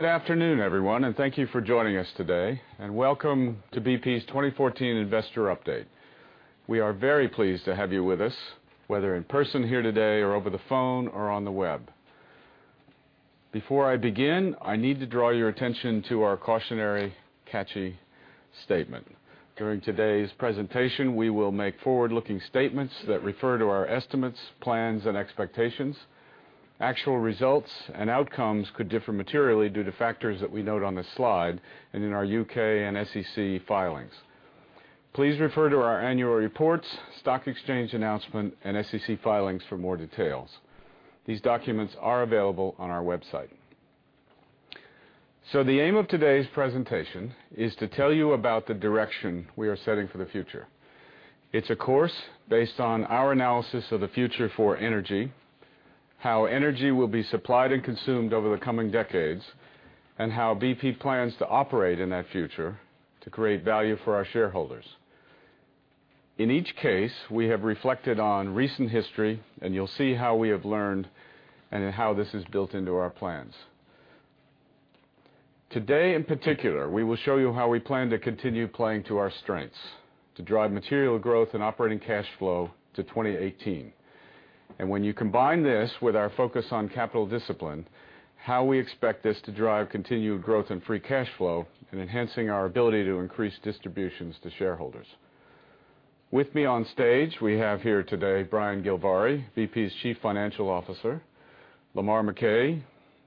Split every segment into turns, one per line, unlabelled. Good afternoon, everyone. Thank you for joining us today, and welcome to BP's 2014 Investor Update. We are very pleased to have you with us, whether in person here today, or over the phone, or on the web. Before I begin, I need to draw your attention to our cautionary statement. During today's presentation, we will make forward-looking statements that refer to our estimates, plans, and expectations. Actual results and outcomes could differ materially due to factors that we note on the slide and in our U.K. and SEC filings. Please refer to our annual reports, stock exchange announcement, and SEC filings for more details. These documents are available on our website. The aim of today's presentation is to tell you about the direction we are setting for the future. It's a course based on our analysis of the future for energy, how energy will be supplied and consumed over the coming decades, and how BP plans to operate in that future to create value for our shareholders. In each case, we have reflected on recent history. You'll see how we have learned and how this is built into our plans. Today, in particular, we will show you how we plan to continue playing to our strengths to drive material growth and operating cash flow to 2018. When you combine this with our focus on capital discipline, how we expect this to drive continued growth and free cash flow in enhancing our ability to increase distributions to shareholders. With me on stage, we have here today Brian Gilvary, BP's Chief Financial Officer, Lamar McKay,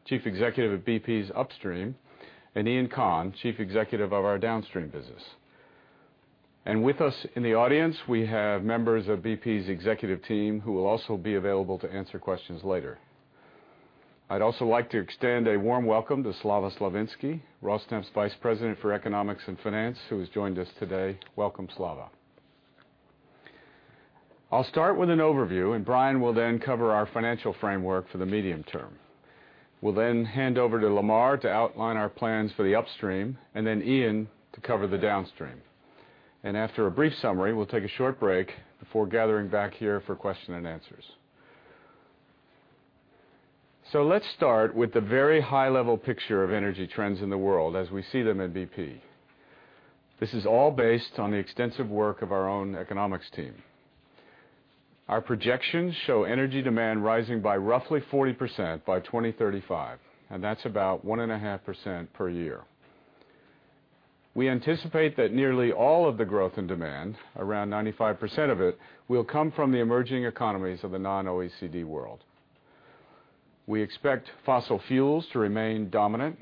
Chief Executive of BP's Upstream, Iain Conn, Chief Executive of our Downstream business. With us in the audience, we have members of BP's executive team who will also be available to answer questions later. I'd also like to extend a warm welcome to Slava Slavinsky, Rosneft's Vice President for Economics and Finance, who has joined us today. Welcome, Slava. I'll start with an overview. Brian will then cover our financial framework for the medium term. We'll hand over to Lamar to outline our plans for the Upstream, Iain to cover the Downstream. After a brief summary, we'll take a short break before gathering back here for question and answers. Let's start with the very high-level picture of energy trends in the world as we see them at BP. This is all based on the extensive work of our own economics team. Our projections show energy demand rising by roughly 40% by 2035. That's about 1.5% per year. We anticipate that nearly all of the growth and demand, around 95% of it, will come from the emerging economies of the non-OECD world. We expect fossil fuels to remain dominant.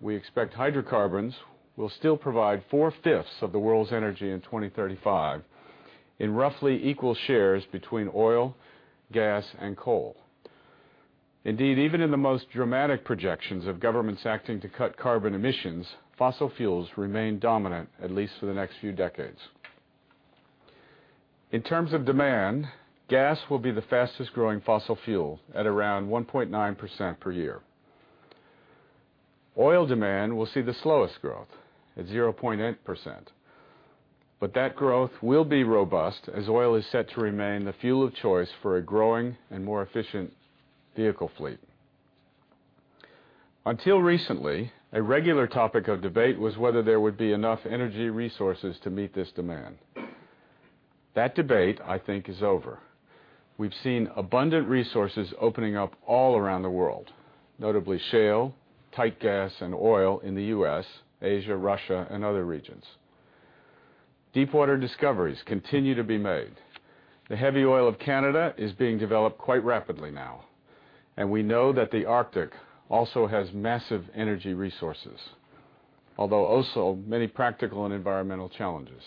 We expect hydrocarbons will still provide four-fifths of the world's energy in 2035 in roughly equal shares between oil, gas, and coal. Indeed, even in the most dramatic projections of governments acting to cut carbon emissions, fossil fuels remain dominant, at least for the next few decades. In terms of demand, gas will be the fastest-growing fossil fuel at around 1.9% per year. Oil demand will see the slowest growth at 0.8%. That growth will be robust as oil is set to remain the fuel of choice for a growing and more efficient vehicle fleet. Until recently, a regular topic of debate was whether there would be enough energy resources to meet this demand. That debate, I think, is over. We've seen abundant resources opening up all around the world, notably shale, tight gas, and oil in the U.S., Asia, Russia, and other regions. Deep water discoveries continue to be made. The heavy oil of Canada is being developed quite rapidly now, and we know that the Arctic also has massive energy resources, although also many practical and environmental challenges.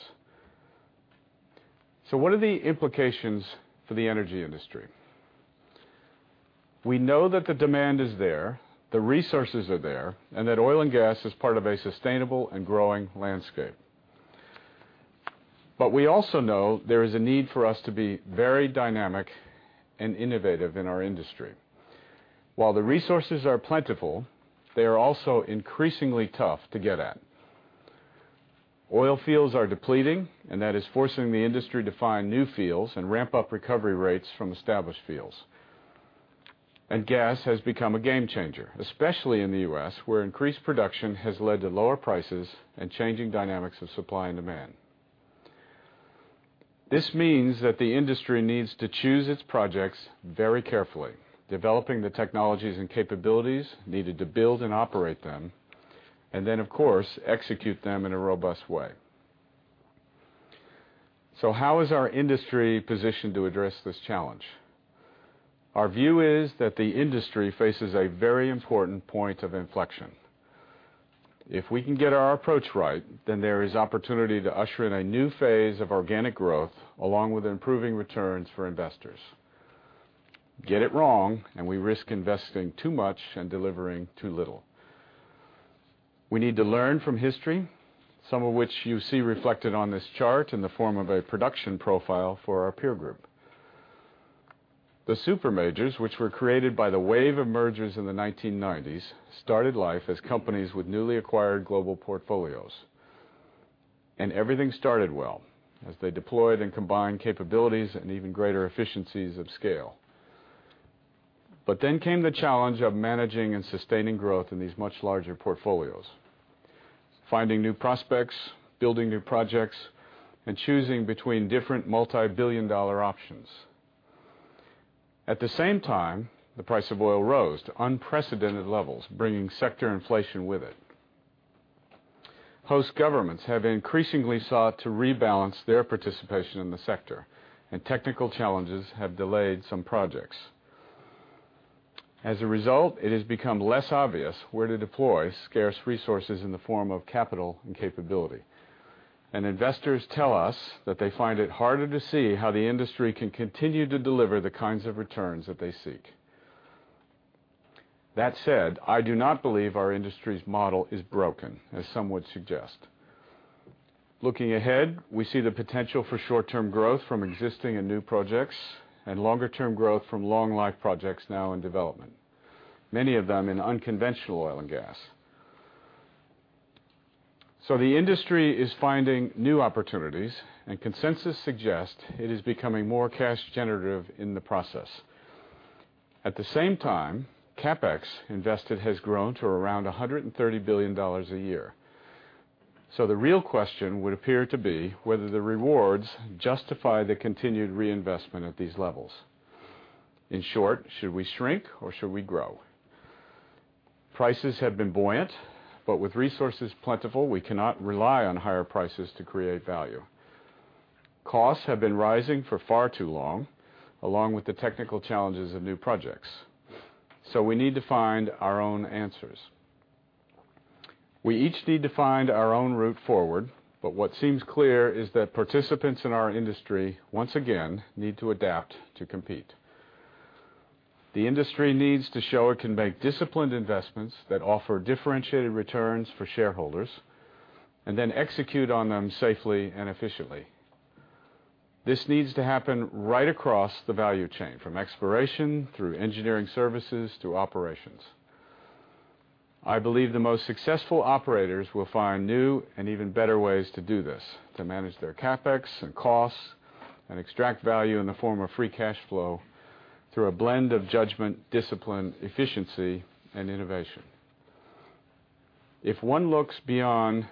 What are the implications for the energy industry? We know that the demand is there, the resources are there, and that oil and gas is part of a sustainable and growing landscape. We also know there is a need for us to be very dynamic and innovative in our industry. While the resources are plentiful, they are also increasingly tough to get at. Oil fields are depleting, and that is forcing the industry to find new fields and ramp up recovery rates from established fields, and gas has become a game changer, especially in the U.S., where increased production has led to lower prices and changing dynamics of supply and demand. This means that the industry needs to choose its projects very carefully, developing the technologies and capabilities needed to build and operate them, and then, of course, execute them in a robust way. How is our industry positioned to address this challenge? Our view is that the industry faces a very important point of inflection. If we can get our approach right, then there is opportunity to usher in a new phase of organic growth along with improving returns for investors. Get it wrong and we risk investing too much and delivering too little. We need to learn from history, some of which you see reflected on this chart in the form of a production profile for our peer group. The super majors, which were created by the wave of mergers in the 1990s, started life as companies with newly acquired global portfolios. Everything started well as they deployed and combined capabilities and even greater efficiencies of scale. Then came the challenge of managing and sustaining growth in these much larger portfolios, finding new prospects, building new projects, and choosing between different multibillion-dollar options. At the same time, the price of oil rose to unprecedented levels, bringing sector inflation with it. Host governments have increasingly sought to rebalance their participation in the sector, and technical challenges have delayed some projects. As a result, it has become less obvious where to deploy scarce resources in the form of capital and capability. Investors tell us that they find it harder to see how the industry can continue to deliver the kinds of returns that they seek. That said, I do not believe our industry's model is broken, as some would suggest. Looking ahead, we see the potential for short-term growth from existing and new projects, and longer-term growth from long-life projects now in development, many of them in unconventional oil and gas. The industry is finding new opportunities, and consensus suggests it is becoming more cash generative in the process. At the same time, CapEx invested has grown to around GBP 130 billion a year. The real question would appear to be whether the rewards justify the continued reinvestment at these levels. In short, should we shrink or should we grow? Prices have been buoyant, but with resources plentiful, we cannot rely on higher prices to create value. Costs have been rising for far too long, along with the technical challenges of new projects. We need to find our own answers. We each need to find our own route forward, what seems clear is that participants in our industry, once again, need to adapt to compete. The industry needs to show it can make disciplined investments that offer differentiated returns for shareholders and then execute on them safely and efficiently. This needs to happen right across the value chain, from exploration through engineering services to operations. I believe the most successful operators will find new and even better ways to do this, to manage their CapEx and costs and extract value in the form of free cash flow through a blend of judgment, discipline, efficiency, and innovation. If one looks beyond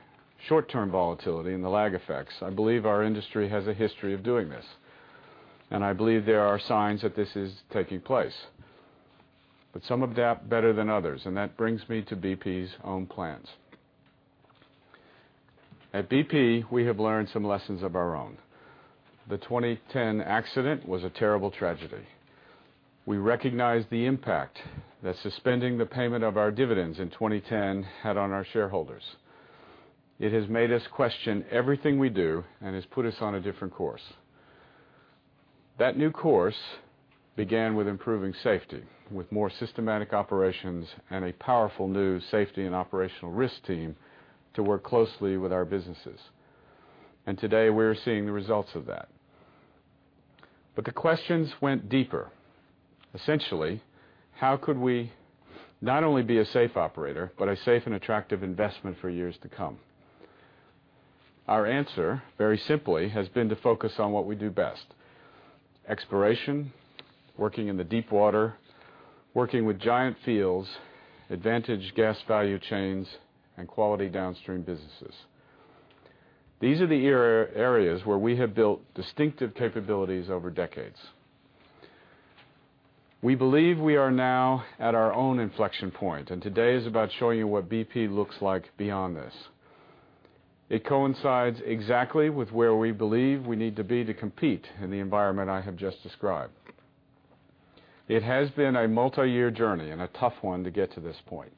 short-term volatility and the lag effects, I believe our industry has a history of doing this, I believe there are signs that this is taking place. Some adapt better than others, and that brings me to BP's own plans. At BP, we have learned some lessons of our own. The 2010 accident was a terrible tragedy. We recognize the impact that suspending the payment of our dividends in 2010 had on our shareholders. It has made us question everything we do and has put us on a different course. That new course began with improving safety, with more systematic operations and a powerful new safety and operational risk team to work closely with our businesses. Today, we're seeing the results of that. The questions went deeper. Essentially, how could we not only be a safe operator, but a safe and attractive investment for years to come? Our answer, very simply, has been to focus on what we do best, exploration, working in the deep water, working with giant fields, advantage gas value chains, and quality downstream businesses. These are the areas where we have built distinctive capabilities over decades. We believe we are now at our own inflection point, today is about showing you what BP looks like beyond this. It coincides exactly with where we believe we need to be to compete in the environment I have just described. It has been a multiyear journey and a tough one to get to this point.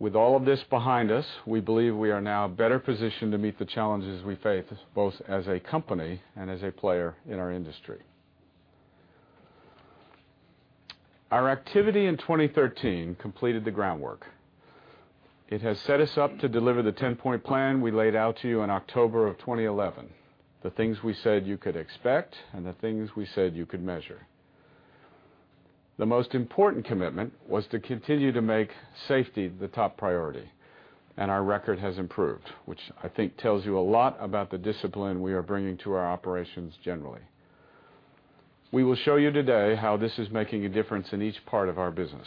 With all of this behind us, we believe we are now better positioned to meet the challenges we face, both as a company and as a player in our industry. Our activity in 2013 completed the groundwork. It has set us up to deliver the 10-point plan we laid out to you in October of 2011, the things we said you could expect and the things we said you could measure. The most important commitment was to continue to make safety the top priority, our record has improved, which I think tells you a lot about the discipline we are bringing to our operations generally. We will show you today how this is making a difference in each part of our business.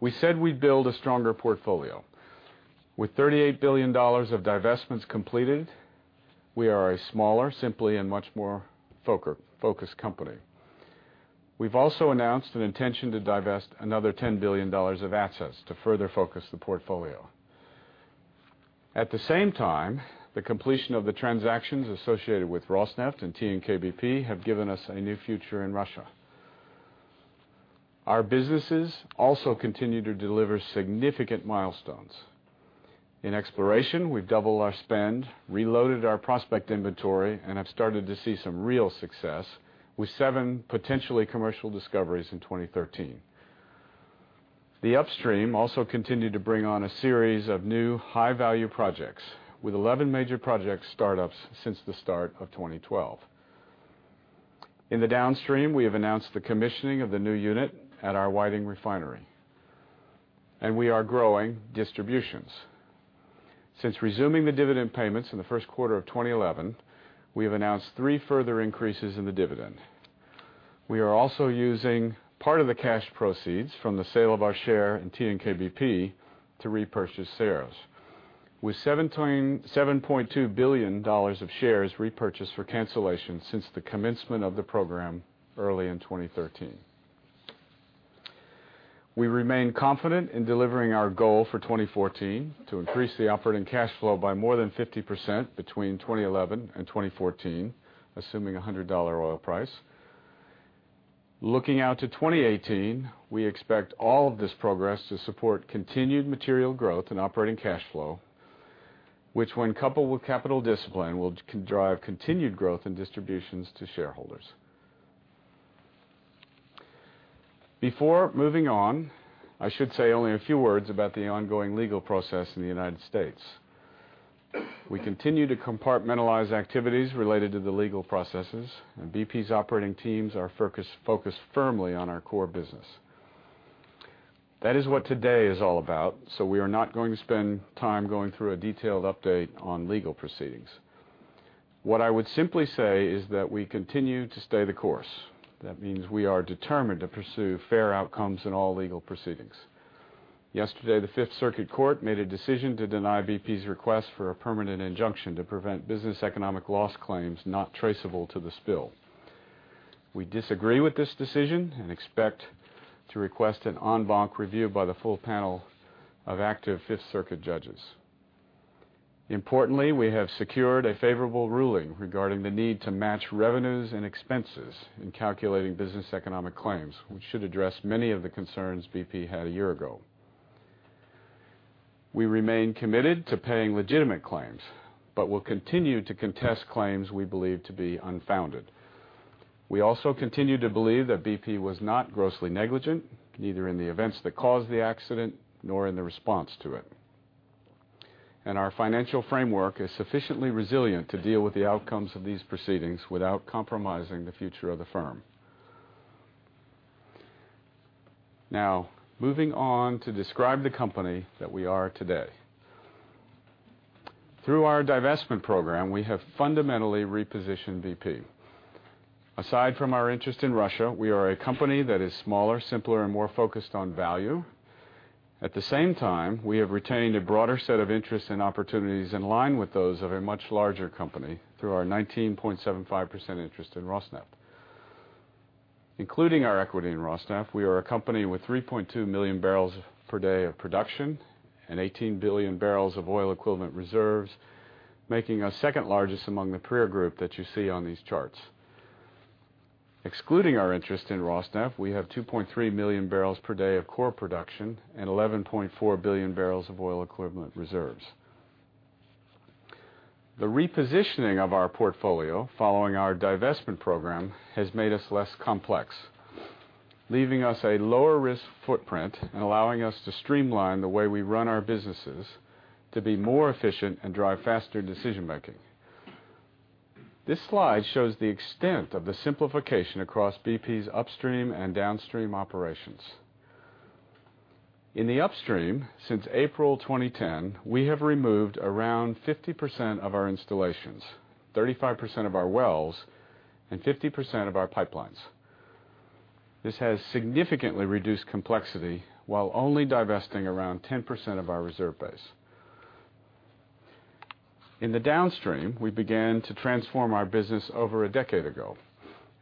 We said we'd build a stronger portfolio. With $38 billion of divestments completed, we are a smaller, simpler, and much more focused company. We've also announced an intention to divest another $10 billion of assets to further focus the portfolio. At the same time, the completion of the transactions associated with Rosneft and TNK-BP have given us a new future in Russia. Our businesses also continue to deliver significant milestones. In exploration, we have doubled our spend, reloaded our prospect inventory, and have started to see some real success with seven potentially commercial discoveries in 2013. The Upstream also continued to bring on a series of new high-value projects with 11 major project startups since the start of 2012. In the Downstream, we have announced the commissioning of the new unit at our Whiting refinery, and we are growing distributions. Since resuming the dividend payments in the first quarter of 2011, we have announced three further increases in the dividend. We are also using part of the cash proceeds from the sale of our share in TNK-BP to repurchase shares. With $7.2 billion of shares repurchased for cancellation since the commencement of the program early in 2013. We remain confident in delivering our goal for 2014 to increase the operating cash flow by more than 50% between 2011 and 2014, assuming $100 oil price. Looking out to 2018, we expect all of this progress to support continued material growth and operating cash flow, which when coupled with capital discipline, will drive continued growth in distributions to shareholders. Before moving on, I should say only a few words about the ongoing legal process in the U.S. We continue to compartmentalize activities related to the legal processes, and BP's operating teams are focused firmly on our core business. That is what today is all about. We are not going to spend time going through a detailed update on legal proceedings. What I would simply say is that we continue to stay the course. That means we are determined to pursue fair outcomes in all legal proceedings. Yesterday, the Fifth Circuit Court made a decision to deny BP's request for a permanent injunction to prevent business economic loss claims not traceable to the spill. We disagree with this decision and expect to request an en banc review by the full panel of active Fifth Circuit judges. Importantly, we have secured a favorable ruling regarding the need to match revenues and expenses in calculating business economic claims, which should address many of the concerns BP had a year ago. We remain committed to paying legitimate claims. We will continue to contest claims we believe to be unfounded. We also continue to believe that BP was not grossly negligent, neither in the events that caused the accident nor in the response to it. Our financial framework is sufficiently resilient to deal with the outcomes of these proceedings without compromising the future of the firm. Now, moving on to describe the company that we are today. Through our divestment program, we have fundamentally repositioned BP. Aside from our interest in Russia, we are a company that is smaller, simpler, and more focused on value. At the same time, we have retained a broader set of interests and opportunities in line with those of a much larger company through our 19.75% interest in Rosneft. Including our equity in Rosneft, we are a company with 3.2 million barrels per day of production and 18 billion barrels of oil equivalent reserves, making us second largest among the peer group that you see on these charts. Excluding our interest in Rosneft, we have 2.3 million barrels per day of core production and 11.4 billion barrels of oil equivalent reserves. The repositioning of our portfolio following our divestment program has made us less complex, leaving us a lower risk footprint and allowing us to streamline the way we run our businesses to be more efficient and drive faster decision making. This slide shows the extent of the simplification across BP's upstream and downstream operations. In the upstream, since April 2010, we have removed around 50% of our installations, 35% of our wells, and 50% of our pipelines. This has significantly reduced complexity while only divesting around 10% of our reserve base. In the downstream, we began to transform our business over a decade ago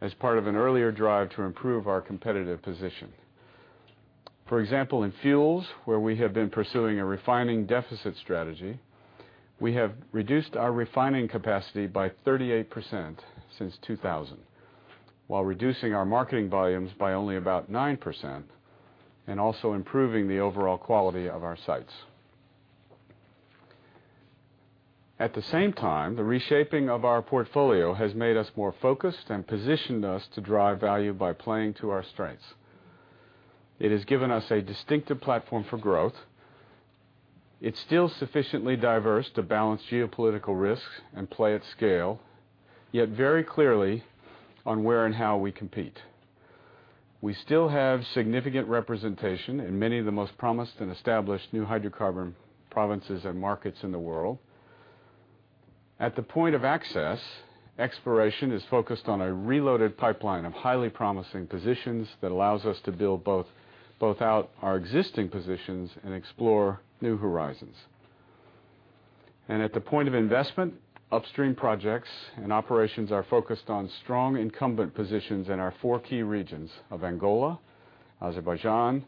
as part of an earlier drive to improve our competitive position. For example, in fuels, where we have been pursuing a refining deficit strategy, we have reduced our refining capacity by 38% since 2000, while reducing our marketing volumes by only about 9% and also improving the overall quality of our sites. At the same time, the reshaping of our portfolio has made us more focused and positioned us to drive value by playing to our strengths. It has given us a distinctive platform for growth. It's still sufficiently diverse to balance geopolitical risks and play at scale, yet very clearly on where and how we compete. We still have significant representation in many of the most promised and established new hydrocarbon provinces and markets in the world. At the point of access, exploration is focused on a reloaded pipeline of highly promising positions that allows us to build both out our existing positions and explore new horizons. At the point of investment, upstream projects and operations are focused on strong incumbent positions in our four key regions of Angola, Azerbaijan,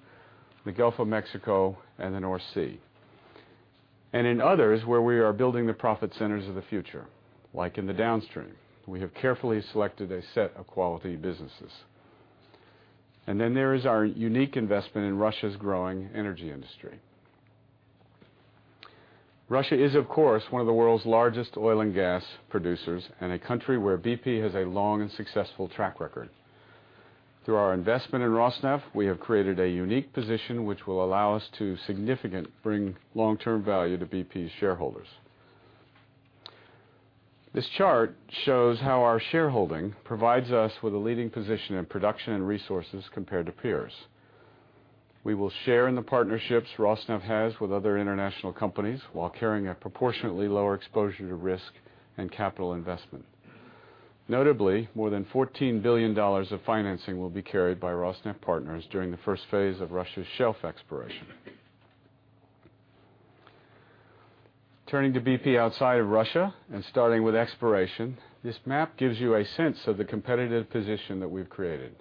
the Gulf of Mexico, and the North Sea. In others, where we are building the profit centers of the future, like in the downstream, we have carefully selected a set of quality businesses. There is our unique investment in Russia's growing energy industry. Russia is, of course, one of the world's largest oil and gas producers and a country where BP has a long and successful track record. Through our investment in Rosneft, we have created a unique position which will allow us to significantly bring long-term value to BP's shareholders. This chart shows how our shareholding provides us with a leading position in production and resources compared to peers. We will share in the partnerships Rosneft has with other international companies while carrying a proportionately lower exposure to risk and capital investment. Notably, more than GBP 14 billion of financing will be carried by Rosneft partners during the first phase of Russia's shelf exploration. Turning to BP outside of Russia and starting with exploration, this map gives you a sense of the competitive position that we've created.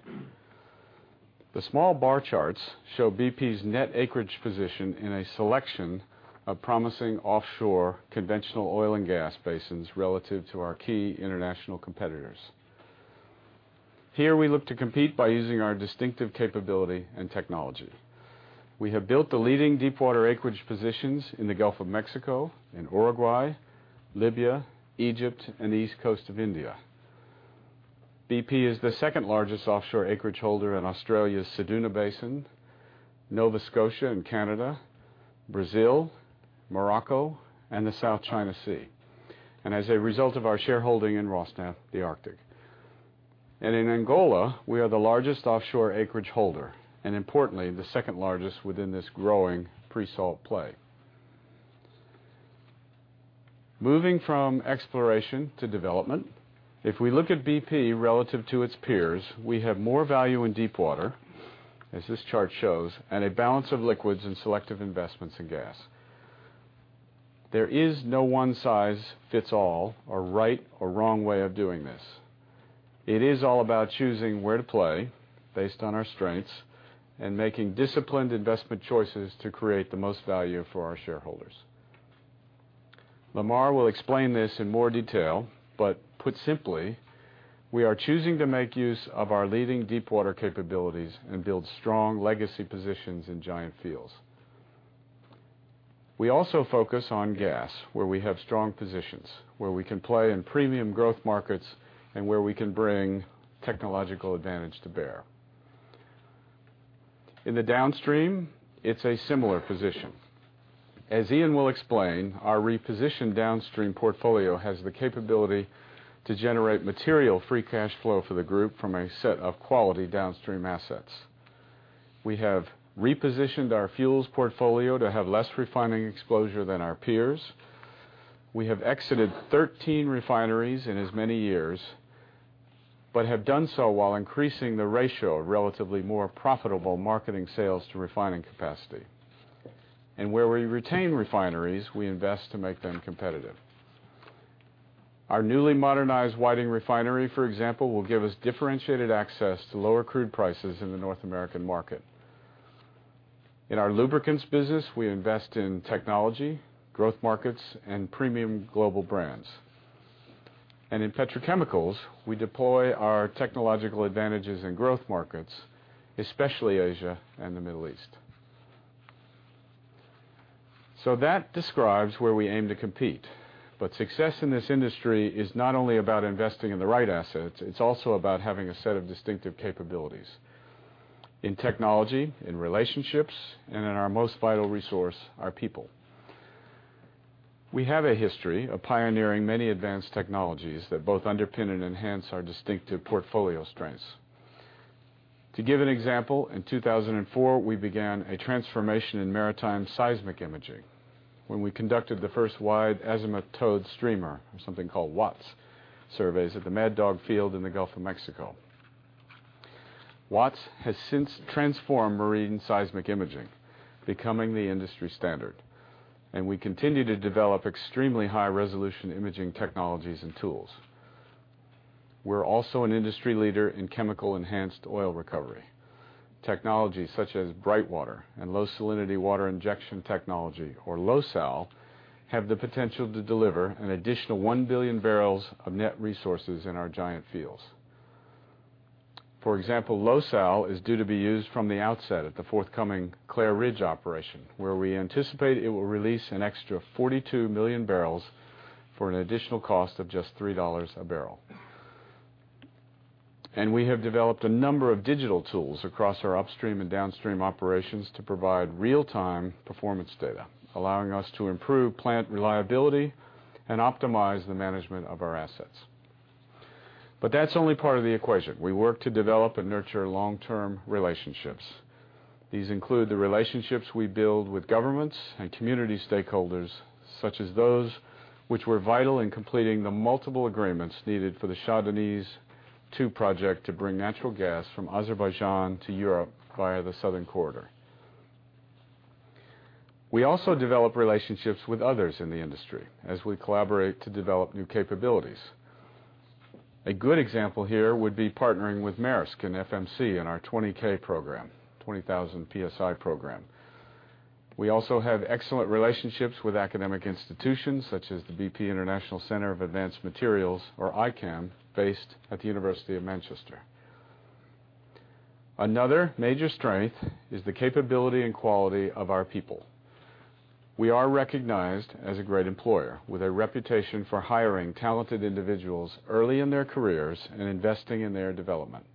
The small bar charts show BP's net acreage position in a selection of promising offshore conventional oil and gas basins relative to our key international competitors. Here, we look to compete by using our distinctive capability and technology. We have built the leading deep water acreage positions in the Gulf of Mexico, in Uruguay, Libya, Egypt, and the East Coast of India. BP is the second-largest offshore acreage holder in Australia's Ceduna Basin, Nova Scotia and Canada, Brazil, Morocco, and the South China Sea. As a result of our shareholding in Rosneft, the Arctic. In Angola, we are the largest offshore acreage holder, and importantly, the second largest within this growing pre-salt play. Moving from exploration to development, if we look at BP relative to its peers, we have more value in deep water, as this chart shows, and a balance of liquids and selective investments in gas. There is no one-size-fits-all or right or wrong way of doing this. It is all about choosing where to play based on our strengths and making disciplined investment choices to create the most value for our shareholders. Lamar will explain this in more detail, but put simply, we are choosing to make use of our leading deep water capabilities and build strong legacy positions in giant fields. We also focus on gas where we have strong positions, where we can play in premium growth markets, and where we can bring technological advantage to bear. In the downstream, it's a similar position. As Iain will explain, our repositioned downstream portfolio has the capability to generate material free cash flow for the group from a set of quality downstream assets. We have repositioned our fuels portfolio to have less refining exposure than our peers. We have exited 13 refineries in as many years, but have done so while increasing the ratio of relatively more profitable marketing sales to refining capacity. Where we retain refineries, we invest to make them competitive. Our newly modernized Whiting Refinery, for example, will give us differentiated access to lower crude prices in the North American market. In our lubricants business, we invest in technology, growth markets, and premium global brands. In petrochemicals, we deploy our technological advantages in growth markets, especially Asia and the Middle East. That describes where we aim to compete. Success in this industry is not only about investing in the right assets, it's also about having a set of distinctive capabilities in technology, in relationships, and in our most vital resource, our people. We have a history of pioneering many advanced technologies that both underpin and enhance our distinctive portfolio strengths. To give an example, in 2004, we began a transformation in maritime seismic imaging when we conducted the first Wide Azimuth Towed Streamer, or something called WATS, surveys at the Mad Dog field in the Gulf of Mexico. WATS has since transformed marine seismic imaging, becoming the industry standard. We continue to develop extremely high-resolution imaging technologies and tools. We're also an industry leader in chemical enhanced oil recovery. Technologies such as BrightWater and low salinity water injection technology, or LoSal, have the potential to deliver an additional 1 billion barrels of net resources in our giant fields. For example, LoSal is due to be used from the outset at the forthcoming Clair Ridge operation, where we anticipate it will release an extra 42 million barrels for an additional cost of just GBP 3 a barrel. We have developed a number of digital tools across our upstream and downstream operations to provide real-time performance data, allowing us to improve plant reliability and optimize the management of our assets. But that's only part of the equation. We work to develop and nurture long-term relationships. These include the relationships we build with governments and community stakeholders, such as those which were vital in completing the multiple agreements needed for the Shah Deniz II project to bring natural gas from Azerbaijan to Europe via the Southern Corridor. We also develop relationships with others in the industry as we collaborate to develop new capabilities. A good example here would be partnering with Maersk and FMC in our 20K program, 20,000 psi program. We also have excellent relationships with academic institutions such as the BP International Centre for Advanced Materials, or ICAM, based at the University of Manchester. Another major strength is the capability and quality of our people. We are recognized as a great employer with a reputation for hiring talented individuals early in their careers and investing in their development.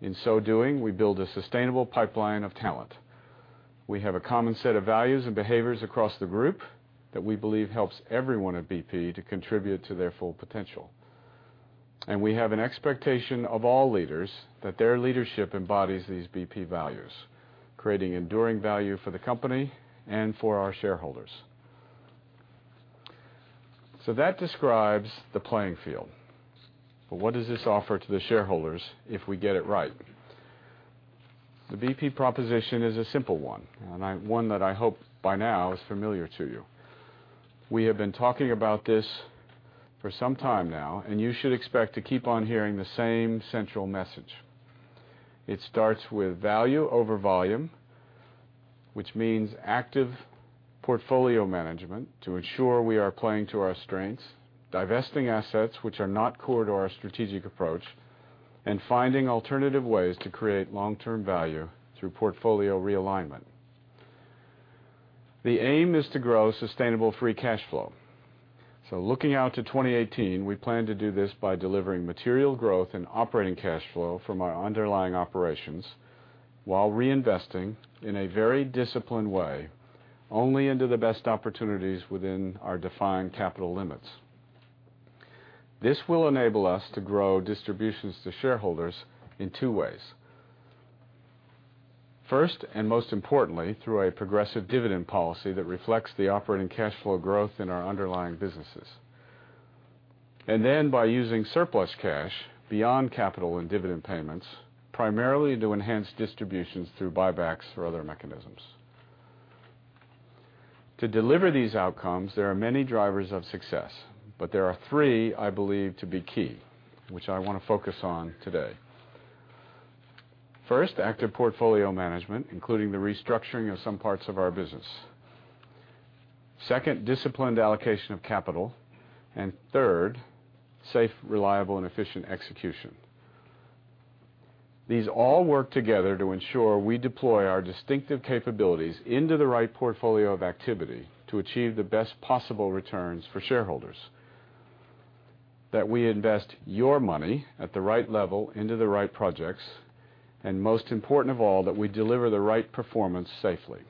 In so doing, we build a sustainable pipeline of talent. We have a common set of values and behaviors across the group that we believe helps everyone at BP to contribute to their full potential. We have an expectation of all leaders that their leadership embodies these BP values, creating enduring value for the company and for our shareholders. That describes the playing field. But what does this offer to the shareholders if we get it right? The BP proposition is a simple one, and one that I hope by now is familiar to you. We have been talking about this for some time now, and you should expect to keep on hearing the same central message. It starts with value over volume, which means active portfolio management to ensure we are playing to our strengths, divesting assets which are not core to our strategic approach, and finding alternative ways to create long-term value through portfolio realignment. The aim is to grow sustainable free cash flow. So looking out to 2018, we plan to do this by delivering material growth and operating cash flow from our underlying operations while reinvesting, in a very disciplined way, only into the best opportunities within our defined capital limits. This will enable us to grow distributions to shareholders in two ways. First, and most importantly, through a progressive dividend policy that reflects the operating cash flow growth in our underlying businesses. By using surplus cash beyond capital and dividend payments, primarily to enhance distributions through buybacks or other mechanisms. To deliver these outcomes, there are many drivers of success, but there are three I believe to be key, which I want to focus on today. First, active portfolio management, including the restructuring of some parts of our business. Second, disciplined allocation of capital. And third, safe, reliable, and efficient execution. These all work together to ensure we deploy our distinctive capabilities into the right portfolio of activity to achieve the best possible returns for shareholders. That we invest your money at the right level into the right projects. And most important of all, that we deliver the right performance safely.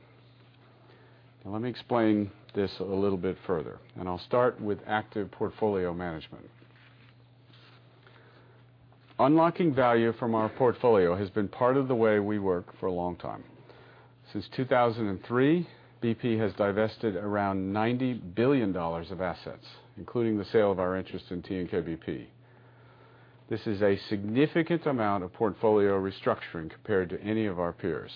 Let me explain this a little bit further, and I'll start with active portfolio management. Unlocking value from our portfolio has been part of the way we work for a long time. Since 2003, BP has divested around GBP 90 billion of assets, including the sale of our interest in TNK-BP. This is a significant amount of portfolio restructuring compared to any of our peers.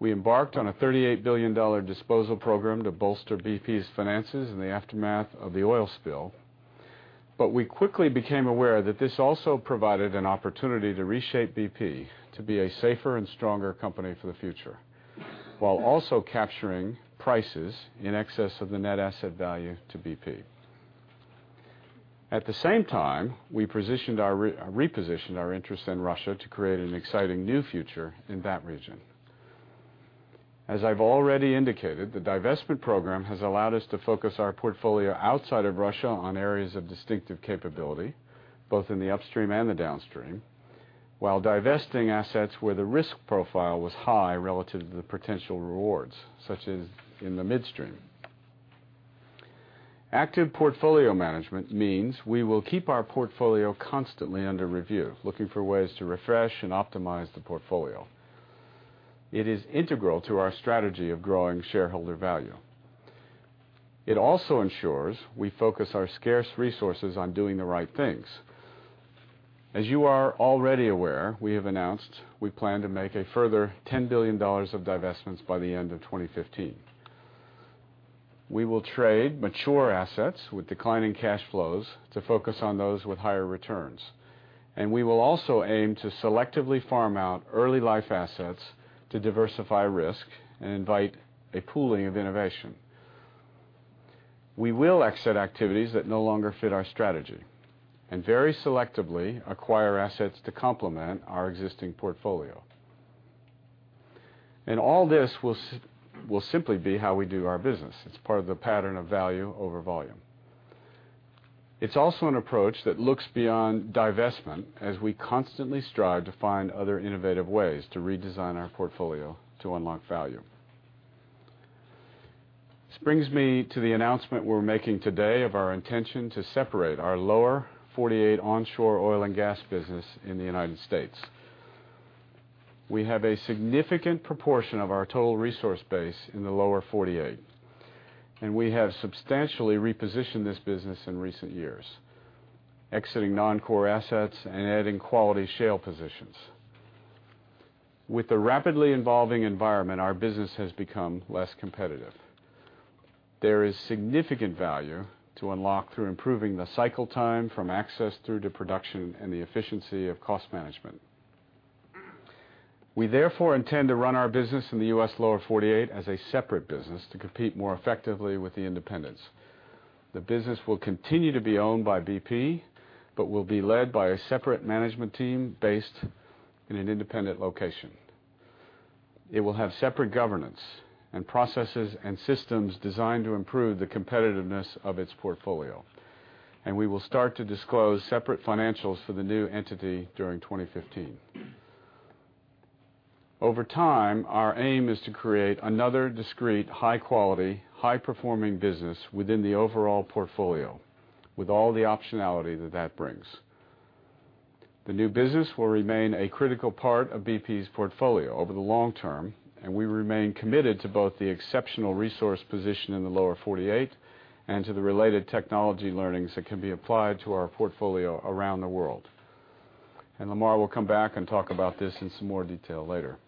We embarked on a GBP 38 billion disposal program to bolster BP's finances in the aftermath of the oil spill, we quickly became aware that this also provided an opportunity to reshape BP to be a safer and stronger company for the future, while also capturing prices in excess of the net asset value to BP. At the same time, we repositioned our interest in Russia to create an exciting new future in that region. As I've already indicated, the divestment program has allowed us to focus our portfolio outside of Russia on areas of distinctive capability, both in the Upstream and the Downstream, while divesting assets where the risk profile was high relative to the potential rewards, such as in the midstream. Active portfolio management means we will keep our portfolio constantly under review, looking for ways to refresh and optimize the portfolio. It is integral to our strategy of growing shareholder value. It also ensures we focus our scarce resources on doing the right things. As you are already aware, we have announced we plan to make a further GBP 10 billion of divestments by the end of 2015. We will trade mature assets with declining cash flows to focus on those with higher returns, we will also aim to selectively farm out early life assets to diversify risk and invite a pooling of innovation. We will exit activities that no longer fit our strategy and very selectively acquire assets to complement our existing portfolio. All this will simply be how we do our business. It's part of the pattern of value over volume. It's also an approach that looks beyond divestment as we constantly strive to find other innovative ways to redesign our portfolio to unlock value. This brings me to the announcement we're making today of our intention to separate our Lower 48 onshore oil and gas business in the U.S. We have a significant proportion of our total resource base in the Lower 48, we have substantially repositioned this business in recent years, exiting non-core assets and adding quality shale positions. With the rapidly evolving environment, our business has become less competitive. There is significant value to unlock through improving the cycle time from access through to production and the efficiency of cost management. We therefore intend to run our business in the U.S. Lower 48 as a separate business to compete more effectively with the independents. The business will continue to be owned by BP, will be led by a separate management team based in an independent location. It will have separate governance and processes and systems designed to improve the competitiveness of its portfolio, we will start to disclose separate financials for the new entity during 2015. Over time, our aim is to create another discrete, high quality, high-performing business within the overall portfolio with all the optionality that that brings. The new business will remain a critical part of BP's portfolio over the long term, and we remain committed to both the exceptional resource position in the Lower 48 and to the related technology learnings that can be applied to our portfolio around the world. Lamar will come back and talk about this in some more detail later.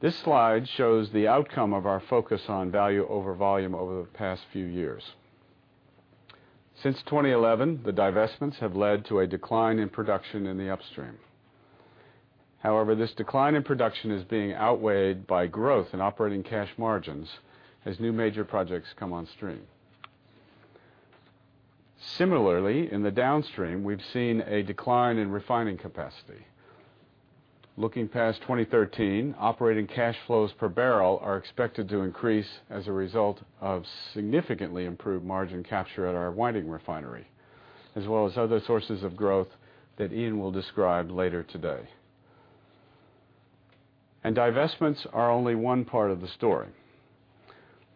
This slide shows the outcome of our focus on value over volume over the past few years. Since 2011, the divestments have led to a decline in production in the upstream. However, this decline in production is being outweighed by growth in operating cash margins as new major projects come on stream. Similarly, in the downstream, we've seen a decline in refining capacity. Looking past 2013, operating cash flows per barrel are expected to increase as a result of significantly improved margin capture at our Whiting refinery, as well as other sources of growth that Iain will describe later today. Divestments are only one part of the story.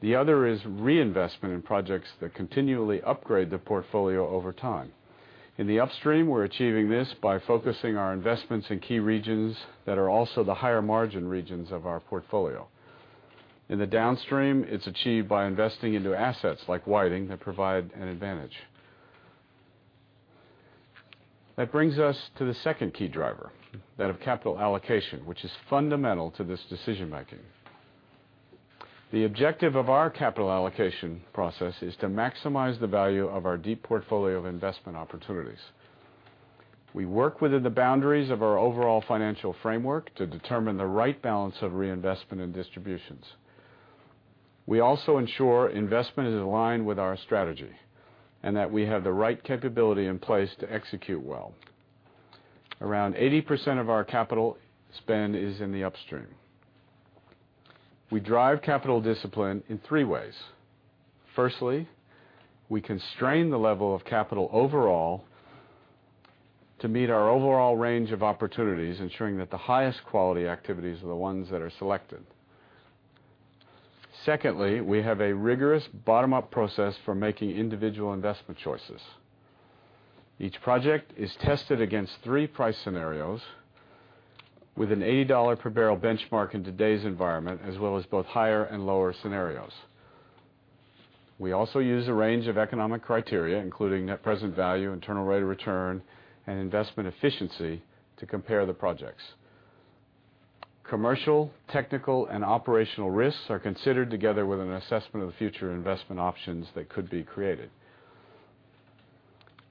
The other is reinvestment in projects that continually upgrade the portfolio over time. In the upstream, we're achieving this by focusing our investments in key regions that are also the higher margin regions of our portfolio. In the downstream, it's achieved by investing into assets like Whiting that provide an advantage. That brings us to the second key driver, that of capital allocation, which is fundamental to this decision-making. The objective of our capital allocation process is to maximize the value of our deep portfolio of investment opportunities. We work within the boundaries of our overall financial framework to determine the right balance of reinvestment and distributions. We also ensure investment is aligned with our strategy and that we have the right capability in place to execute well. Around 80% of our capital spend is in the upstream. We drive capital discipline in three ways. Firstly, we constrain the level of capital overall to meet our overall range of opportunities, ensuring that the highest quality activities are the ones that are selected. Secondly, we have a rigorous bottom-up process for making individual investment choices. Each project is tested against three price scenarios with an $80 per barrel benchmark in today's environment, as well as both higher and lower scenarios. We also use a range of economic criteria, including net present value, internal rate of return, and investment efficiency, to compare the projects. Commercial, technical, and operational risks are considered together with an assessment of the future investment options that could be created.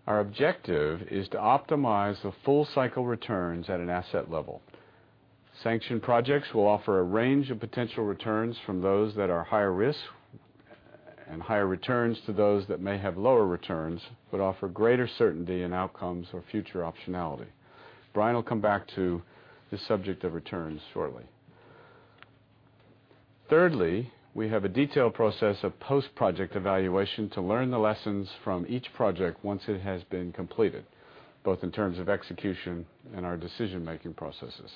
Our objective is to optimize the full cycle returns at an asset level. Sanctioned projects will offer a range of potential returns from those that are higher risk and higher returns to those that may have lower returns but offer greater certainty in outcomes or future optionality. Brian will come back to the subject of returns shortly. Thirdly, we have a detailed process of post-project evaluation to learn the lessons from each project once it has been completed, both in terms of execution and our decision-making processes.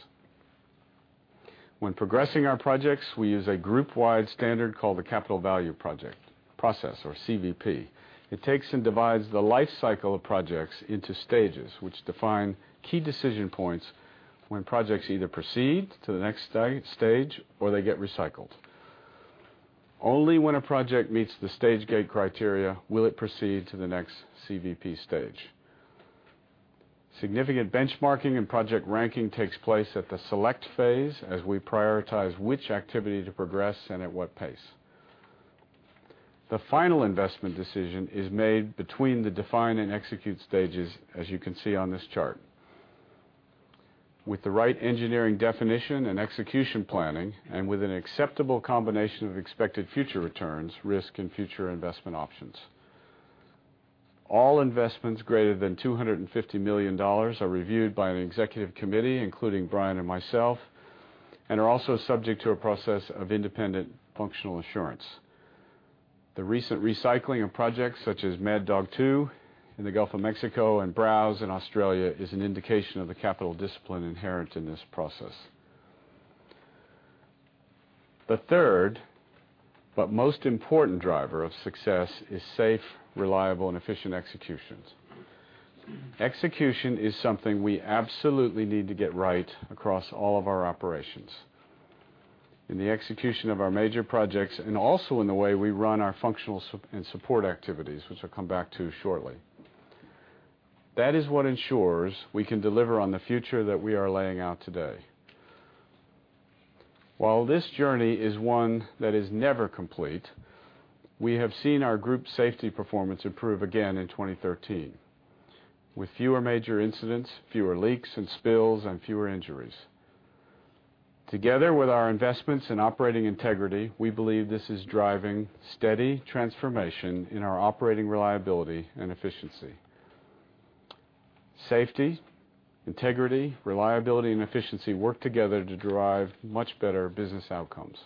When progressing our projects, we use a group-wide standard called the Capital Value Project process, or CVP. It takes and divides the life cycle of projects into stages, which define key decision points when projects either proceed to the next stage, or they get recycled. Only when a project meets the stage gate criteria will it proceed to the next CVP stage. Significant benchmarking and project ranking takes place at the select phase as we prioritize which activity to progress and at what pace. The final investment decision is made between the define and execute stages, as you can see on this chart. With the right engineering definition and execution planning, and with an acceptable combination of expected future returns, risk, and future investment options. All investments greater than $250 million are reviewed by an executive committee, including Brian and myself, and are also subject to a process of independent functional assurance. The recent recycling of projects such as Mad Dog 2 in the Gulf of Mexico and Browse in Australia is an indication of the capital discipline inherent in this process. The third, but most important driver of success is safe, reliable, and efficient executions. Execution is something we absolutely need to get right across all of our operations. In the execution of our major projects and also in the way we run our functional and support activities, which I'll come back to shortly. That is what ensures we can deliver on the future that we are laying out today. While this journey is one that is never complete, we have seen our group safety performance improve again in 2013 with fewer major incidents, fewer leaks and spills, and fewer injuries. Together with our investments in operating integrity, we believe this is driving steady transformation in our operating reliability and efficiency. Safety, integrity, reliability, and efficiency work together to drive much better business outcomes.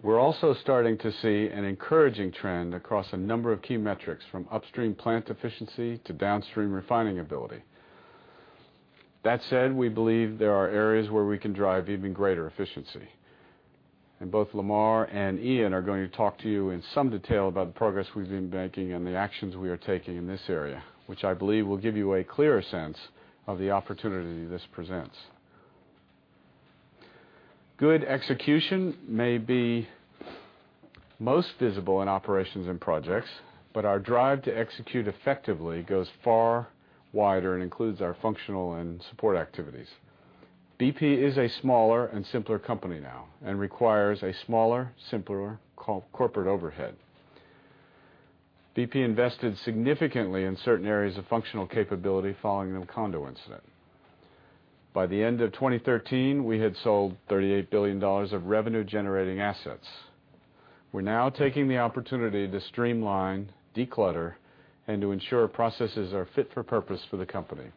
We're also starting to see an encouraging trend across a number of key metrics, from upstream plant efficiency to downstream refining ability. That said, we believe there are areas where we can drive even greater efficiency, and both Lamar and Iain are going to talk to you in some detail about the progress we've been making and the actions we are taking in this area, which I believe will give you a clearer sense of the opportunity this presents. Good execution may be most visible in operations and projects, but our drive to execute effectively goes far wider and includes our functional and support activities. BP is a smaller and simpler company now and requires a smaller, simpler corporate overhead. BP invested significantly in certain areas of functional capability following the Macondo incident. By the end of 2013, we had sold $38 billion of revenue-generating assets. We're now taking the opportunity to streamline, declutter, and to ensure processes are fit for purpose for the company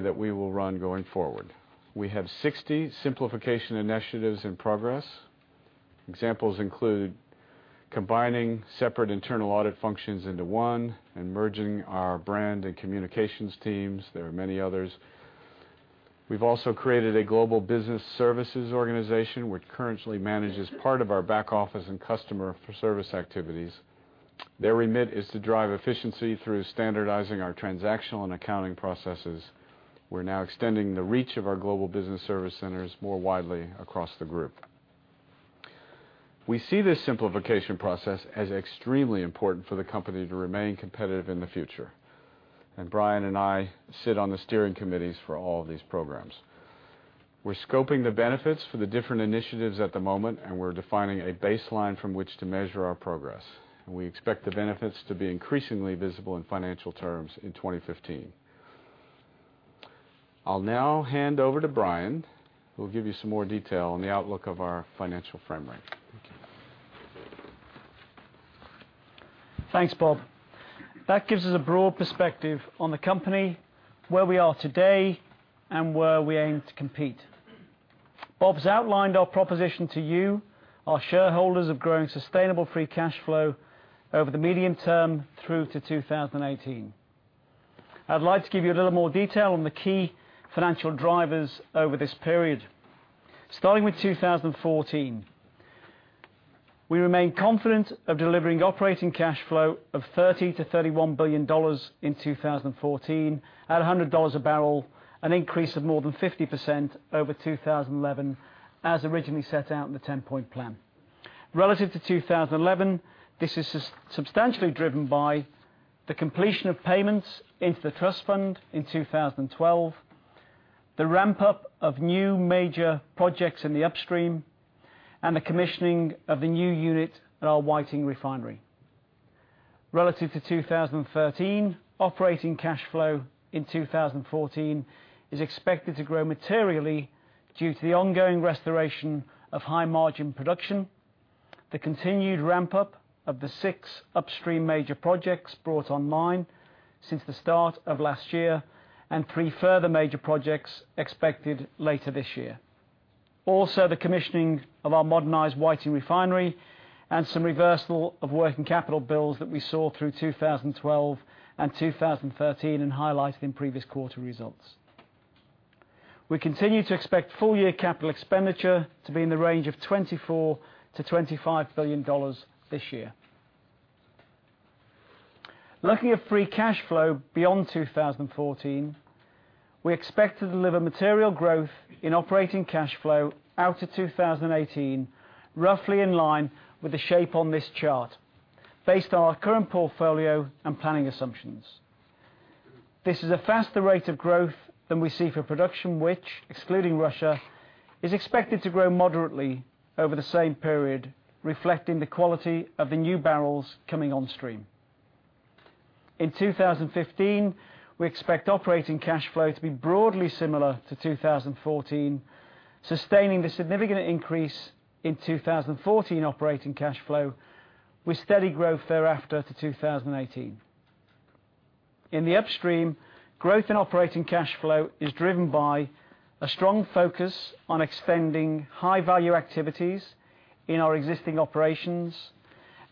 that we will run going forward. We have 60 simplification initiatives in progress. Examples include combining separate internal audit functions into one and merging our brand and communications teams. There are many others. We've also created a global business services organization, which currently manages part of our back office and customer service activities. Their remit is to drive efficiency through standardizing our transactional and accounting processes. We're now extending the reach of our global business service centers more widely across the group. We see this simplification process as extremely important for the company to remain competitive in the future, and Brian and I sit on the steering committees for all of these programs. We're scoping the benefits for the different initiatives at the moment, we're defining a baseline from which to measure our progress. We expect the benefits to be increasingly visible in financial terms in 2015. I'll now hand over to Brian, who will give you some more detail on the outlook of our financial framework.
Thanks, Bob. That gives us a broad perspective on the company, where we are today, and where we aim to compete. Bob's outlined our proposition to you, our shareholders, of growing sustainable free cash flow over the medium term through to 2018. I'd like to give you a little more detail on the key financial drivers over this period. Starting with 2014. We remain confident of delivering operating cash flow of $30 billion-$31 billion in 2014 at $100 a barrel, an increase of more than 50% over 2011, as originally set out in the 10-point plan. Relative to 2011, this is substantially driven by the completion of payments into the trust fund in 2012, the ramp-up of new major projects in the upstream, and the commissioning of the new unit at our Whiting Refinery. Relative to 2013, operating cash flow in 2014 is expected to grow materially due to the ongoing restoration of high-margin production, the continued ramp-up of the six upstream major projects brought online since the start of last year, and three further major projects expected later this year. Also, the commissioning of our modernized Whiting Refinery and some reversal of working capital builds that we saw through 2012 and 2013 and highlighted in previous quarter results. We continue to expect full-year capital expenditure to be in the range of $24 billion-$25 billion this year. Looking at free cash flow beyond 2014, we expect to deliver material growth in operating cash flow out to 2018, roughly in line with the shape on this chart based on our current portfolio and planning assumptions. This is a faster rate of growth than we see for production, which, excluding Russia, is expected to grow moderately over the same period, reflecting the quality of the new barrels coming on stream. In 2015, we expect operating cash flow to be broadly similar to 2014, sustaining the significant increase in 2014 operating cash flow with steady growth thereafter to 2018. In the upstream, growth in operating cash flow is driven by a strong focus on extending high-value activities in our existing operations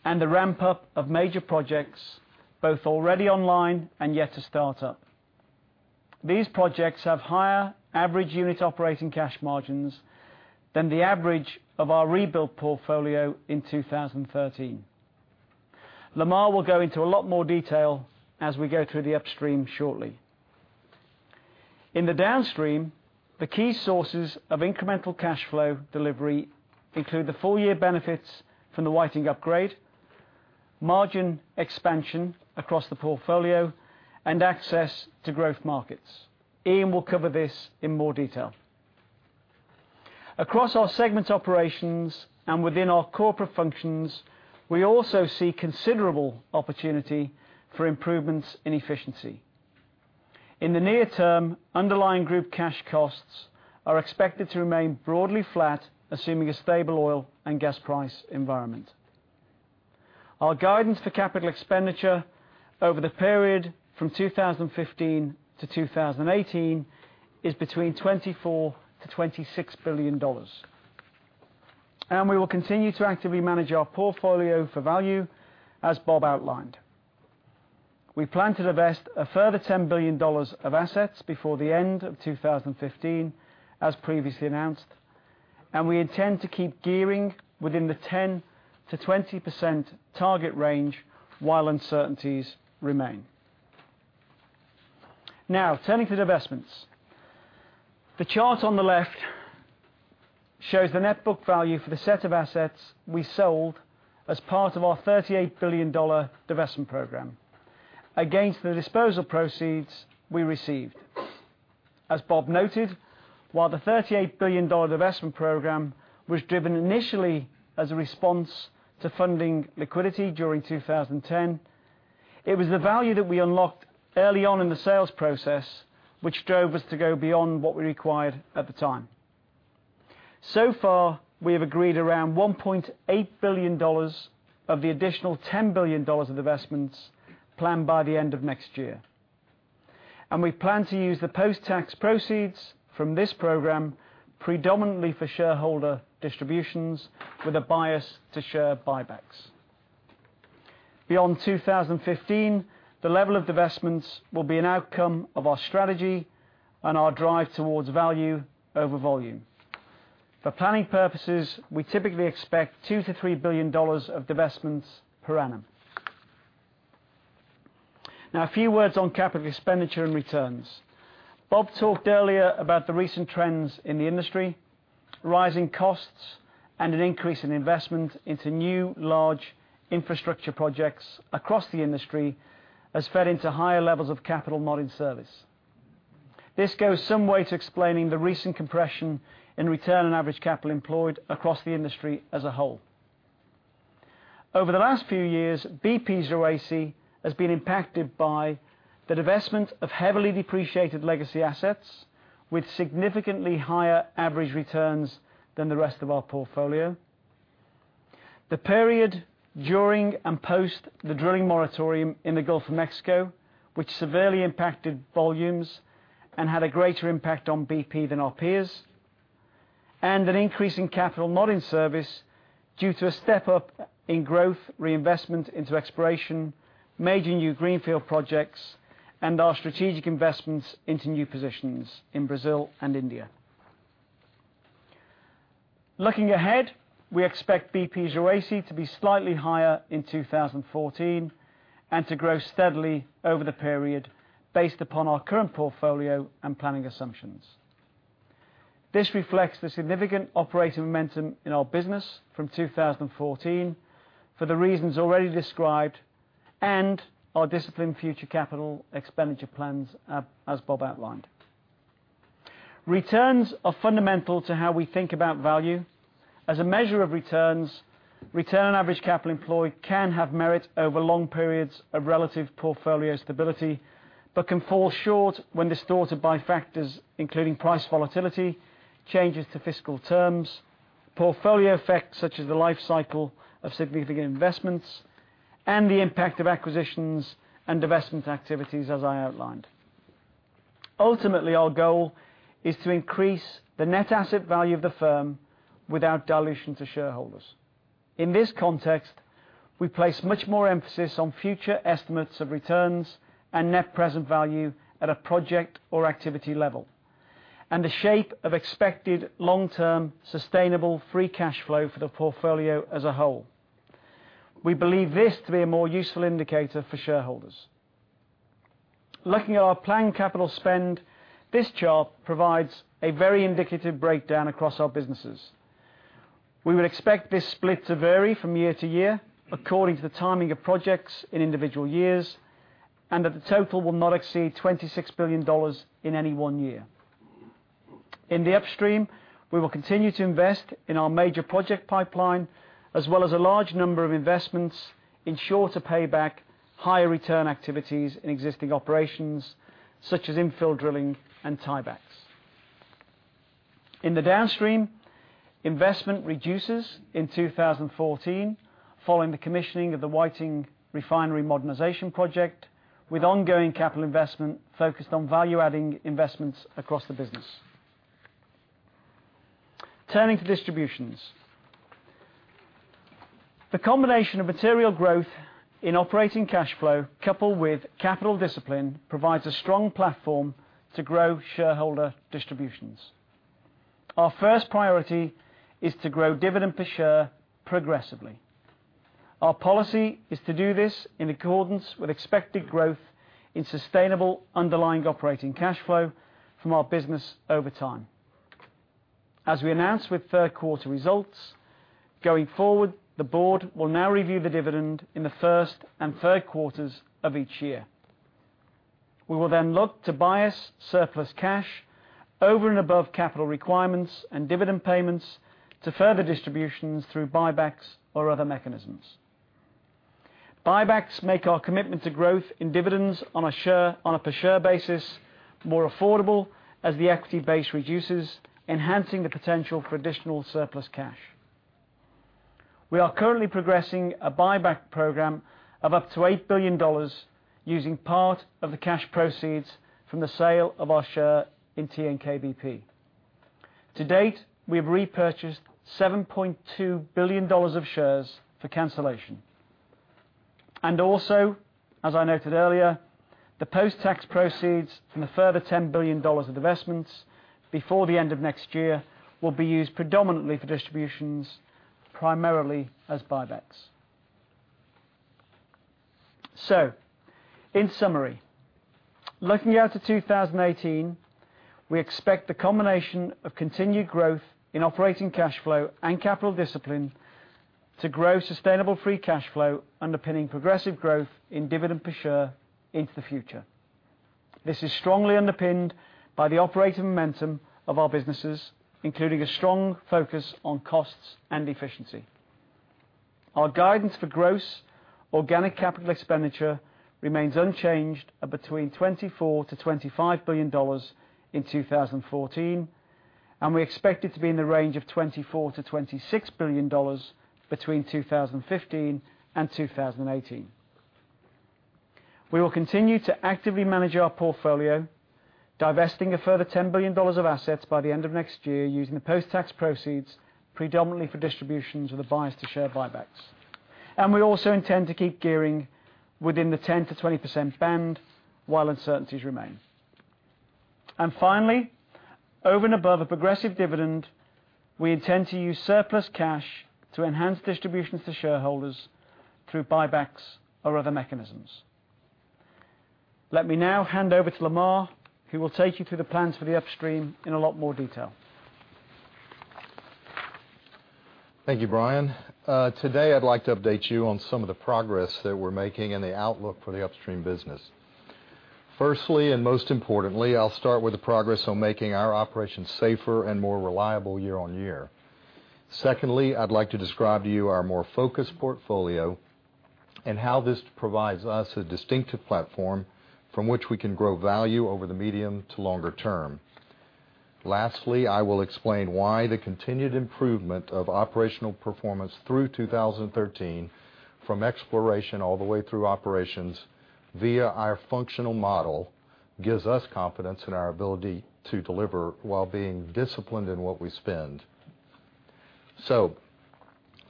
and the ramp-up of major projects, both already online and yet to start up. These projects have higher average unit operating cash margins than the average of our rebuild portfolio in 2013. Lamar will go into a lot more detail as we go through the upstream shortly. In the downstream, the key sources of incremental cash flow delivery include the full-year benefits from the Whiting upgrade, margin expansion across the portfolio, and access to growth markets. Iain will cover this in more detail. Across our segment operations and within our corporate functions, we also see considerable opportunity for improvements in efficiency. In the near term, underlying group cash costs are expected to remain broadly flat, assuming a stable oil and gas price environment. Our guidance for capital expenditure over the period from 2015 to 2018 is between $24 billion-$26 billion. We will continue to actively manage our portfolio for value, as Bob outlined. We plan to divest a further $10 billion of assets before the end of 2015, as previously announced, and we intend to keep gearing within the 10%-20% target range while uncertainties remain. Now turning to divestments. The chart on the left shows the net book value for the set of assets we sold as part of our $38 billion divestment program against the disposal proceeds we received. As Bob noted, while the $38 billion divestment program was driven initially as a response to funding liquidity during 2010, it was the value that we unlocked early on in the sales process, which drove us to go beyond what we required at the time. So far, we have agreed around $1.8 billion of the additional $10 billion of divestments planned by the end of next year. We plan to use the post-tax proceeds from this program predominantly for shareholder distributions, with a bias to share buybacks. Beyond 2015, the level of divestments will be an outcome of our strategy and our drive towards value over volume. For planning purposes, we typically expect $2 billion-$3 billion of divestments per annum. Now a few words on capital expenditure and returns. Bob talked earlier about the recent trends in the industry, rising costs, and an increase in investment into new large infrastructure projects across the industry has fed into higher levels of capital not in service. This goes some way to explaining the recent compression in return on average capital employed across the industry as a whole. Over the last few years, BP's ROACE has been impacted by the divestment of heavily depreciated legacy assets with significantly higher average returns than the rest of our portfolio. The period during and post the drilling moratorium in the Gulf of Mexico, which severely impacted volumes and had a greater impact on BP than our peers, and an increase in capital not in service due to a step-up in growth, reinvestment into exploration, major new greenfield projects, and our strategic investments into new positions in Brazil and India. Looking ahead, we expect BP's ROACE to be slightly higher in 2014 and to grow steadily over the period based upon our current portfolio and planning assumptions. This reflects the significant operating momentum in our business from 2014, for the reasons already described and our disciplined future capital expenditure plans, as Bob outlined. Returns are fundamental to how we think about value. As a measure of returns, return on average capital employed can have merit over long periods of relative portfolio stability, can fall short when distorted by factors including price volatility, changes to fiscal terms, portfolio effects such as the life cycle of significant investments, and the impact of acquisitions and divestment activities, as I outlined. Ultimately, our goal is to increase the net asset value of the firm without dilution to shareholders. In this context, we place much more emphasis on future estimates of returns and net present value at a project or activity level, and the shape of expected long-term sustainable free cash flow for the portfolio as a whole. We believe this to be a more useful indicator for shareholders. Looking at our planned capital spend, this chart provides a very indicative breakdown across our businesses. We would expect this split to vary from year to year according to the timing of projects in individual years, that the total will not exceed GBP 26 billion in any one year. In the Upstream, we will continue to invest in our major project pipeline, as well as a large number of investments in shorter payback, higher return activities in existing operations, such as infill drilling and tiebacks. In the Downstream, investment reduces in 2014 following the commissioning of the Whiting Refinery modernization project, with ongoing capital investment focused on value-adding investments across the business. Turning to distributions. The combination of material growth in operating cash flow, coupled with capital discipline, provides a strong platform to grow shareholder distributions. Our first priority is to grow dividend per share progressively. Our policy is to do this in accordance with expected growth in sustainable underlying operating cash flow from our business over time. As we announced with third quarter results, going forward, the board will now review the dividend in the first and third quarters of each year. We will look to bias surplus cash over and above capital requirements and dividend payments to further distributions through buybacks or other mechanisms. Buybacks make our commitment to growth in dividends on a per share basis more affordable as the equity base reduces, enhancing the potential for additional surplus cash. We are currently progressing a buyback program of up to GBP 8 billion using part of the cash proceeds from the sale of our share in TNK-BP. To date, we have repurchased GBP 7.2 billion of shares for cancellation. Also, as I noted earlier, the post-tax proceeds from a further GBP 10 billion of divestments before the end of next year will be used predominantly for distributions, primarily as buybacks. In summary, looking out to 2018, we expect the combination of continued growth in operating cash flow and capital discipline to grow sustainable free cash flow underpinning progressive growth in dividend per share into the future. This is strongly underpinned by the operating momentum of our businesses, including a strong focus on costs and efficiency. Our guidance for gross organic capital expenditure remains unchanged at between GBP 24 billion-GBP 25 billion in 2014, we expect it to be in the range of GBP 24 billion-GBP 26 billion between 2015 and 2018. We will continue to actively manage our portfolio, divesting a further GBP 10 billion of assets by the end of next year using the post-tax proceeds predominantly for distributions with a bias to share buybacks. We also intend to keep gearing within the 10%-20% band while uncertainties remain. Finally, over and above a progressive dividend, we intend to use surplus cash to enhance distributions to shareholders through buybacks or other mechanisms. Let me now hand over to Lamar, who will take you through the plans for the upstream in a lot more detail.
Thank you, Brian. Today, I'd like to update you on some of the progress that we're making and the outlook for the upstream business. Firstly, and most importantly, I'll start with the progress on making our operations safer and more reliable year-on-year. Secondly, I'd like to describe to you our more focused portfolio and how this provides us a distinctive platform from which we can grow value over the medium to longer term. Lastly, I will explain why the continued improvement of operational performance through 2013, from exploration all the way through operations via our functional model, gives us confidence in our ability to deliver while being disciplined in what we spend.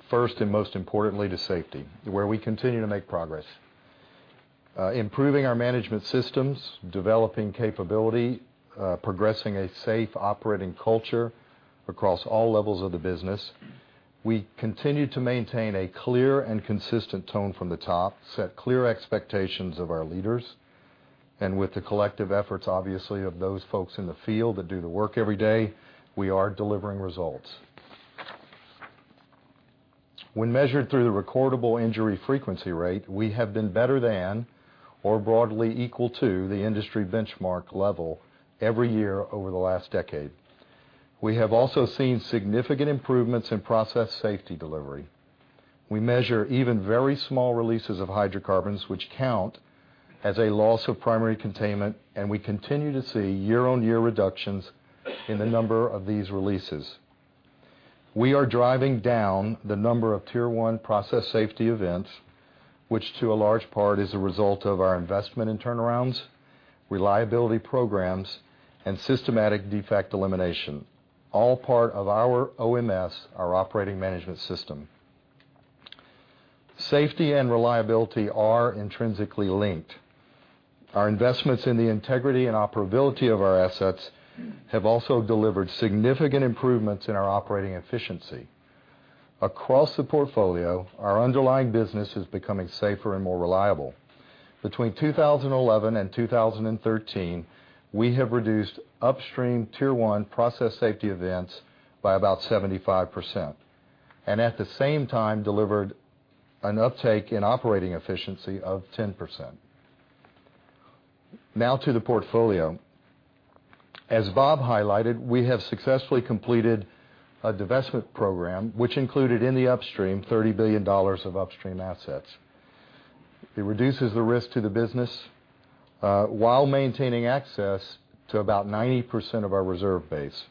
First and most importantly, to safety, where we continue to make progress. Improving our management systems, developing capability, progressing a safe operating culture across all levels of the business. We continue to maintain a clear and consistent tone from the top, set clear expectations of our leaders, with the collective efforts, obviously, of those folks in the field that do the work every day, we are delivering results. When measured through the recordable injury frequency rate, we have been better than or broadly equal to the industry benchmark level every year over the last decade. We have also seen significant improvements in process safety delivery. We measure even very small releases of hydrocarbons, which count as a loss of primary containment, and we continue to see year-on-year reductions in the number of these releases. We are driving down the number of Tier 1 process safety events, which to a large part is a result of our investment in turnarounds, reliability programs, and systematic defect elimination, all part of our OMS, our Operating Management System. Safety and reliability are intrinsically linked. Our investments in the integrity and operability of our assets have also delivered significant improvements in our operating efficiency. Across the portfolio, our underlying business is becoming safer and more reliable. Between 2011 and 2013, we have reduced upstream Tier 1 process safety events by about 75%, and at the same time delivered an uptake in operating efficiency of 10%. Now to the portfolio. As Bob highlighted, we have successfully completed a divestment program which included in the upstream GBP 30 billion of upstream assets. It reduces the risk to the business while maintaining access to about 90% of our reserve base.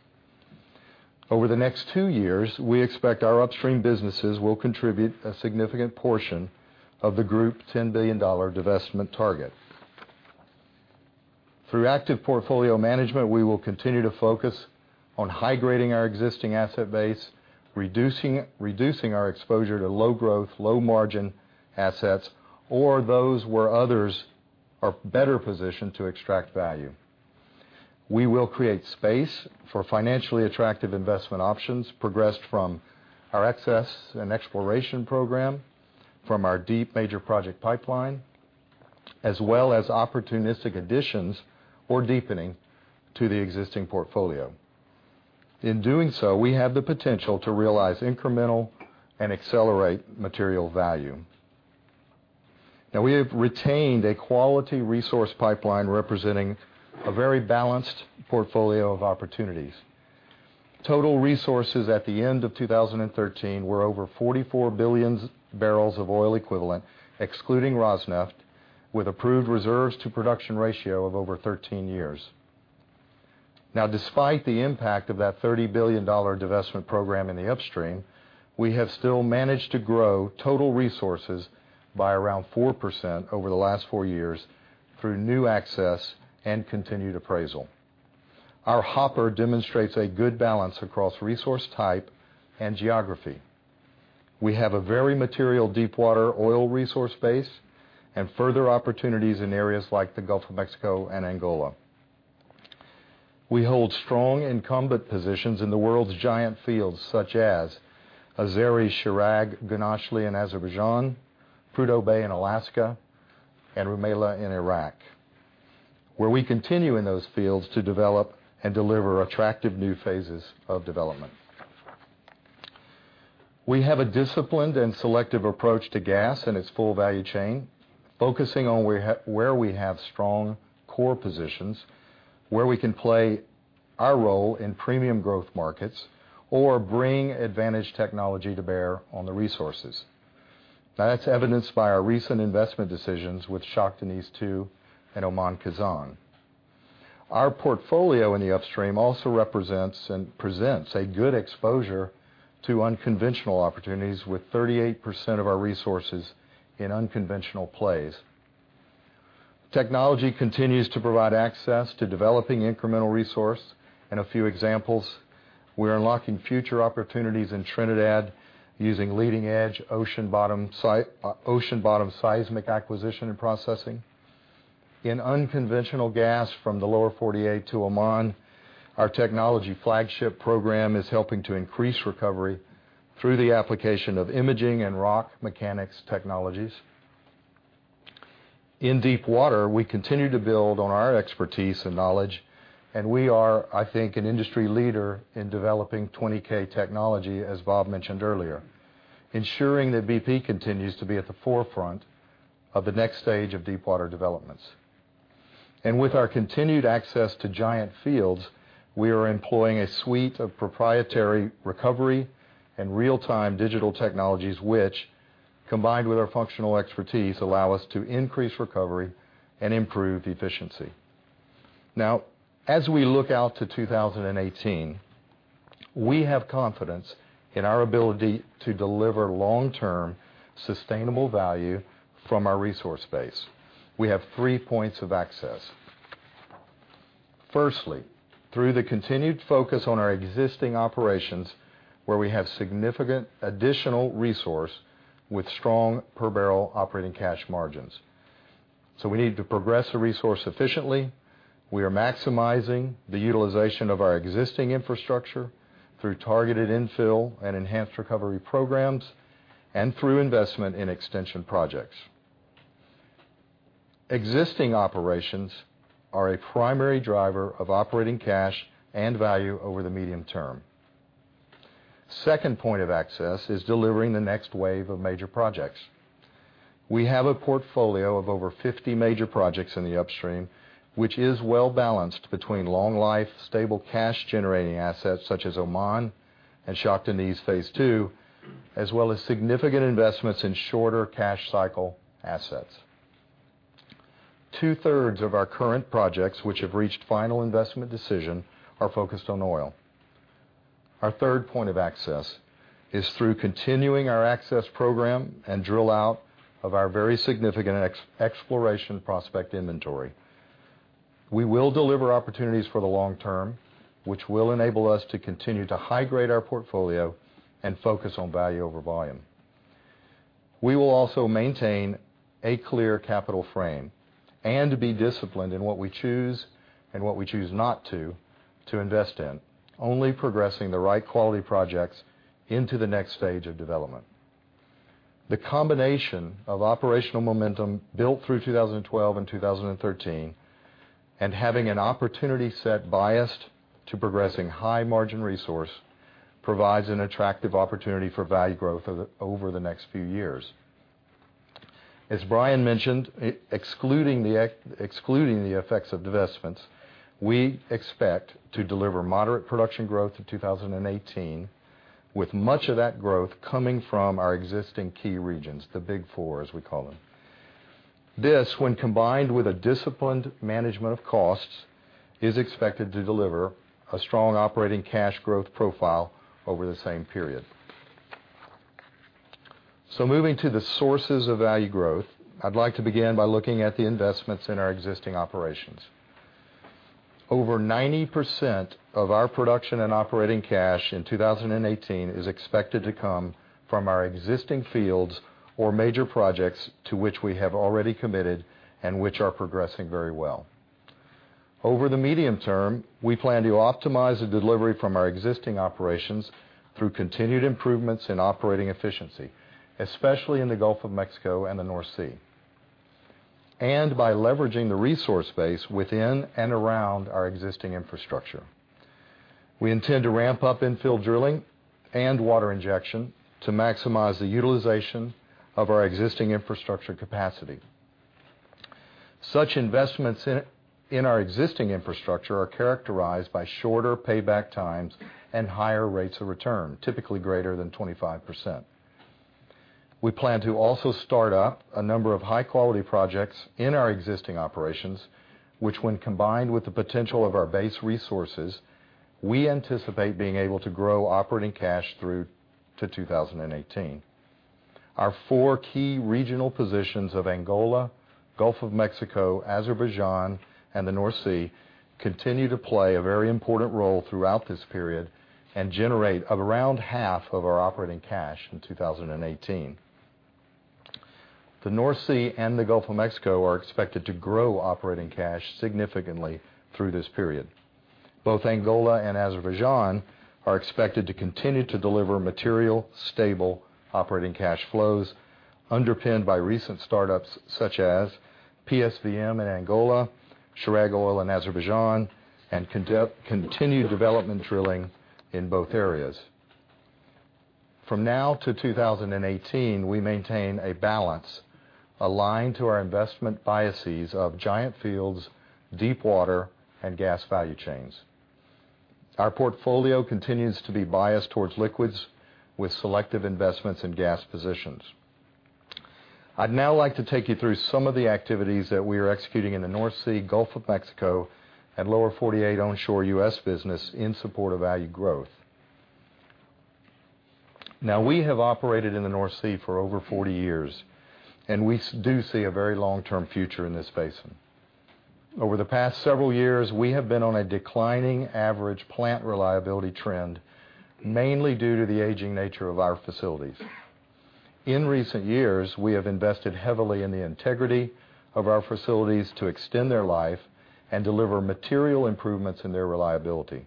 Over the next two years, we expect our upstream businesses will contribute a significant portion of the group GBP 10 billion divestment target. Through active portfolio management, we will continue to focus on high-grading our existing asset base, reducing our exposure to low growth, low margin assets or those where others are better positioned to extract value. We will create space for financially attractive investment options progressed from our excess and exploration program, from our deep major project pipeline, as well as opportunistic additions or deepening to the existing portfolio. In doing so, we have the potential to realize incremental and accelerate material value. We have retained a quality resource pipeline representing a very balanced portfolio of opportunities. Total resources at the end of 2013 were over 44 billion barrels of oil equivalent, excluding Rosneft, with approved Reserves-to-production ratio of over 13 years. Despite the impact of that GBP 30 billion divestment program in the upstream, we have still managed to grow total resources by around 4% over the last four years through new access and continued appraisal. Our hopper demonstrates a good balance across resource type and geography. We have a very material deepwater oil resource base and further opportunities in areas like the Gulf of Mexico and Angola. We hold strong incumbent positions in the world's giant fields such as Azeri–Chirag–Guneshli in Azerbaijan, Prudhoe Bay in Alaska, and Rumaila in Iraq, where we continue in those fields to develop and deliver attractive new phases of development. We have a disciplined and selective approach to gas and its full value chain, focusing on where we have strong core positions, where we can play our role in premium growth markets or bring advantage technology to bear on the resources. That's evidenced by our recent investment decisions with Shah Deniz 2 and Khazzan-Makarem. Our portfolio in the upstream also represents and presents a good exposure to unconventional opportunities with 38% of our resources in unconventional plays. Technology continues to provide access to developing incremental resource. In a few examples, we're unlocking future opportunities in Trinidad using leading-edge ocean bottom seismic acquisition and processing. In unconventional gas from the Lower 48 to Oman, our technology flagship program is helping to increase recovery through the application of imaging and rock mechanics technologies. In deepwater, we continue to build on our expertise and knowledge, and we are, I think, an industry leader in developing 20K technology, as Bob mentioned earlier, ensuring that BP continues to be at the forefront of the next stage of deepwater developments. With our continued access to giant fields, we are employing a suite of proprietary recovery and real-time digital technologies which, combined with our functional expertise, allow us to increase recovery and improve efficiency. As we look out to 2018, we have confidence in our ability to deliver long-term sustainable value from our resource base. We have three points of access. Firstly, through the continued focus on our existing operations, where we have significant additional resource with strong per-barrel operating cash margins. We need to progress the resource efficiently. We are maximizing the utilization of our existing infrastructure through targeted infill and enhanced recovery programs and through investment in extension projects. Existing operations are a primary driver of operating cash and value over the medium term. Second point of access is delivering the next wave of major projects. We have a portfolio of over 50 major projects in the upstream, which is well-balanced between long-life, stable cash-generating assets such as Oman and Shah Deniz Phase 2, as well as significant investments in shorter cash cycle assets. Two-thirds of our current projects which have reached final investment decision are focused on oil. Our third point of access is through continuing our access program and drill out of our very significant exploration prospect inventory. We will deliver opportunities for the long term, which will enable us to continue to high-grade our portfolio and focus on value over volume. We will also maintain a clear capital frame and be disciplined in what we choose and what we choose not to invest in, only progressing the right quality projects into the next stage of development. The combination of operational momentum built through 2012 and 2013 and having an opportunity set biased to progressing high-margin resource provides an attractive opportunity for value growth over the next few years. As Brian mentioned, excluding the effects of divestments, we expect to deliver moderate production growth to 2018, with much of that growth coming from our existing key regions, the big four, as we call them. This, when combined with a disciplined management of costs, is expected to deliver a strong operating cash growth profile over the same period. Moving to the sources of value growth, I'd like to begin by looking at the investments in our existing operations. Over 90% of our production and operating cash in 2018 is expected to come from our existing fields or major projects to which we have already committed and which are progressing very well. Over the medium term, we plan to optimize the delivery from our existing operations through continued improvements in operating efficiency, especially in the Gulf of Mexico and the North Sea. And by leveraging the resource base within and around our existing infrastructure. We intend to ramp up infill drilling and water injection to maximize the utilization of our existing infrastructure capacity. Such investments in our existing infrastructure are characterized by shorter payback times and higher rates of return, typically greater than 25%. We plan to also start up a number of high-quality projects in our existing operations, which when combined with the potential of our base resources, we anticipate being able to grow operating cash through to 2018. Our four key regional positions of Angola, Gulf of Mexico, Azerbaijan, and the North Sea continue to play a very important role throughout this period and generate around half of our operating cash in 2018. The North Sea and the Gulf of Mexico are expected to grow operating cash significantly through this period. Both Angola and Azerbaijan are expected to continue to deliver material, stable operating cash flows underpinned by recent startups such as PSVM in Angola, Shah Deniz in Azerbaijan, and continued development drilling in both areas. From now to 2018, we maintain a balance aligned to our investment biases of giant fields, deepwater, and gas value chains. Our portfolio continues to be biased towards liquids, with selective investments in gas positions. I'd now like to take you through some of the activities that we are executing in the North Sea, Gulf of Mexico, and Lower 48 onshore U.S. business in support of value growth. Now, we have operated in the North Sea for over 40 years, and we do see a very long-term future in this basin. Over the past several years, we have been on a declining average plant reliability trend, mainly due to the aging nature of our facilities. In recent years, we have invested heavily in the integrity of our facilities to extend their life and deliver material improvements in their reliability.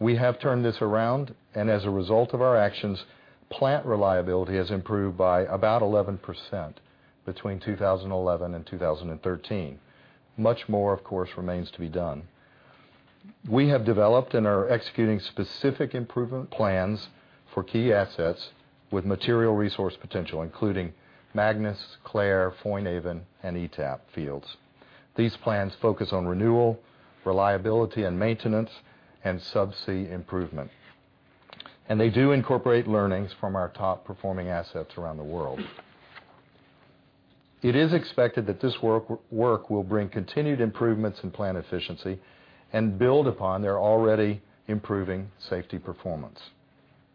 We have turned this around, and as a result of our actions, plant reliability has improved by about 11% between 2011 and 2013. Much more, of course, remains to be done. We have developed and are executing specific improvement plans for key assets with material resource potential, including Magnus, Clair, Foinaven, and ETAP fields. These plans focus on renewal, reliability and maintenance, and sub-sea improvement, and they do incorporate learnings from our top-performing assets around the world. It is expected that this work will bring continued improvements in plant efficiency and build upon their already improving safety performance.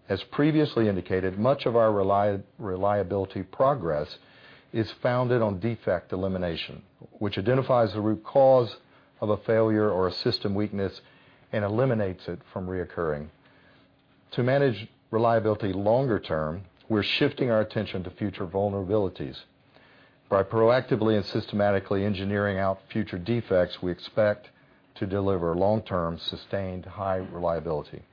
As previously indicated, much of our reliability progress is founded on defect elimination, which identifies the root cause of a failure or a system weakness and eliminates it from reoccurring. To manage reliability longer term, we're shifting our attention to future vulnerabilities. By proactively and systematically engineering out future defects, we expect to deliver long-term, sustained high reliability.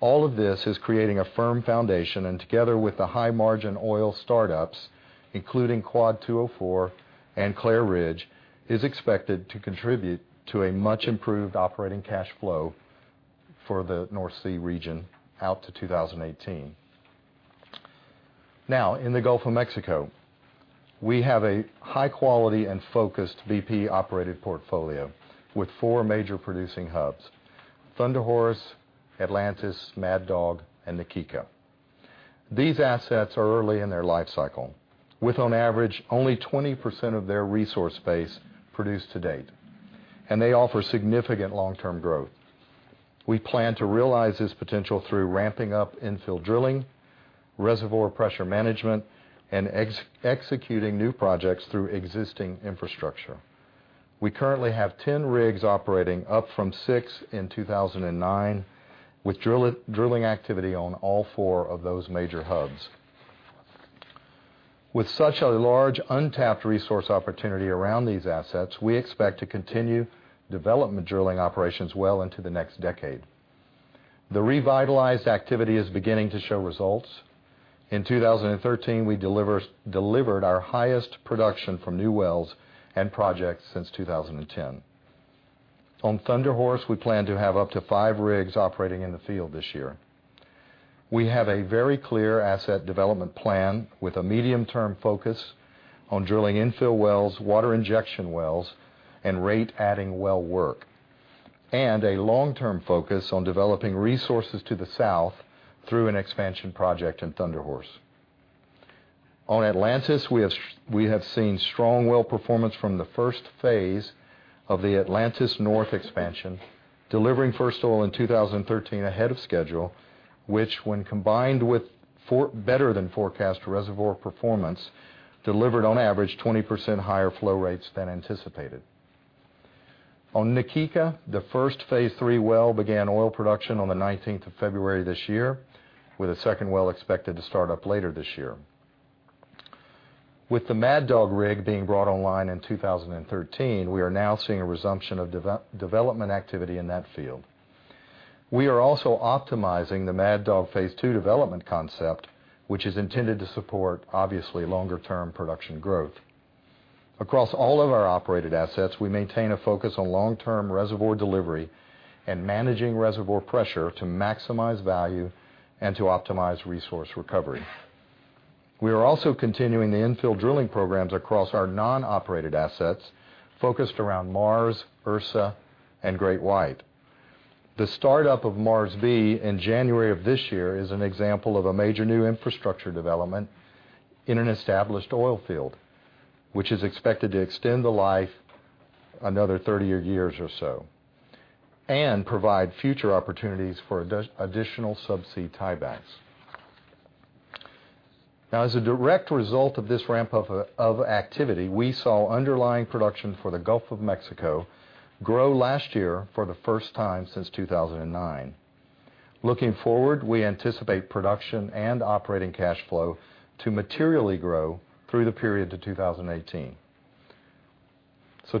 All of this is creating a firm foundation, and together with the high-margin oil startups, including Quad 204 and Clair Ridge, is expected to contribute to a much-improved operating cash flow for the North Sea region out to 2018. Now, in the Gulf of Mexico, we have a high-quality and focused BP-operated portfolio with four major producing hubs, Thunder Horse, Atlantis, Mad Dog, and the Kaskida. These assets are early in their life cycle, with on average only 20% of their resource base produced to date, and they offer significant long-term growth. We plan to realize this potential through ramping up infill drilling, reservoir pressure management, and executing new projects through existing infrastructure. We currently have 10 rigs operating, up from six in 2009, with drilling activity on all four of those major hubs. With such a large untapped resource opportunity around these assets, we expect to continue development drilling operations well into the next decade. The revitalized activity is beginning to show results. In 2013, we delivered our highest production from new wells and projects since 2010. On Thunder Horse, we plan to have up to five rigs operating in the field this year. We have a very clear asset development plan with a medium-term focus on drilling infill wells, water injection wells, and rate-adding well work, and a long-term focus on developing resources to the south through an expansion project in Thunder Horse. On Atlantis, we have seen strong well performance from the first phase of the Atlantis North expansion, delivering first oil in 2013 ahead of schedule, which when combined with better-than-forecast reservoir performance, delivered on average 20% higher flow rates than anticipated. On Na Kika, the first phase 3 well began oil production on the 19th of February this year, with a second well expected to start up later this year. With the Mad Dog rig being brought online in 2013, we are now seeing a resumption of development activity in that field. We are also optimizing the Mad Dog Phase 2 development concept, which is intended to support obviously longer-term production growth. Across all of our operated assets, we maintain a focus on long-term reservoir delivery and managing reservoir pressure to maximize value and to optimize resource recovery. We are also continuing the infill drilling programs across our non-operated assets, focused around Mars, Ursa, and Great White. The startup of Mars B in January of this year is an example of a major new infrastructure development in an established oil field, which is expected to extend the life another 30 years or so and provide future opportunities for additional subsea tiebacks. As a direct result of this ramp-up of activity, we saw underlying production for the Gulf of Mexico grow last year for the first time since 2009. Looking forward, we anticipate production and operating cash flow to materially grow through the period to 2018.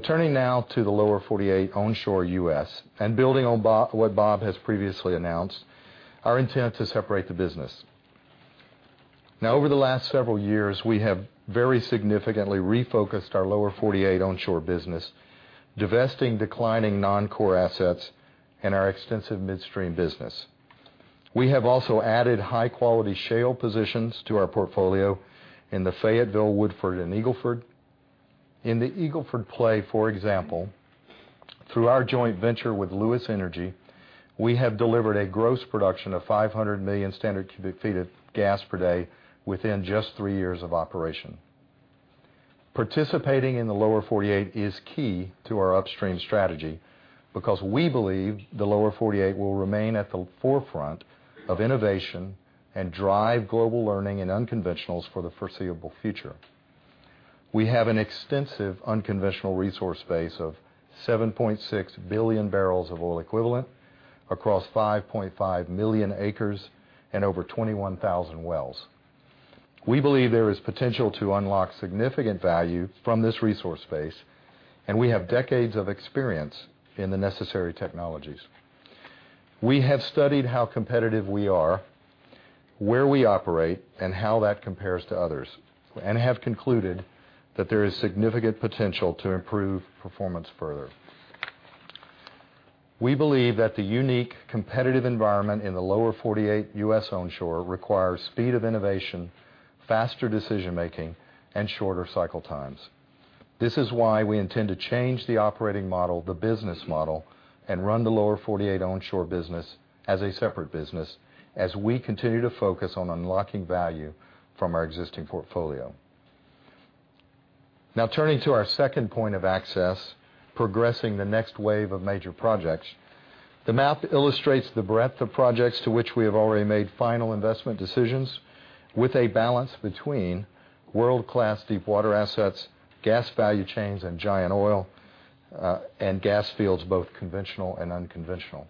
Turning now to the Lower 48 onshore U.S. and building on what Bob has previously announced, our intent to separate the business. Over the last several years, we have very significantly refocused our Lower 48 onshore business, divesting declining non-core assets in our extensive midstream business. We have also added high-quality shale positions to our portfolio in the Fayetteville, Woodford, and Eagle Ford. In the Eagle Ford play, for example, through our joint venture with Lewis Energy, we have delivered a gross production of 500 million standard cubic feet of gas per day within just three years of operation. Participating in the Lower 48 is key to our upstream strategy because we believe the Lower 48 will remain at the forefront of innovation and drive global learning in unconventionals for the foreseeable future. We have an extensive unconventional resource base of 7.6 billion barrels of oil equivalent across 5.5 million acres and over 21,000 wells. We believe there is potential to unlock significant value from this resource base, and we have decades of experience in the necessary technologies. We have studied how competitive we are, where we operate, and how that compares to others, and have concluded that there is significant potential to improve performance further. We believe that the unique competitive environment in the Lower 48 U.S. onshore requires speed of innovation, faster decision-making, and shorter cycle times. This is why we intend to change the operating model, the business model, and run the Lower 48 onshore business as a separate business as we continue to focus on unlocking value from our existing portfolio. Turning to our second point of access, progressing the next wave of major projects. The map illustrates the breadth of projects to which we have already made final investment decisions with a balance between world-class deep water assets, gas value chains, and giant oil and gas fields, both conventional and unconventional.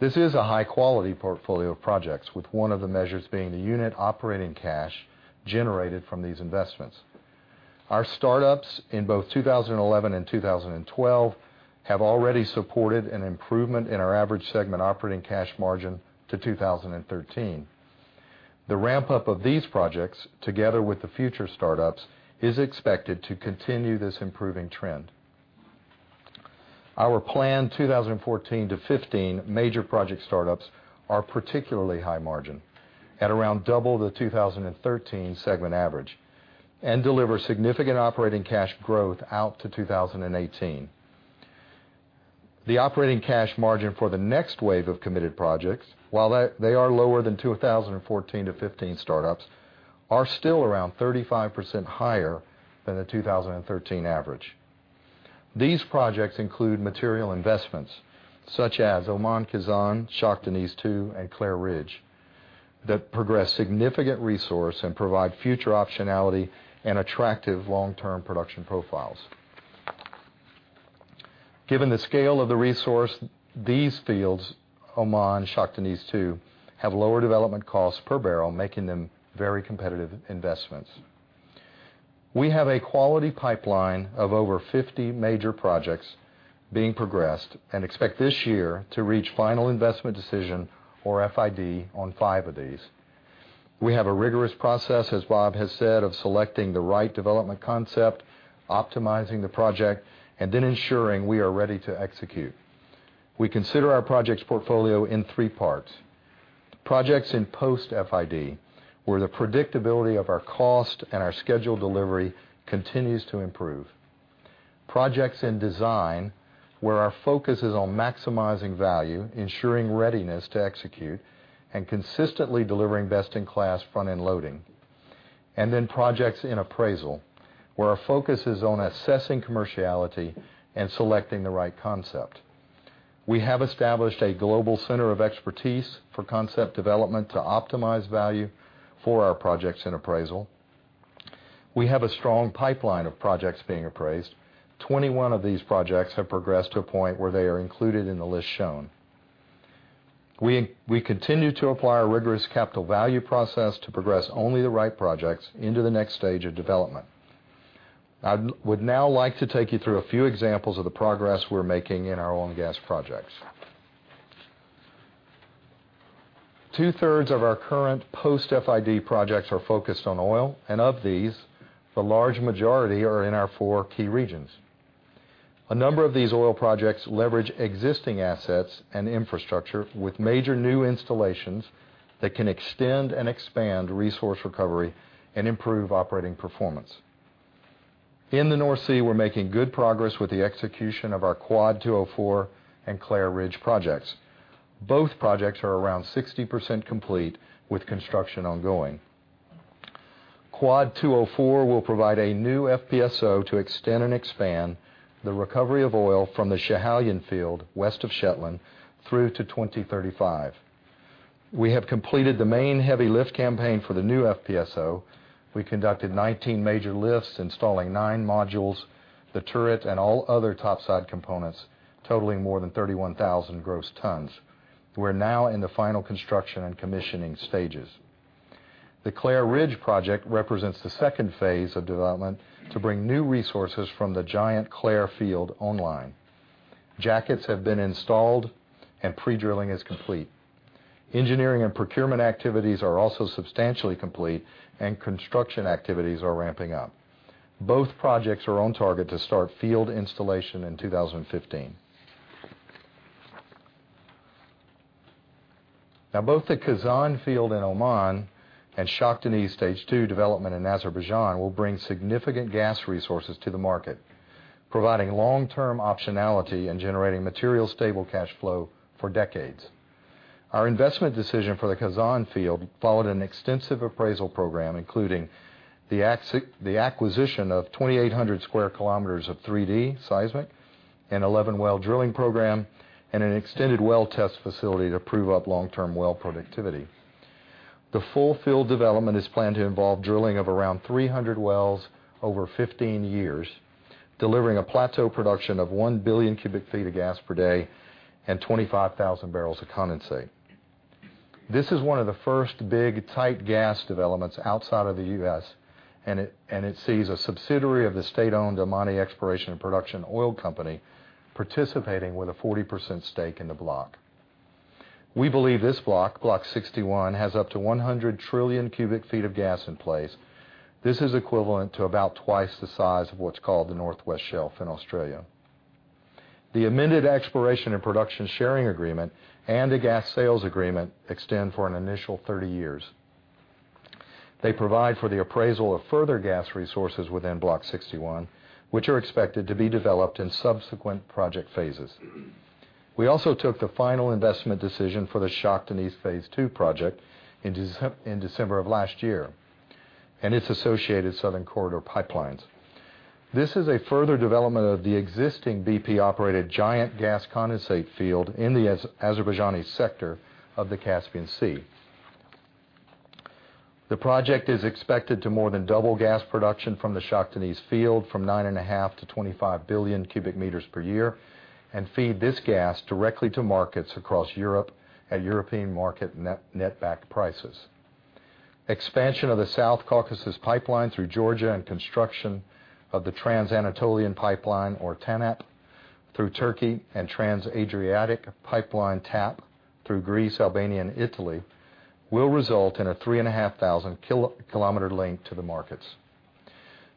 This is a high-quality portfolio of projects, with one of the measures being the unit operating cash generated from these investments. Our startups in both 2011 and 2012 have already supported an improvement in our average segment operating cash margin to 2013. The ramp-up of these projects, together with the future startups, is expected to continue this improving trend. Our planned 2014-2015 major project startups are particularly high margin at around double the 2013 segment average and deliver significant operating cash growth out to 2018. The operating cash margin for the next wave of committed projects, while they are lower than 2014-2015 startups, are still around 35% higher than the 2013 average. These projects include material investments such as Oman Khazzan, Shah Deniz 2, and Clair Ridge, that progress significant resource and provide future optionality and attractive long-term production profiles. Given the scale of the resource, these fields, Oman, Shah Deniz 2, have lower development costs per barrel, making them very competitive investments. We have a quality pipeline of over 50 major projects being progressed and expect this year to reach final investment decision or FID on five of these. We have a rigorous process, as Bob has said, of selecting the right development concept, optimizing the project, and ensuring we are ready to execute. We consider our project's portfolio in three parts. Projects in post-FID, where the predictability of our cost and our scheduled delivery continues to improve. Projects in design, where our focus is on maximizing value, ensuring readiness to execute, and consistently delivering best-in-class front-end loading. Projects in appraisal, where our focus is on assessing commerciality and selecting the right concept. We have established a global center of expertise for concept development to optimize value for our projects in appraisal. We have a strong pipeline of projects being appraised. 21 of these projects have progressed to a point where they are included in the list shown. We continue to apply our rigorous Capital Value Process to progress only the right projects into the next stage of development. I would now like to take you through a few examples of the progress we're making in our oil and gas projects. Two-thirds of our current post-FID projects are focused on oil, and of these, the large majority are in our four key regions. A number of these oil projects leverage existing assets and infrastructure with major new installations that can extend and expand resource recovery and improve operating performance. In the North Sea, we're making good progress with the execution of our Quad 204 and Clair Ridge projects. Both projects are around 60% complete, with construction ongoing. Quad 204 will provide a new FPSO to extend and expand the recovery of oil from the Schiehallion field, west of Shetland, through to 2035. We have completed the main heavy lift campaign for the new FPSO. We conducted 19 major lifts, installing nine modules, the turret, and all other topside components, totaling more than 31,000 gross tons. We're now in the final construction and commissioning stages. The Clair Ridge project represents the second phase of development to bring new resources from the giant Clair field online. Jackets have been installed and pre-drilling is complete. Engineering and procurement activities are also substantially complete, and construction activities are ramping up. Both projects are on target to start field installation in 2015. Both the Khazzan field in Oman and Shah Deniz Stage 2 development in Azerbaijan will bring significant gas resources to the market, providing long-term optionality and generating material stable cash flow for decades. Our investment decision for the Khazzan field followed an extensive appraisal program, including the acquisition of 2,800 sq km of 3D seismic, an 11-well drilling program, and an extended well test facility to prove up long-term well productivity. The full field development is planned to involve drilling of around 300 wells over 15 years, delivering a plateau production of one billion cubic feet of gas per day and 25,000 barrels of condensate. This is one of the first big tight gas developments outside of the U.S., and it sees a subsidiary of the state-owned Oman Oil Company Exploration and Production participating with a 40% stake in the block. We believe this block, Block 61, has up to 100 trillion cubic feet of gas in place. This is equivalent to about twice the size of what's called the North West Shelf in Australia. The amended exploration and production sharing agreement and the gas sales agreement extend for an initial 30 years. They provide for the appraisal of further gas resources within Block 61, which are expected to be developed in subsequent project phases. We also took the final investment decision for the Shah Deniz Phase 2 project in December of last year, and its associated Southern Corridor pipelines. This is a further development of the existing BP-operated giant gas condensate field in the Azerbaijani sector of the Caspian Sea. The project is expected to more than double gas production from the Shah Deniz field from 9.5 to 25 billion cubic meters per year and feed this gas directly to markets across Europe at European market net-back prices. Expansion of the South Caucasus Pipeline through Georgia and construction of the Trans-Anatolian Pipeline, or TANAP, through Turkey, and Trans-Adriatic Pipeline, TAP, through Greece, Albania, and Italy will result in a 3,500-km link to the markets.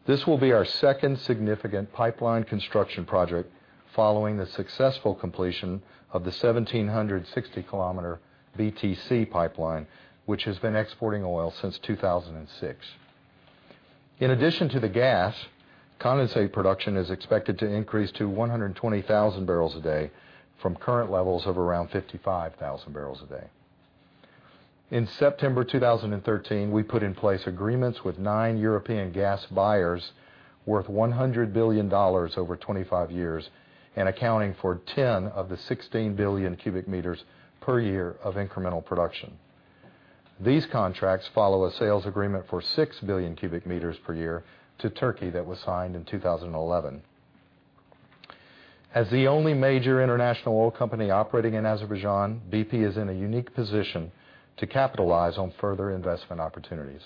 This will be our second significant pipeline construction project following the successful completion of the 1,760-km BTC pipeline, which has been exporting oil since 2006. In addition to the gas, condensate production is expected to increase to 120,000 barrels a day from current levels of around 55,000 barrels a day. In September 2013, we put in place agreements with nine European gas buyers worth $100 billion over 25 years and accounting for 10 of the 16 billion cubic meters per year of incremental production. These contracts follow a sales agreement for six billion cubic meters per year to Turkey that was signed in 2011. As the only major international oil company operating in Azerbaijan, BP is in a unique position to capitalize on further investment opportunities.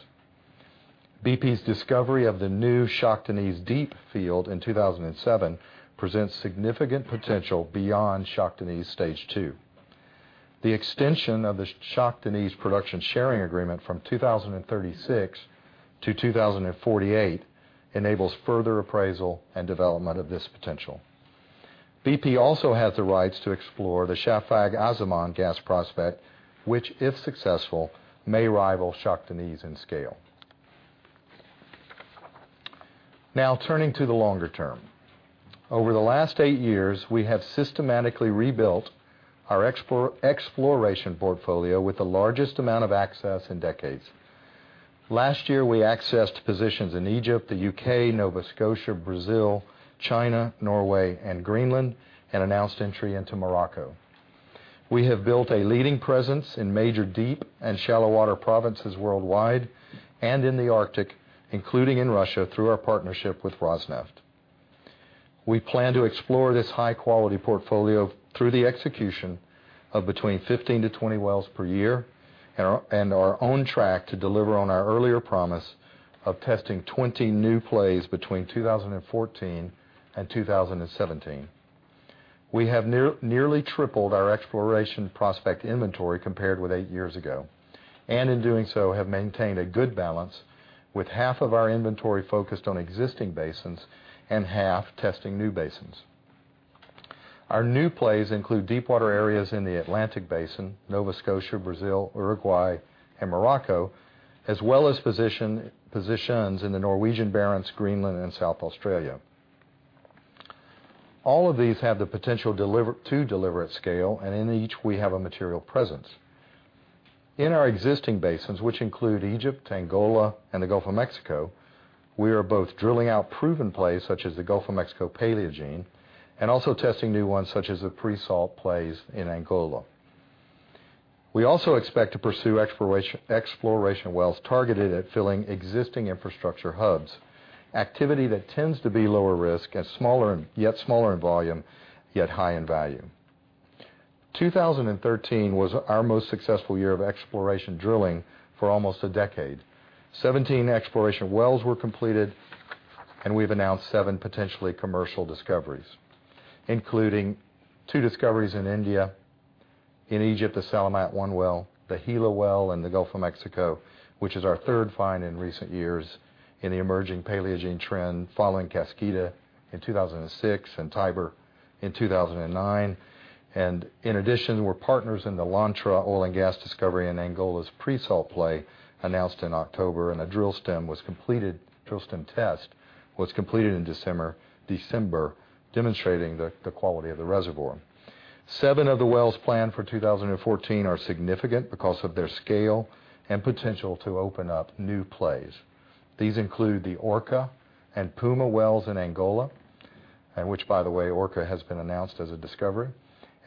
BP's discovery of the new Shah Deniz Deep field in 2007 presents significant potential beyond Shah Deniz Stage 2. The extension of the Shah Deniz Production Sharing Agreement from 2036 to 2048 enables further appraisal and development of this potential. BP also has the rights to explore the Shafag-Asiman gas prospect which, if successful, may rival Shah Deniz in scale. Turning to the longer term. Over the last eight years, we have systematically rebuilt our exploration portfolio with the largest amount of access in decades. Last year, we accessed positions in Egypt, the U.K., Nova Scotia, Brazil, China, Norway, and Greenland, and announced entry into Morocco. We have built a leading presence in major deep and shallow water provinces worldwide and in the Arctic, including in Russia, through our partnership with Rosneft. We plan to explore this high-quality portfolio through the execution of between 15-20 wells per year, and are on track to deliver on our earlier promise of testing 20 new plays between 2014 and 2017. We have nearly tripled our exploration prospect inventory compared with eight years ago, and in doing so, have maintained a good balance with half of our inventory focused on existing basins and half testing new basins. Our new plays include deepwater areas in the Atlantic Basin, Nova Scotia, Brazil, Uruguay, and Morocco, as well as positions in the Norwegian Barents, Greenland, and South Australia. All of these have the potential to deliver at scale, and in each, we have a material presence. In our existing basins, which include Egypt, Angola, and the Gulf of Mexico, we are both drilling out proven plays such as the Gulf of Mexico Paleogene, and also testing new ones such as the pre-salt plays in Angola. We also expect to pursue exploration wells targeted at filling existing infrastructure hubs, activity that tends to be lower risk, yet smaller in volume, yet high in value. 2013 was our most successful year of exploration drilling for almost a decade. 17 exploration wells were completed. We've announced seven potentially commercial discoveries, including two discoveries in India, in Egypt, the Salamat-1 well, the Gila well in the Gulf of Mexico, which is our third find in recent years in the emerging Paleogene trend following Kaskida in 2006 and Tiber in 2009. In addition, we're partners in the Lontra oil and gas discovery in Angola's pre-salt play announced in October. A drill stem test was completed in December, demonstrating the quality of the reservoir. Seven of the wells planned for 2014 are significant because of their scale and potential to open up new plays. These include the Orca and Puma wells in Angola, which by the way, Orca has been announced as a discovery,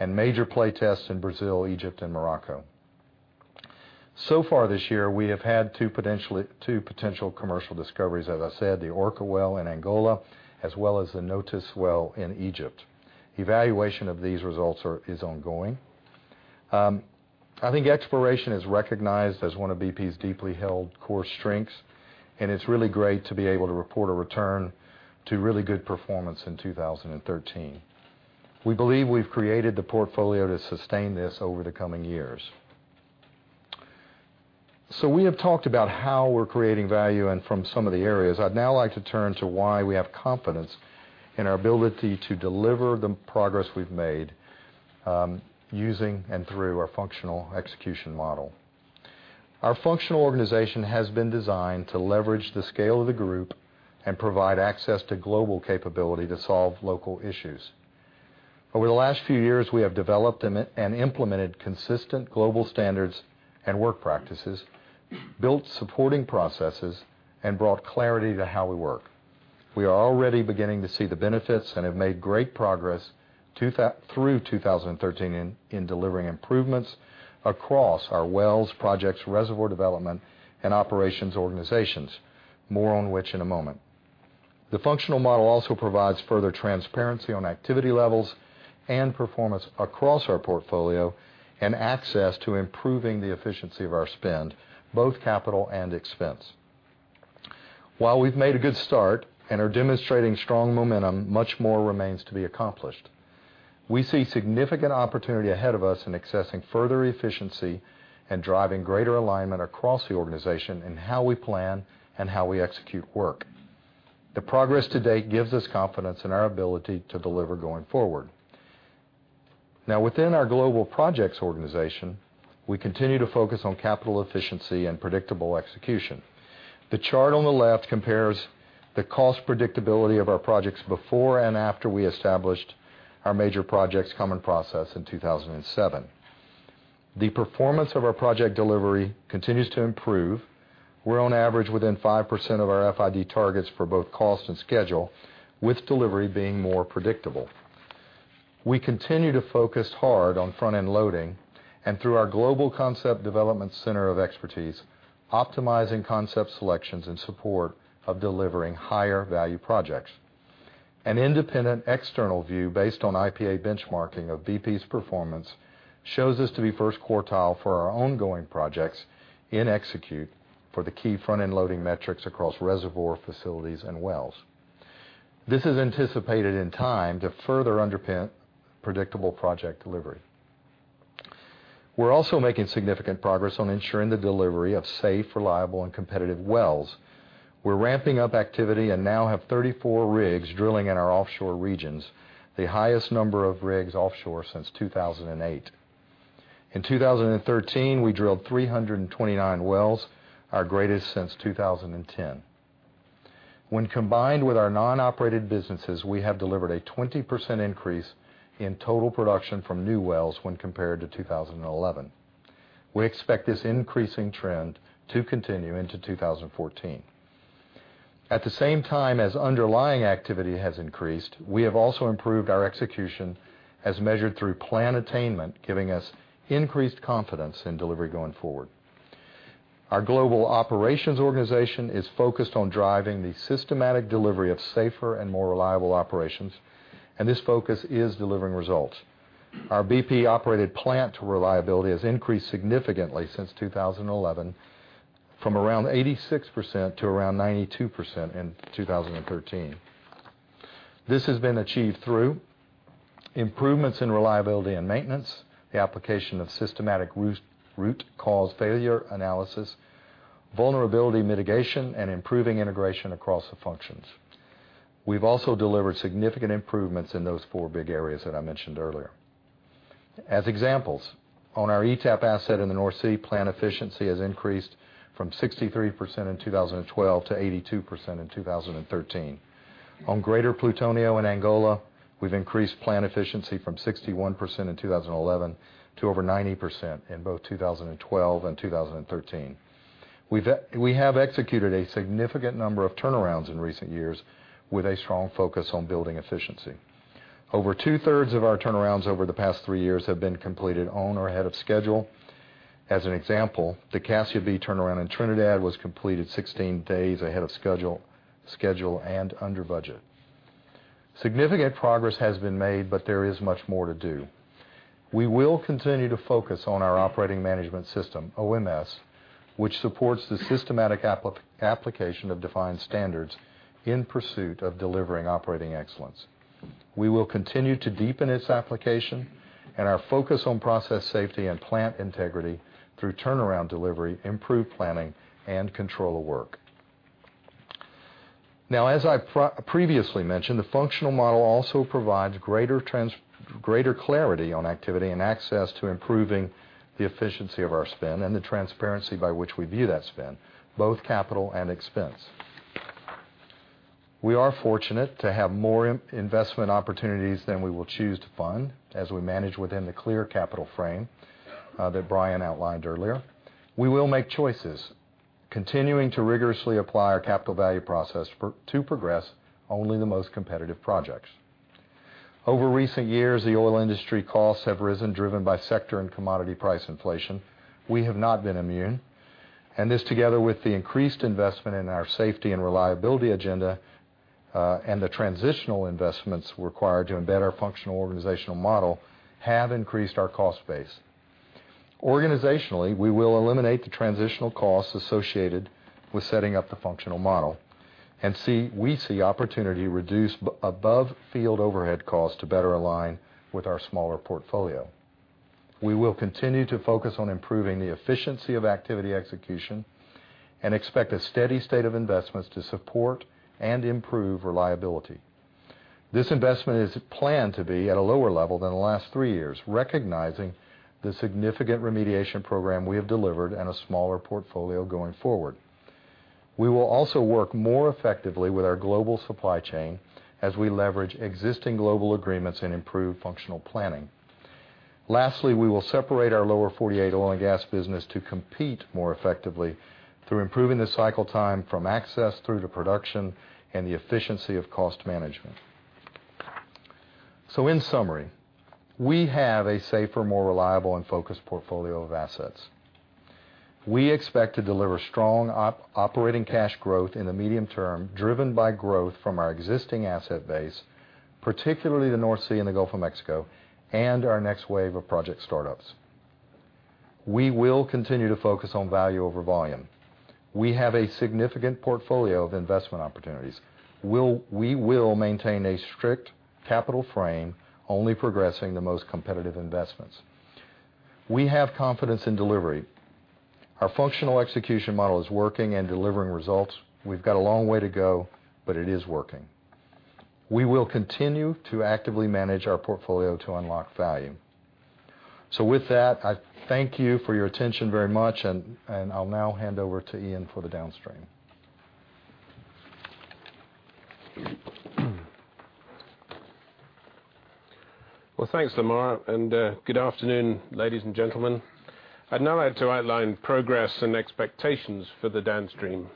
and major play tests in Brazil, Egypt, and Morocco. Far this year, we have had two potential commercial discoveries, as I said, the Orca well in Angola as well as the Notus well in Egypt. Evaluation of these results is ongoing. I think exploration is recognized as one of BP's deeply held core strengths. It's really great to be able to report a return to really good performance in 2013. We believe we've created the portfolio to sustain this over the coming years. We have talked about how we're creating value and from some of the areas. I'd now like to turn to why we have confidence in our ability to deliver the progress we've made using and through our functional execution model. Our functional organization has been designed to leverage the scale of the group and provide access to global capability to solve local issues. Over the last few years, we have developed and implemented consistent global standards and work practices, built supporting processes, and brought clarity to how we work. We are already beginning to see the benefits and have made great progress through 2013 in delivering improvements across our wells, projects, reservoir development, and operations organizations. More on which in a moment. The functional model also provides further transparency on activity levels and performance across our portfolio and access to improving the efficiency of our spend, both capital and expense. While we've made a good start and are demonstrating strong momentum, much more remains to be accomplished. We see significant opportunity ahead of us in accessing further efficiency and driving greater alignment across the organization in how we plan and how we execute work. The progress to date gives us confidence in our ability to deliver going forward. Within our global projects organization, we continue to focus on capital efficiency and predictable execution. The chart on the left compares the cost predictability of our projects before and after we established our major projects common process in 2007. The performance of our project delivery continues to improve. We're on average within 5% of our FID targets for both cost and schedule, with delivery being more predictable. We continue to focus hard on front-end loading and, through our global concept development center of expertise, optimizing concept selections in support of delivering higher value projects. An independent external view based on IPA benchmarking of BP's performance shows us to be first quartile for our ongoing projects in execute for the key front-end loading metrics across reservoir facilities and wells. This is anticipated in time to further underpin predictable project delivery. We're also making significant progress on ensuring the delivery of safe, reliable, and competitive wells. We're ramping up activity and now have 34 rigs drilling in our offshore regions, the highest number of rigs offshore since 2008. In 2013, we drilled 329 wells, our greatest since 2010. When combined with our non-operated businesses, we have delivered a 20% increase in total production from new wells when compared to 2011. We expect this increasing trend to continue into 2014. At the same time as underlying activity has increased, we have also improved our execution as measured through plan attainment, giving us increased confidence in delivery going forward. Our global operations organization is focused on driving the systematic delivery of safer and more reliable operations, and this focus is delivering results. Our BP-operated plant reliability has increased significantly since 2011, from around 86% to around 92% in 2013. This has been achieved through improvements in reliability and maintenance, the application of systematic root cause failure analysis, vulnerability mitigation, and improving integration across the functions. We've also delivered significant improvements in those four big areas that I mentioned earlier. As examples, on our ETAP asset in the North Sea, plant efficiency has increased from 63% in 2012 to 82% in 2013. On Greater Plutonio in Angola, we've increased plant efficiency from 61% in 2011 to over 90% in both 2012 and 2013. We have executed a significant number of turnarounds in recent years with a strong focus on building efficiency. Over two-thirds of our turnarounds over the past three years have been completed on or ahead of schedule. As an example, the Cassia B turnaround in Trinidad was completed 16 days ahead of schedule and under budget. Significant progress has been made, there is much more to do. We will continue to focus on our Operating Management System, OMS, which supports the systematic application of defined standards in pursuit of delivering operating excellence. We will continue to deepen its application and our focus on process safety and plant integrity through turnaround delivery, improved planning, and control of work. As I previously mentioned, the functional model also provides greater clarity on activity and access to improving the efficiency of our spend and the transparency by which we view that spend, both capital and expense. We are fortunate to have more investment opportunities than we will choose to fund, as we manage within the clear capital frame that Brian outlined earlier. We will make choices, continuing to rigorously apply our Capital Value Process to progress only the most competitive projects. Over recent years, the oil industry costs have risen, driven by sector and commodity price inflation. We have not been immune. This, together with the increased investment in our safety and reliability agenda, and the transitional investments required to embed our functional organizational model, have increased our cost base. Organizationally, we will eliminate the transitional costs associated with setting up the functional model, and we see opportunity reduce above-field overhead costs to better align with our smaller portfolio. We will continue to focus on improving the efficiency of activity execution and expect a steady state of investments to support and improve reliability. This investment is planned to be at a lower level than the last three years, recognizing the significant remediation program we have delivered and a smaller portfolio going forward. We will also work more effectively with our global supply chain as we leverage existing global agreements and improve functional planning. Lastly, we will separate our Lower 48 oil and gas business to compete more effectively through improving the cycle time from access through to production and the efficiency of cost management. In summary, we have a safer, more reliable, and focused portfolio of assets. We expect to deliver strong operating cash growth in the medium term, driven by growth from our existing asset base, particularly the North Sea and the Gulf of Mexico, and our next wave of project startups. We will continue to focus on value over volume. We have a significant portfolio of investment opportunities. We will maintain a strict capital frame, only progressing the most competitive investments. We have confidence in delivery. Our functional execution model is working and delivering results. We've got a long way to go, but it is working. We will continue to actively manage our portfolio to unlock value. With that, I thank you for your attention very much, and I'll now hand over to Iain for the Downstream.
Well, thanks, Lamar, and good afternoon, ladies and gentlemen. I'd now like to outline progress and expectations for the Downstream.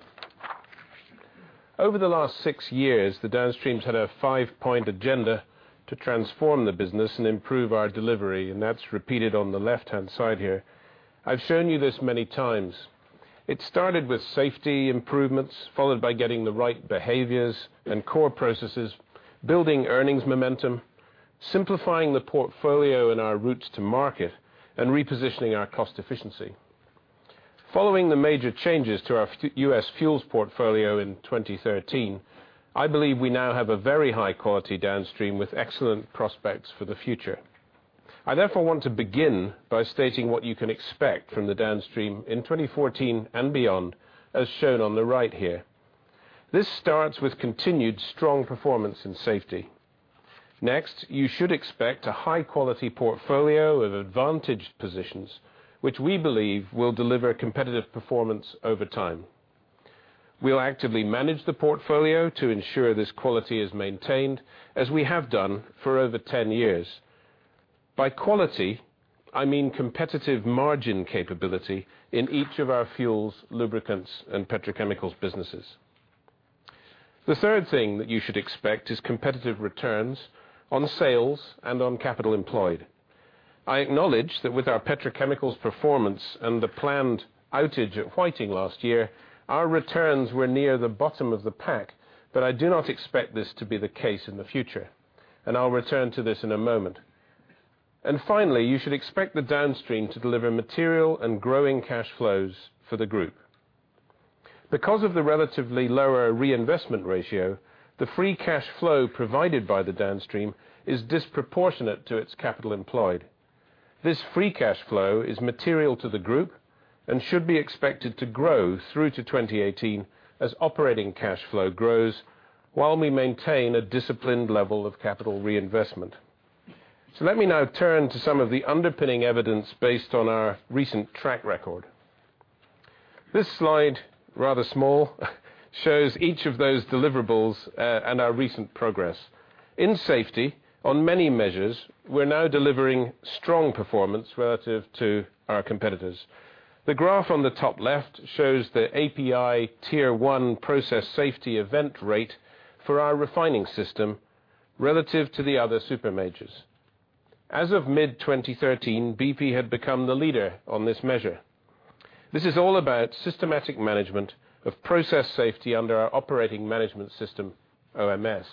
Over the last six years, the Downstream's had a five-point agenda to transform the business and improve our delivery, and that's repeated on the left-hand side here. I've shown you this many times. It started with safety improvements, followed by getting the right behaviors and core processes, building earnings momentum, simplifying the portfolio and our routes to market, and repositioning our cost efficiency. Following the major changes to our U.S. fuels portfolio in 2013, I believe we now have a very high-quality Downstream with excellent prospects for the future. I therefore want to begin by stating what you can expect from the Downstream in 2014 and beyond, as shown on the right here. This starts with continued strong performance and safety. Next, you should expect a high-quality portfolio of advantaged positions, which we believe will deliver competitive performance over time. We'll actively manage the portfolio to ensure this quality is maintained, as we have done for over 10 years. By quality, I mean competitive margin capability in each of our fuels, lubricants, and petrochemicals businesses. The third thing that you should expect is competitive returns on sales and on capital employed. I acknowledge that with our petrochemicals performance and the planned outage at Whiting last year, our returns were near the bottom of the pack, but I do not expect this to be the case in the future, and I'll return to this in a moment. Finally, you should expect the Downstream to deliver material and growing cash flows for the group. Because of the relatively lower reinvestment ratio, the free cash flow provided by the Downstream is disproportionate to its capital employed. This free cash flow is material to the group and should be expected to grow through to 2018 as operating cash flow grows while we maintain a disciplined level of capital reinvestment. Let me now turn to some of the underpinning evidence based on our recent track record. This slide, rather small, shows each of those deliverables and our recent progress. In safety, on many measures, we're now delivering strong performance relative to our competitors. The graph on the top left shows the API Tier 1 process safety event rate for our refining system relative to the other super majors. As of mid 2013, BP had become the leader on this measure. This is all about systematic management of process safety under our Operating Management System, OMS.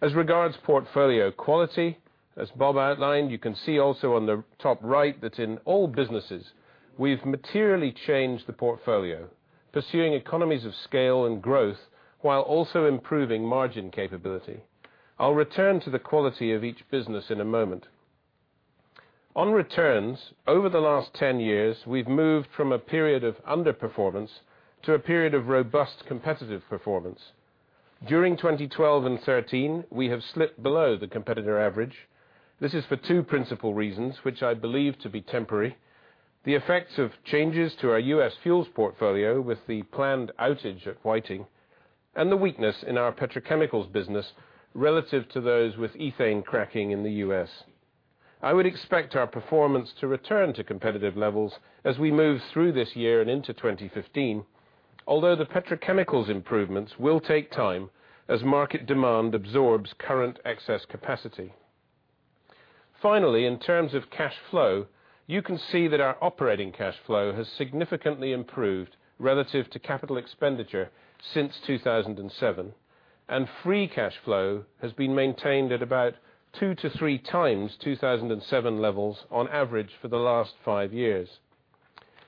As regards portfolio quality, as Bob outlined, you can see also on the top right that in all businesses, we've materially changed the portfolio, pursuing economies of scale and growth while also improving margin capability. I'll return to the quality of each business in a moment. On returns, over the last 10 years, we've moved from a period of underperformance to a period of robust competitive performance. During 2012 and 2013, we have slipped below the competitor average. This is for two principal reasons, which I believe to be temporary: The effects of changes to our U.S. fuels portfolio with the planned outage at Whiting, and the weakness in our petrochemicals business relative to those with ethane cracking in the U.S. I would expect our performance to return to competitive levels as we move through this year and into 2015, although the petrochemicals improvements will take time as market demand absorbs current excess capacity. Finally, in terms of cash flow, you can see that our operating cash flow has significantly improved relative to capital expenditure since 2007, and free cash flow has been maintained at about two to three times 2007 levels on average for the last five years.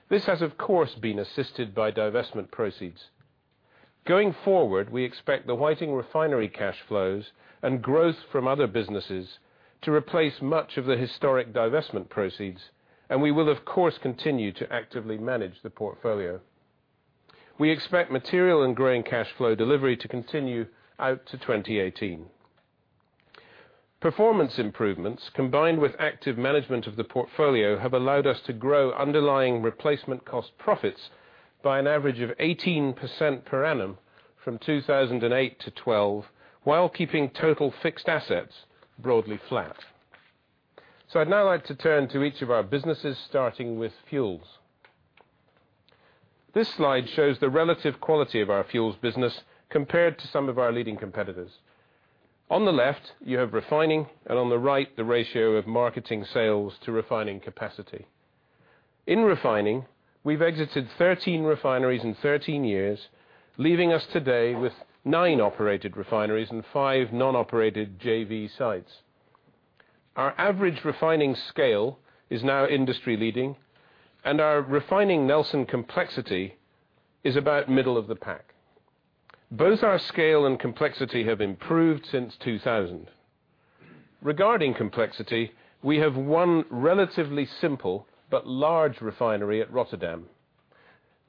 This has, of course, been assisted by divestment proceeds. Going forward, we expect the Whiting refinery cash flows and growth from other businesses to replace much of the historic divestment proceeds, and we will of course continue to actively manage the portfolio. We expect material and growing cash flow delivery to continue out to 2018. Performance improvements, combined with active management of the portfolio, have allowed us to grow underlying replacement cost profits by an average of 18% per annum from 2008 to 2012, while keeping total fixed assets broadly flat. I'd now like to turn to each of our businesses, starting with fuels. This slide shows the relative quality of our fuels business compared to some of our leading competitors. On the left, you have refining, and on the right, the ratio of marketing sales to refining capacity. In refining, we've exited 13 refineries in 13 years, leaving us today with nine operated refineries and five non-operated JV sites. Our average refining scale is now industry leading, and our refining Nelson complexity is about middle of the pack. Both our scale and complexity have improved since 2000. Regarding complexity, we have one relatively simple but large refinery at Rotterdam.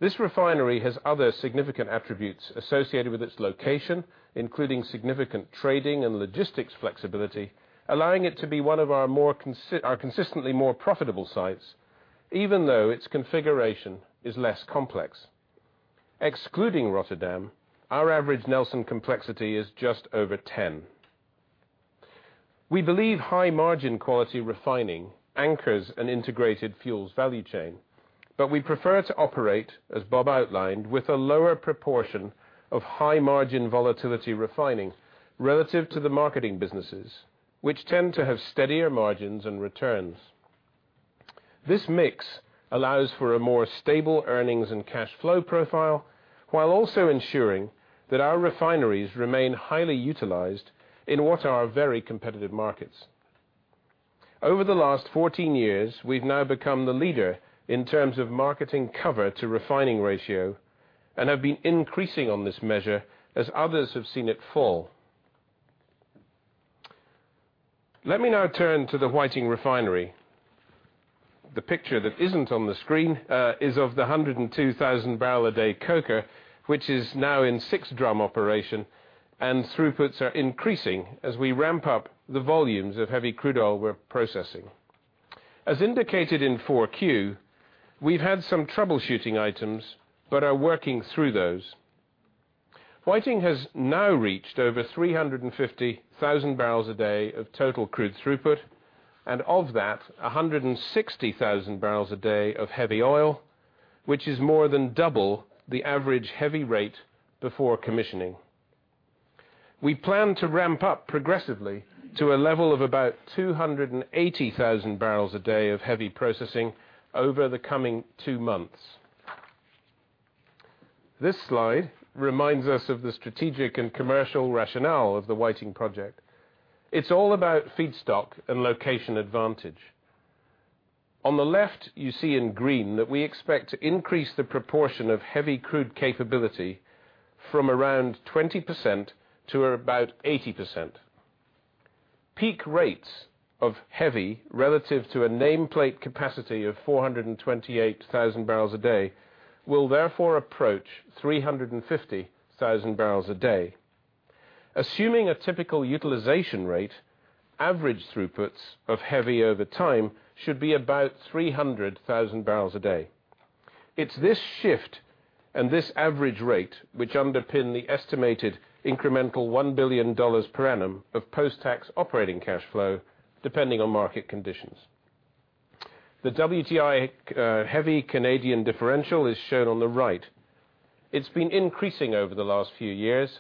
This refinery has other significant attributes associated with its location, including significant trading and logistics flexibility, allowing it to be one of our consistently more profitable sites, even though its configuration is less complex. Excluding Rotterdam, our average Nelson complexity is just over 10. We believe high margin quality refining anchors an integrated fuels value chain, but we prefer to operate, as Bob outlined, with a lower proportion of high margin volatility refining relative to the marketing businesses, which tend to have steadier margins and returns. This mix allows for a more stable earnings and cash flow profile while also ensuring that our refineries remain highly utilized in what are very competitive markets. Over the last 14 years, we've now become the leader in terms of marketing cover to refining ratio and have been increasing on this measure as others have seen it fall. Let me now turn to the Whiting refinery. The picture that isn't on the screen is of the 102,000 barrel a day coker, which is now in six drum operation and throughputs are increasing as we ramp up the volumes of heavy crude oil we're processing. As indicated in 4Q, we've had some troubleshooting items but are working through those. Whiting has now reached over 350,000 barrels a day of total crude throughput. Of that, 160,000 barrels a day of heavy oil, which is more than double the average heavy rate before commissioning. We plan to ramp up progressively to a level of about 280,000 barrels a day of heavy processing over the coming two months. This slide reminds us of the strategic and commercial rationale of the Whiting project. It's all about feedstock and location advantage. On the left, you see in green that we expect to increase the proportion of heavy crude capability from around 20% to about 80%. Peak rates of heavy relative to a nameplate capacity of 428,000 barrels a day will therefore approach 350,000 barrels a day. Assuming a typical utilization rate, average throughputs of heavy over time should be about 300,000 barrels a day. It's this shift and this average rate which underpin the estimated incremental $1 billion per annum of post-tax operating cash flow, depending on market conditions. The WTI heavy Canadian differential is shown on the right. It's been increasing over the last few years.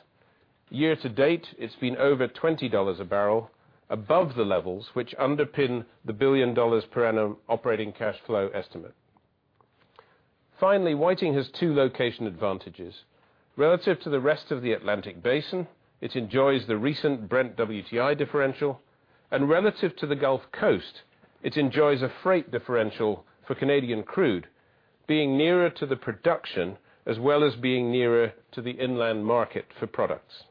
Year to date, it's been over $20 a barrel above the levels which underpin the billion dollars per annum operating cash flow estimate. Finally, Whiting has two location advantages. Relative to the rest of the Atlantic Basin, it enjoys the recent Brent WTI differential, and relative to the Gulf Coast, it enjoys a freight differential for Canadian crude, being nearer to the production as well as being nearer to the inland market for products.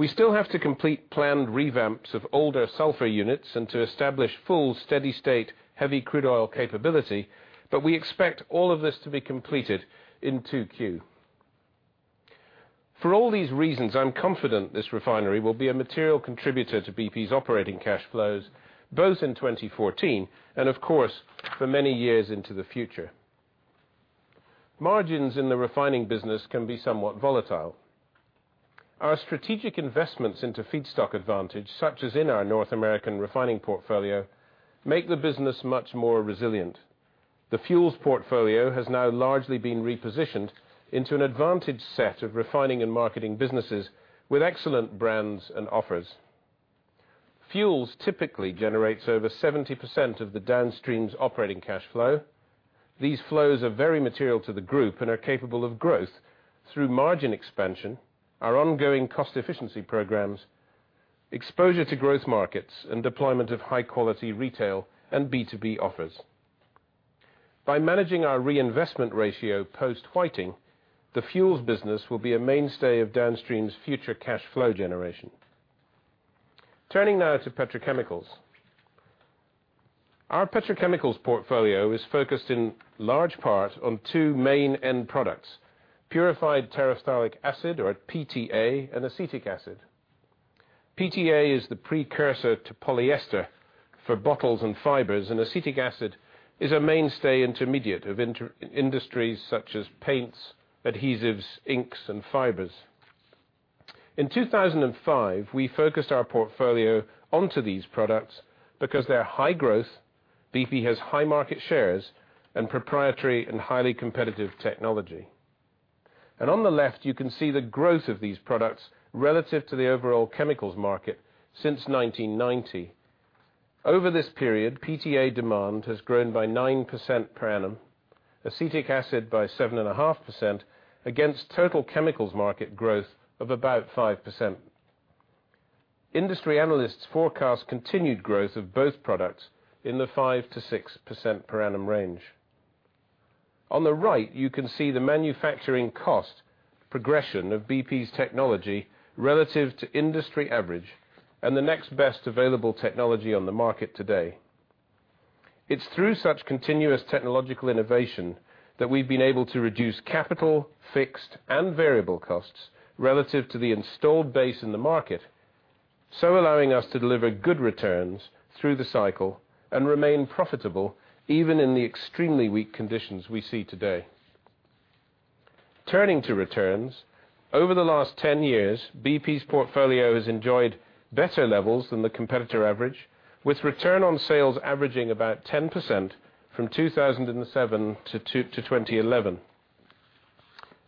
We still have to complete planned revamps of older sulfur units and to establish full, steady state heavy crude oil capability, but we expect all of this to be completed in 2Q. For all these reasons, I'm confident this refinery will be a material contributor to BP's operating cash flows, both in 2014 and, of course, for many years into the future. Margins in the refining business can be somewhat volatile. Our strategic investments into feedstock advantage, such as in our North American refining portfolio, make the business much more resilient. The fuels portfolio has now largely been repositioned into an advantage set of refining and marketing businesses with excellent brands and offers. Fuels typically generates over 70% of the Downstream's operating cash flow. These flows are very material to the group and are capable of growth through margin expansion, our ongoing cost efficiency programs, exposure to growth markets, and deployment of high-quality retail and B2B offers. By managing our reinvestment ratio post-Whiting, the fuels business will be a mainstay of Downstream's future cash flow generation. Turning now to petrochemicals. Our petrochemicals portfolio is focused in large part on two main end products, purified terephthalic acid, or PTA, and acetic acid. PTA is the precursor to polyester for bottles and fibers, and acetic acid is a mainstay intermediate of industries such as paints, adhesives, inks, and fibers. In 2005, we focused our portfolio onto these products because they are high growth, BP has high market shares, and proprietary and highly competitive technology. On the left, you can see the growth of these products relative to the overall chemicals market since 1990. Over this period, PTA demand has grown by 9% per annum, acetic acid by 7.5%, against total chemicals market growth of about 5%. Industry analysts forecast continued growth of both products in the 5%-6% per annum range. On the right, you can see the manufacturing cost progression of BP's technology relative to industry average and the next best available technology on the market today. It's through such continuous technological innovation that we've been able to reduce capital, fixed, and variable costs relative to the installed base in the market. Allowing us to deliver good returns through the cycle and remain profitable even in the extremely weak conditions we see today. Turning to returns, over the last 10 years, BP's portfolio has enjoyed better levels than the competitor average, with return on sales averaging about 10% from 2007 to 2011.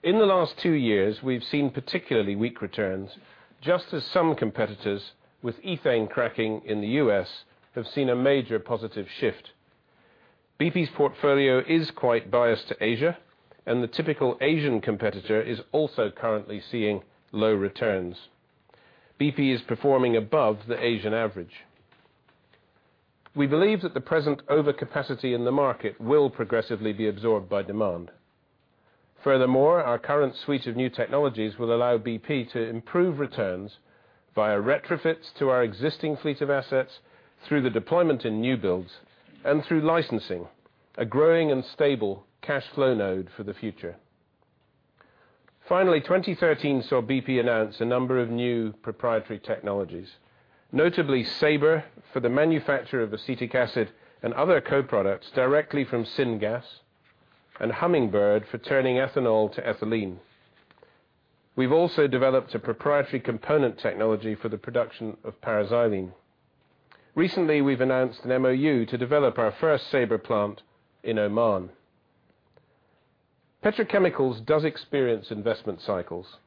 In the last two years, we've seen particularly weak returns, just as some competitors with ethane cracking in the U.S. have seen a major positive shift. BP's portfolio is quite biased to Asia, and the typical Asian competitor is also currently seeing low returns. BP is performing above the Asian average. We believe that the present overcapacity in the market will progressively be absorbed by demand. Our current suite of new technologies will allow BP to improve returns via retrofits to our existing fleet of assets through the deployment in new builds and through licensing, a growing and stable cash flow node for the future. 2013 saw BP announce a number of new proprietary technologies, notably SABRE for the manufacture of acetic acid and other co-products directly from syngas, and Hummingbird for turning ethanol to ethylene. We've also developed a proprietary component technology for the production of paraxylene. Recently, we've announced an MOU to develop our first SABRE plant in Oman. Petrochemicals does experience investment cycles.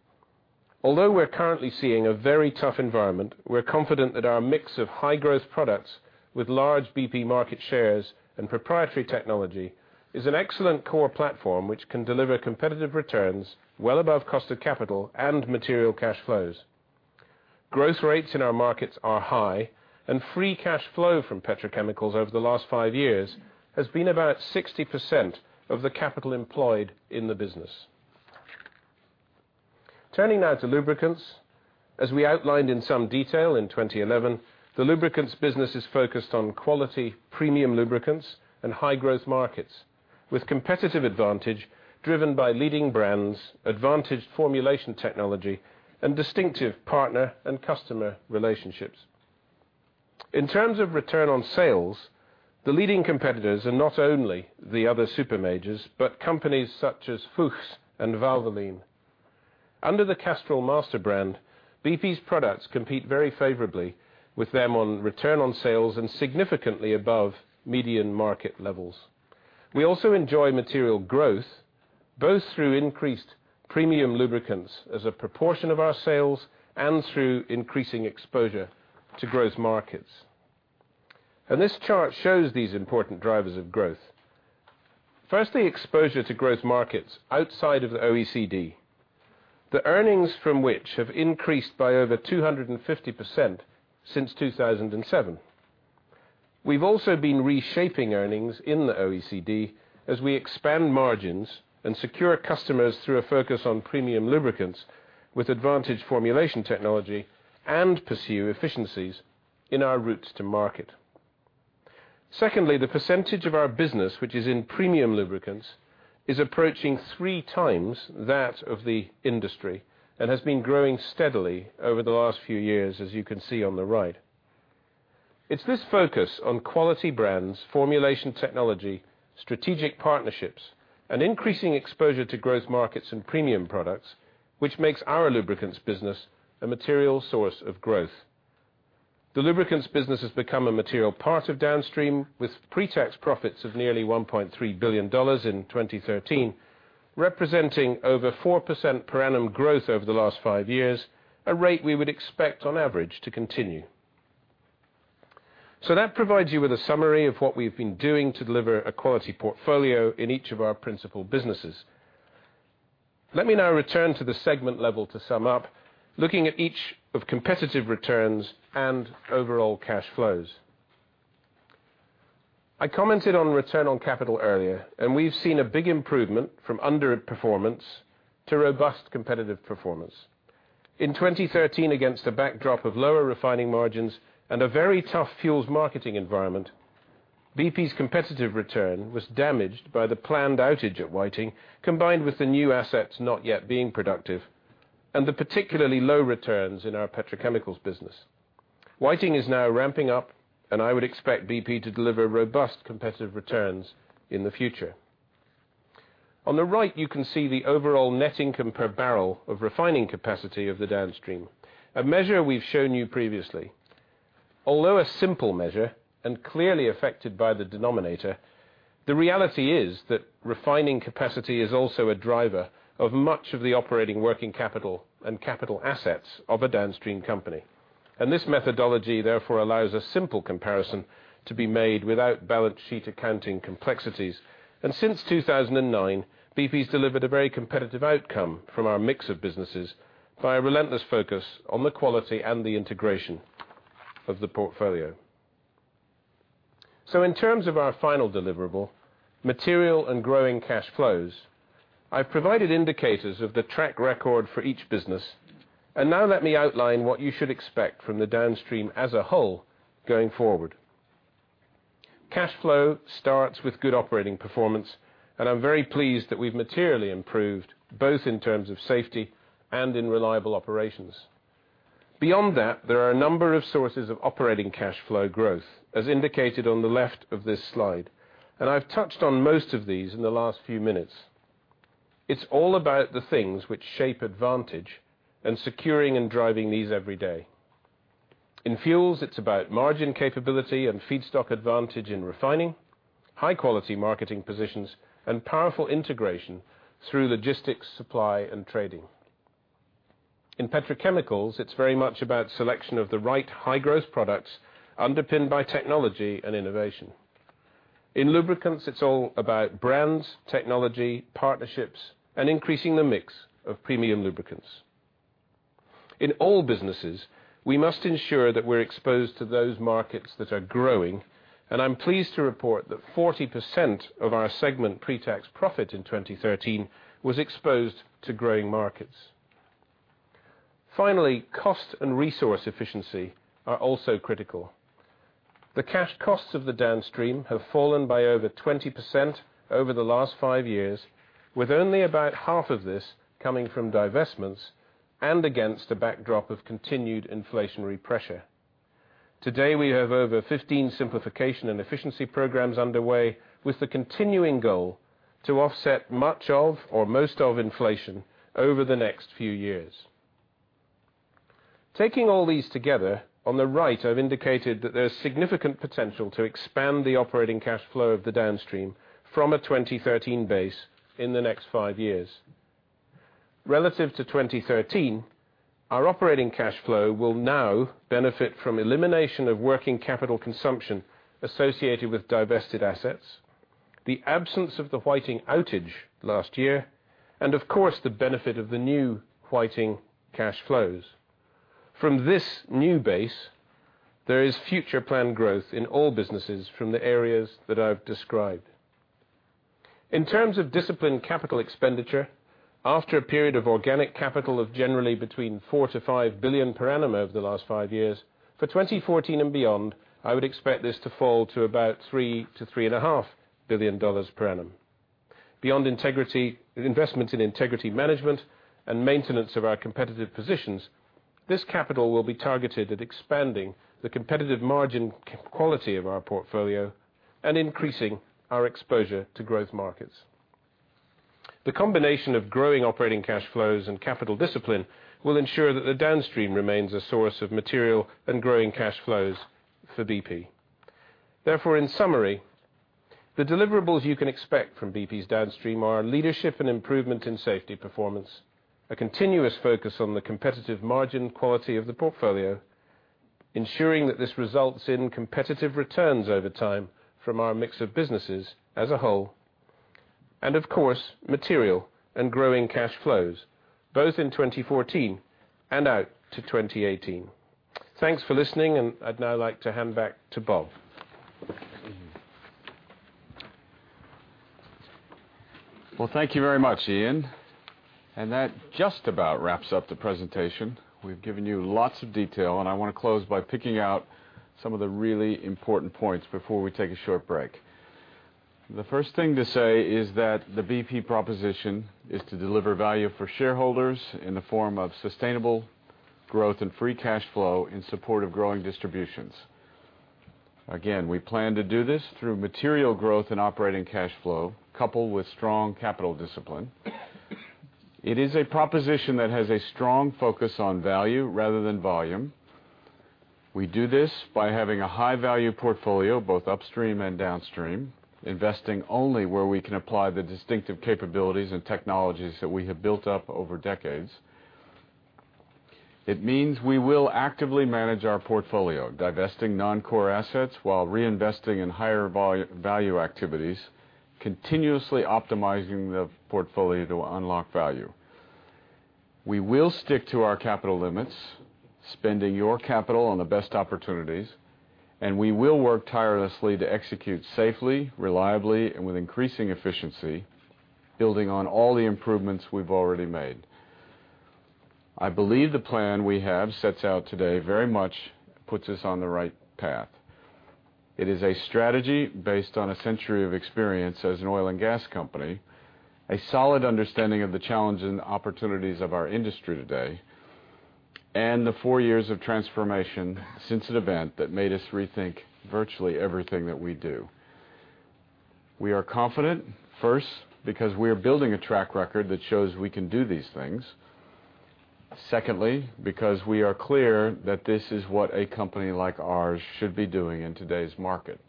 We're currently seeing a very tough environment, we're confident that our mix of high-growth products with large BP market shares and proprietary technology is an excellent core platform which can deliver competitive returns well above cost of capital and material cash flows. Growth rates in our markets are high. Free cash flow from petrochemicals over the last five years has been about 60% of the capital employed in the business. Turning now to lubricants. As we outlined in some detail in 2011, the lubricants business is focused on quality premium lubricants and high-growth markets with competitive advantage driven by leading brands, advantage formulation technology, and distinctive partner and customer relationships. In terms of return on sales, the leading competitors are not only the other super majors, but companies such as Fuchs and Valvoline. Under the Castrol master brand, BP's products compete very favorably with them on return on sales and significantly above median market levels. We also enjoy material growth, both through increased premium lubricants as a proportion of our sales and through increasing exposure to growth markets. This chart shows these important drivers of growth. Exposure to growth markets outside of the OECD, the earnings from which have increased by over 250% since 2007. We've also been reshaping earnings in the OECD as we expand margins and secure customers through a focus on premium lubricants with advantage formulation technology and pursue efficiencies in our routes to market. The percentage of our business which is in premium lubricants is approaching three times that of the industry and has been growing steadily over the last few years, as you can see on the right. It's this focus on quality brands, formulation technology, strategic partnerships, and increasing exposure to growth markets and premium products, which makes our lubricants business a material source of growth. The lubricants business has become a material part of Downstream, with pretax profits of nearly $1.3 billion in 2013, representing over 4% per annum growth over the last five years, a rate we would expect, on average, to continue. That provides you with a summary of what we've been doing to deliver a quality portfolio in each of our principal businesses. Let me now return to the segment level to sum up, looking at each of competitive returns and overall cash flows. I commented on return on capital earlier, and we've seen a big improvement from underperformance to robust competitive performance. In 2013, against a backdrop of lower refining margins and a very tough fuels marketing environment, BP's competitive return was damaged by the planned outage at Whiting, combined with the new assets not yet being productive and the particularly low returns in our petrochemicals business. Whiting is now ramping up. I would expect BP to deliver robust competitive returns in the future. On the right, you can see the overall net income per barrel of refining capacity of the Downstream, a measure we've shown you previously. Although a simple measure and clearly affected by the denominator, the reality is that refining capacity is also a driver of much of the operating working capital and capital assets of a Downstream company. This methodology therefore allows a simple comparison to be made without balance sheet accounting complexities. Since 2009, BP's delivered a very competitive outcome from our mix of businesses by a relentless focus on the quality and the integration of the portfolio. In terms of our final deliverable, material and growing cash flows, I've provided indicators of the track record for each business. Now let me outline what you should expect from the Downstream as a whole going forward. Cash flow starts with good operating performance, I'm very pleased that we've materially improved both in terms of safety and in reliable operations. Beyond that, there are a number of sources of operating cash flow growth, as indicated on the left of this slide. I've touched on most of these in the last few minutes. It's all about the things which shape advantage and securing and driving these every day. In fuels, it's about margin capability and feedstock advantage in refining, high-quality marketing positions, and powerful integration through logistics, supply, and trading. In petrochemicals, it's very much about selection of the right high-growth products underpinned by technology and innovation. In lubricants, it's all about brands, technology, partnerships, and increasing the mix of premium lubricants. In all businesses, we must ensure that we're exposed to those markets that are growing. I'm pleased to report that 40% of our segment pretax profit in 2013 was exposed to growing markets. Finally, cost and resource efficiency are also critical. The cash costs of the Downstream have fallen by over 20% over the last five years, with only about half of this coming from divestments and against a backdrop of continued inflationary pressure. Today, we have over 15 simplification and efficiency programs underway with the continuing goal to offset much of or most of inflation over the next few years. Taking all these together, on the right, I've indicated that there's significant potential to expand the operating cash flow of the Downstream from a 2013 base in the next five years. Relative to 2013, our operating cash flow will now benefit from elimination of working capital consumption associated with divested assets, the absence of the Whiting outage last year, and of course, the benefit of the new Whiting cash flows. From this new base, there is future plan growth in all businesses from the areas that I've described. In terms of disciplined capital expenditure, after a period of organic capital of generally between 4 billion-5 billion per annum over the last five years, for 2014 and beyond, I would expect this to fall to about GBP 3 billion-GBP 3.5 billion per annum. Beyond investment in integrity management and maintenance of our competitive positions, this capital will be targeted at expanding the competitive margin quality of our portfolio and increasing our exposure to growth markets. The combination of growing operating cash flows and capital discipline will ensure that the Downstream remains a source of material and growing cash flows for BP. Therefore, in summary, the deliverables you can expect from BP's Downstream are leadership and improvement in safety performance, a continuous focus on the competitive margin quality of the portfolio, ensuring that this results in competitive returns over time from our mix of businesses as a whole, and of course, material and growing cash flows both in 2014 and out to 2018. Thanks for listening, and I'd now like to hand back to Bob.
Well, thank you very much, Iain. That just about wraps up the presentation. We've given you lots of detail. I want to close by picking out some of the really important points before we take a short break. The first thing to say is that the BP proposition is to deliver value for shareholders in the form of sustainable growth and free cash flow in support of growing distributions. Again, we plan to do this through material growth and operating cash flow, coupled with strong capital discipline. It is a proposition that has a strong focus on value rather than volume. We do this by having a high-value portfolio, both Upstream and Downstream, investing only where we can apply the distinctive capabilities and technologies that we have built up over decades. It means we will actively manage our portfolio, divesting non-core assets while reinvesting in higher value activities, continuously optimizing the portfolio to unlock value. We will stick to our capital limits, spending your capital on the best opportunities. We will work tirelessly to execute safely, reliably, and with increasing efficiency, building on all the improvements we've already made. I believe the plan we have sets out today very much puts us on the right path. It is a strategy based on a century of experience as an oil and gas company, a solid understanding of the challenge and opportunities of our industry today, and the four years of transformation since an event that made us rethink virtually everything that we do. We are confident, first, because we are building a track record that shows we can do these things. Secondly, because we are clear that this is what a company like ours should be doing in today's market.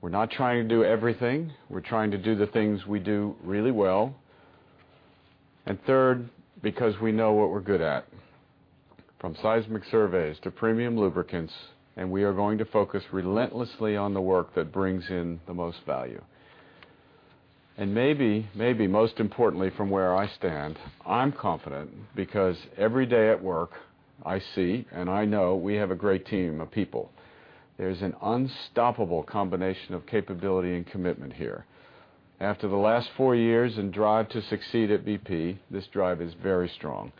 We're not trying to do everything. We're trying to do the things we do really well. Third, because we know what we're good at, from seismic surveys to premium lubricants, we are going to focus relentlessly on the work that brings in the most value. Maybe most importantly from where I stand, I'm confident because every day at work, I see and I know we have a great team of people. There's an unstoppable combination of capability and commitment here. After the last four years and drive to succeed at BP, this drive is very strong,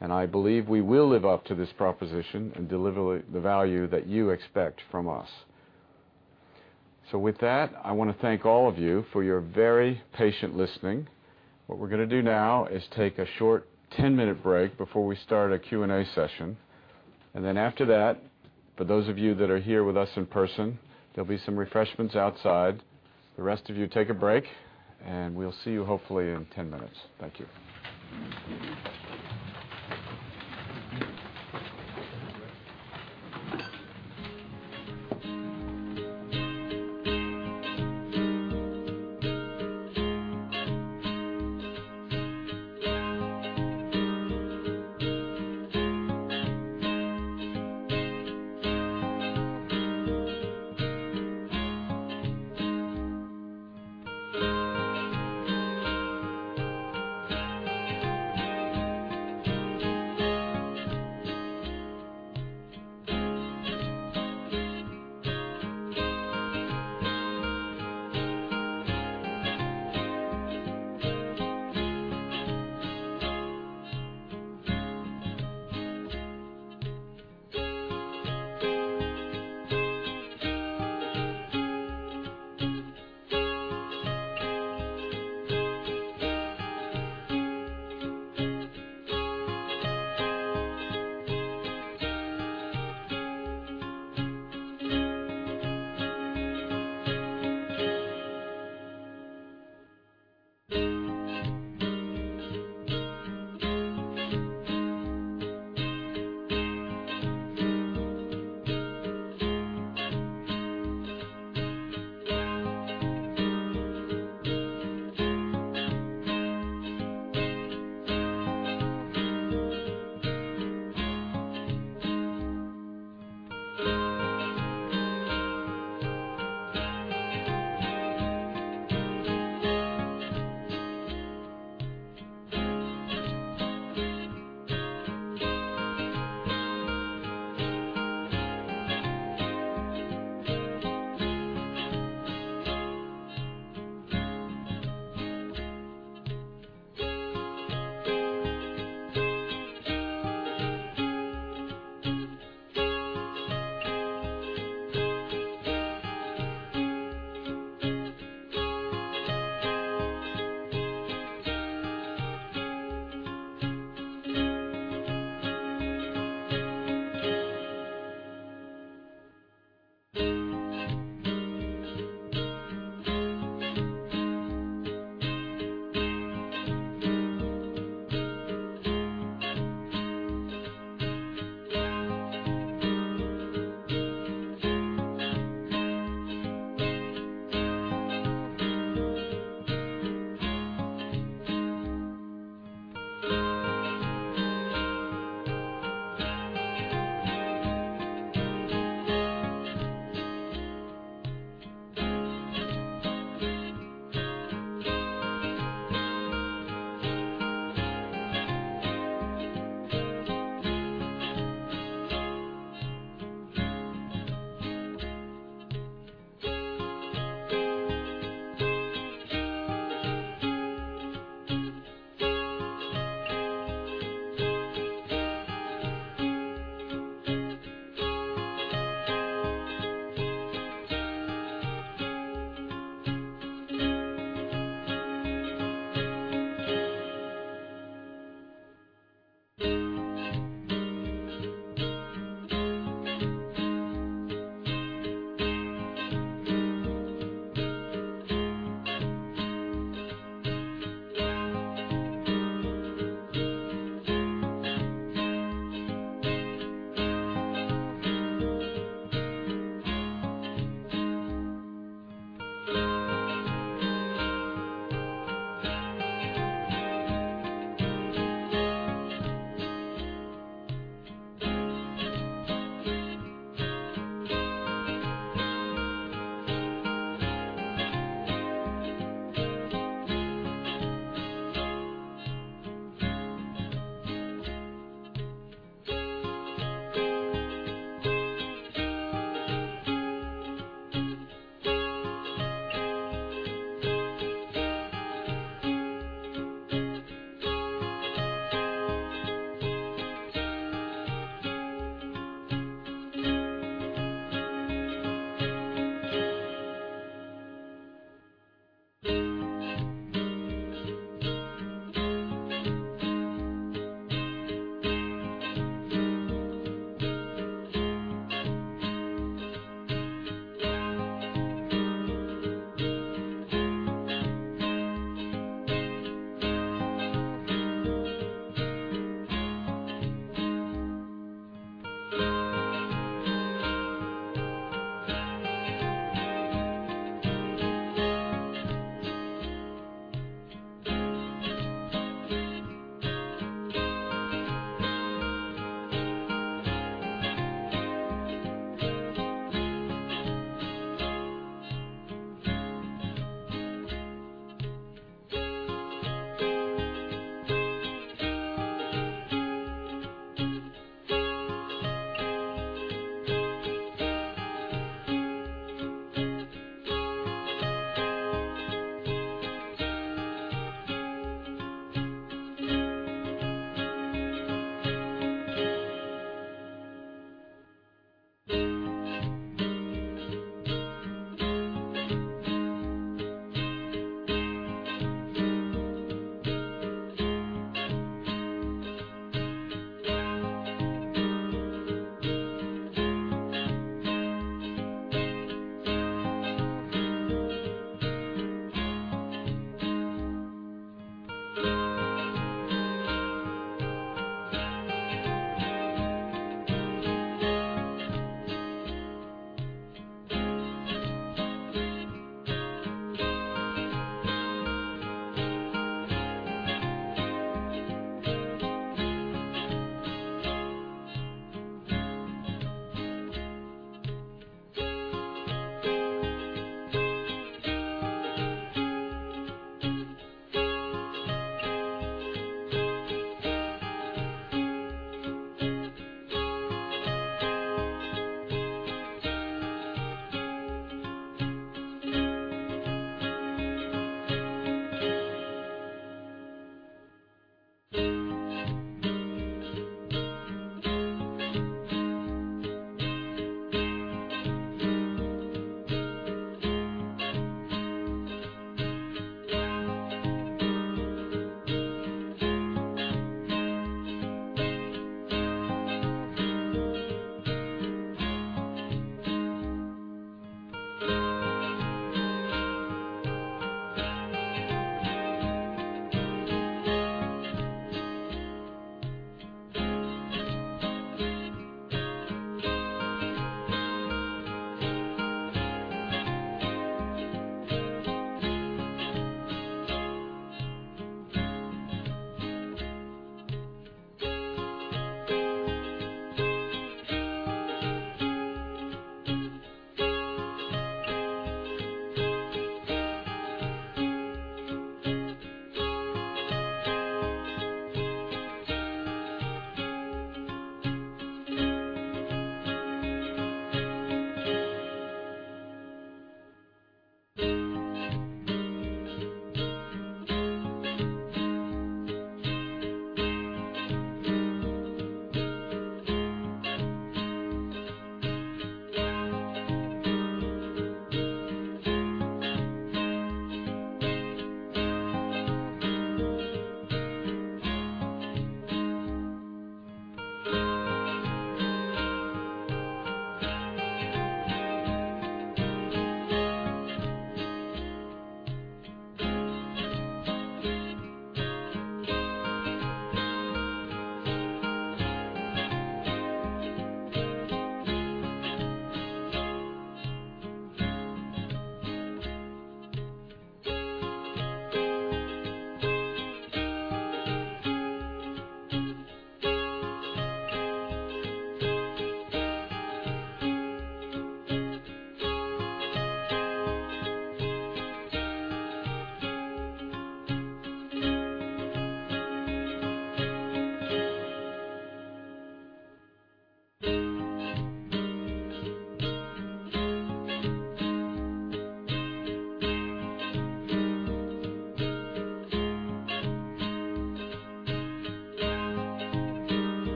and I believe we will live up to this proposition and deliver the value that you expect from us. With that, I want to thank all of you for your very patient listening. What we're going to do now is take a short 10-minute break before we start a Q&A session. Then after that, for those of you that are here with us in person, there'll be some refreshments outside. The rest of you take a break, and we'll see you hopefully in 10 minutes.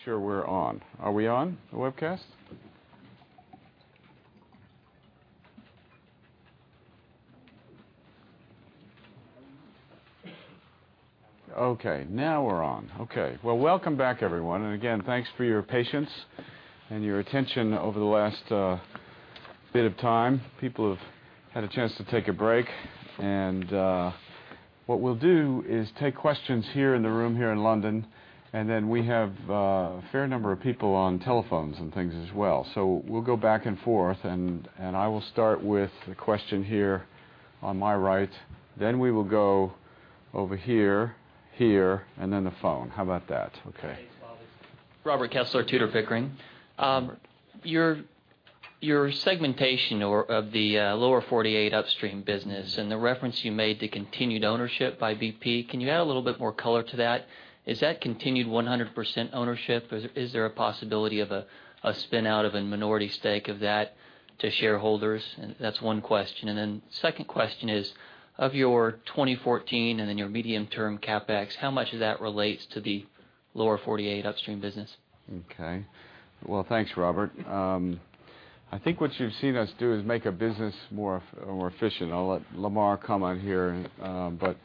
Thank you. To make sure we're on. Are we on the webcast? Okay, now we're on. Okay. Well, welcome back everyone. Again, thanks for your patience and your attention over the last bit of time. People have had a chance to take a break, and what we'll do is take questions here in the room, here in London, and then we have a fair number of people on telephones and things as well. We'll go back and forth, and I will start with the question here on my right. We will go over here, and then the phone. How about that? Okay.
Thanks, Bob. Robert Kessler, Tudor, Pickering.
Robert.
Your segmentation of the Lower 48 upstream business and the reference you made to continued ownership by BP, can you add a little bit more color to that? Is that continued 100% ownership? Is there a possibility of a spin-out of a minority stake of that to shareholders? That's one question. Second question is, of your 2014 and then your medium-term CapEx, how much of that relates to the Lower 48 upstream business?
Okay. Well, thanks, Robert. I think what you've seen us do is make a business more efficient. I'll let Lamar come on here, but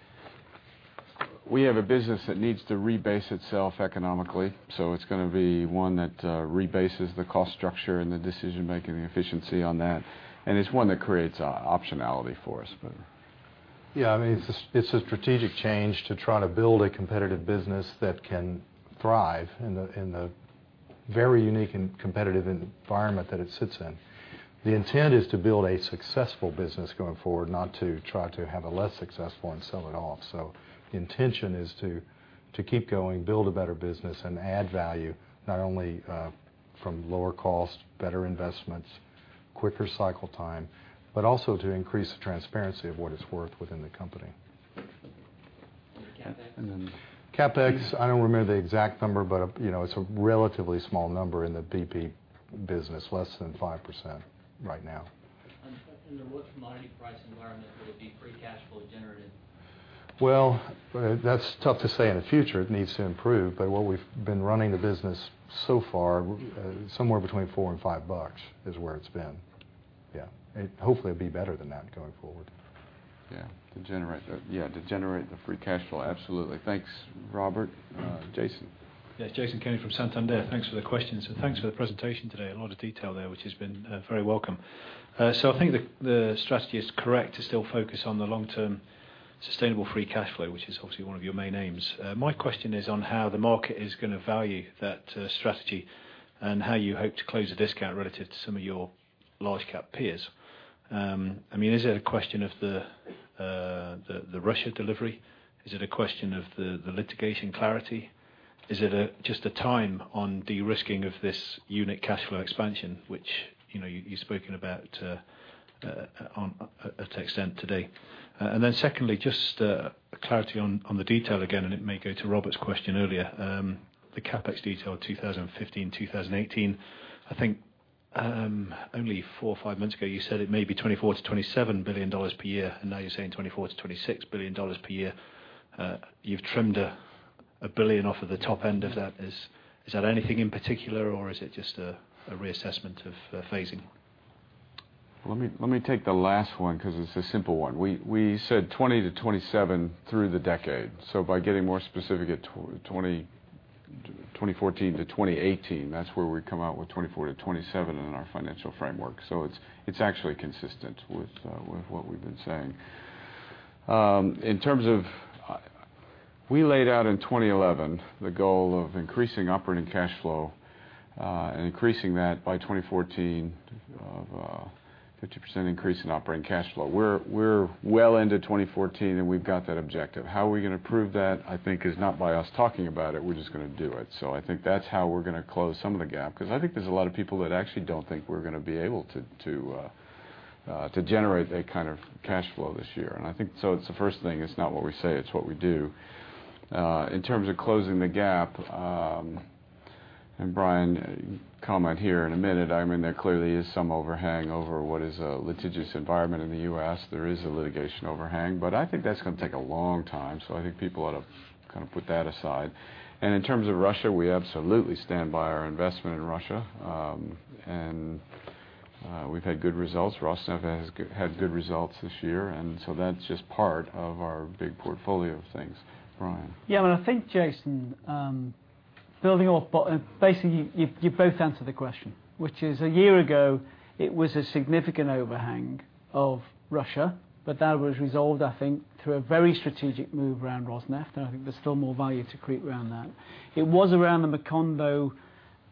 we have a business that needs to rebase itself economically. It's going to be one that rebases the cost structure and the decision-making and efficiency on that. It's one that creates optionality for us.
It's a strategic change to try to build a competitive business that can thrive in the very unique and competitive environment that it sits in. The intent is to build a successful business going forward, not to try to have a less successful and sell it off. The intention is to keep going, build a better business, and add value, not only from lower cost, better investments, quicker cycle time, but also to increase the transparency of what it's worth within the company.
The CapEx?
CapEx, I don't remember the exact number, but it's a relatively small number in the BP business, less than 5% right now.
What commodity price environment will it be free cash flow generative?
Well, that's tough to say in the future. It needs to improve. What we've been running the business so far, somewhere between $4 and $5 is where it's been. Yeah. Hopefully, it'll be better than that going forward.
Yeah. To generate the free cash flow. Absolutely. Thanks, Robert. Jason.
Yes. Jason Kenney from Santander. Thanks for the questions and thanks for the presentation today. A lot of detail there, which has been very welcome. I think the strategy is correct to still focus on the long-term sustainable free cash flow, which is obviously one of your main aims. My question is on how the market is going to value that strategy and how you hope to close the discount relative to some of your large cap peers. Is it a question of the Russia delivery? Is it a question of the litigation clarity? Is it just a time on de-risking of this unit cash flow expansion, which you've spoken about to extent today? Secondly, just clarity on the detail again, and it may go to Robert's question earlier, the CapEx detail of 2015, 2018. I think only four or five months ago, you said it may be GBP 24 billion-GBP 27 billion per year, and now you're saying GBP 24 billion-GBP 26 billion per year. You've trimmed 1 billion off of the top end of that. Is that anything in particular, or is it just a reassessment of phasing?
Let me take the last one because it's a simple one. We said 20 billion-27 billion through the decade. By getting more specific at 2014 to 2018, that's where we come out with 24 billion-27 billion in our financial framework. It's actually consistent with what we've been saying. We laid out in 2011 the goal of increasing operating cash flow, and increasing that by 2014 of a 50% increase in operating cash flow. We're well into 2014, and we've got that objective. How are we going to prove that, I think is not by us talking about it. We're just going to do it. I think that's how we're going to close some of the gap, because I think there's a lot of people that actually don't think we're going to be able to generate that kind of cash flow this year. It's the first thing, it's not what we say, it's what we do. In terms of closing the gap, and Brian, comment here in a minute. There clearly is some overhang over what is a litigious environment in the U.S. There is a litigation overhang. I think that's going to take a long time. I think people ought to put that aside. In terms of Russia, we absolutely stand by our investment in Russia. We've had good results. Rosneft has had good results this year. That's just part of our big portfolio of things. Brian.
Yeah. I think, Jason, building off Bob, basically, you both answered the question, which is a year ago, it was a significant overhang of Rosneft, but that was resolved, I think, through a very strategic move around Rosneft, and I think there's still more value to creep around that. It was around the Macondo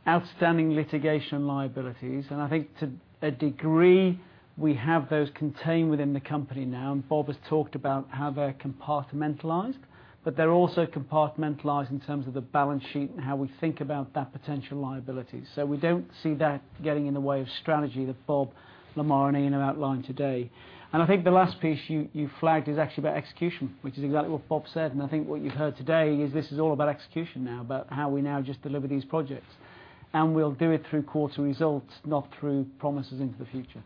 outstanding litigation liabilities, and I think to a degree, we have those contained within the company now, and Bob has talked about how they're compartmentalized, but they're also compartmentalized in terms of the balance sheet and how we think about that potential liability. So we don't see that getting in the way of strategy that Bob, Lamar, and Iain have outlined today. I think the last piece you flagged is actually about execution, which is exactly what Bob said. I think what you've heard today is this is all about execution now, about how we now just deliver these projects. We'll do it through quarter results, not through promises into the future.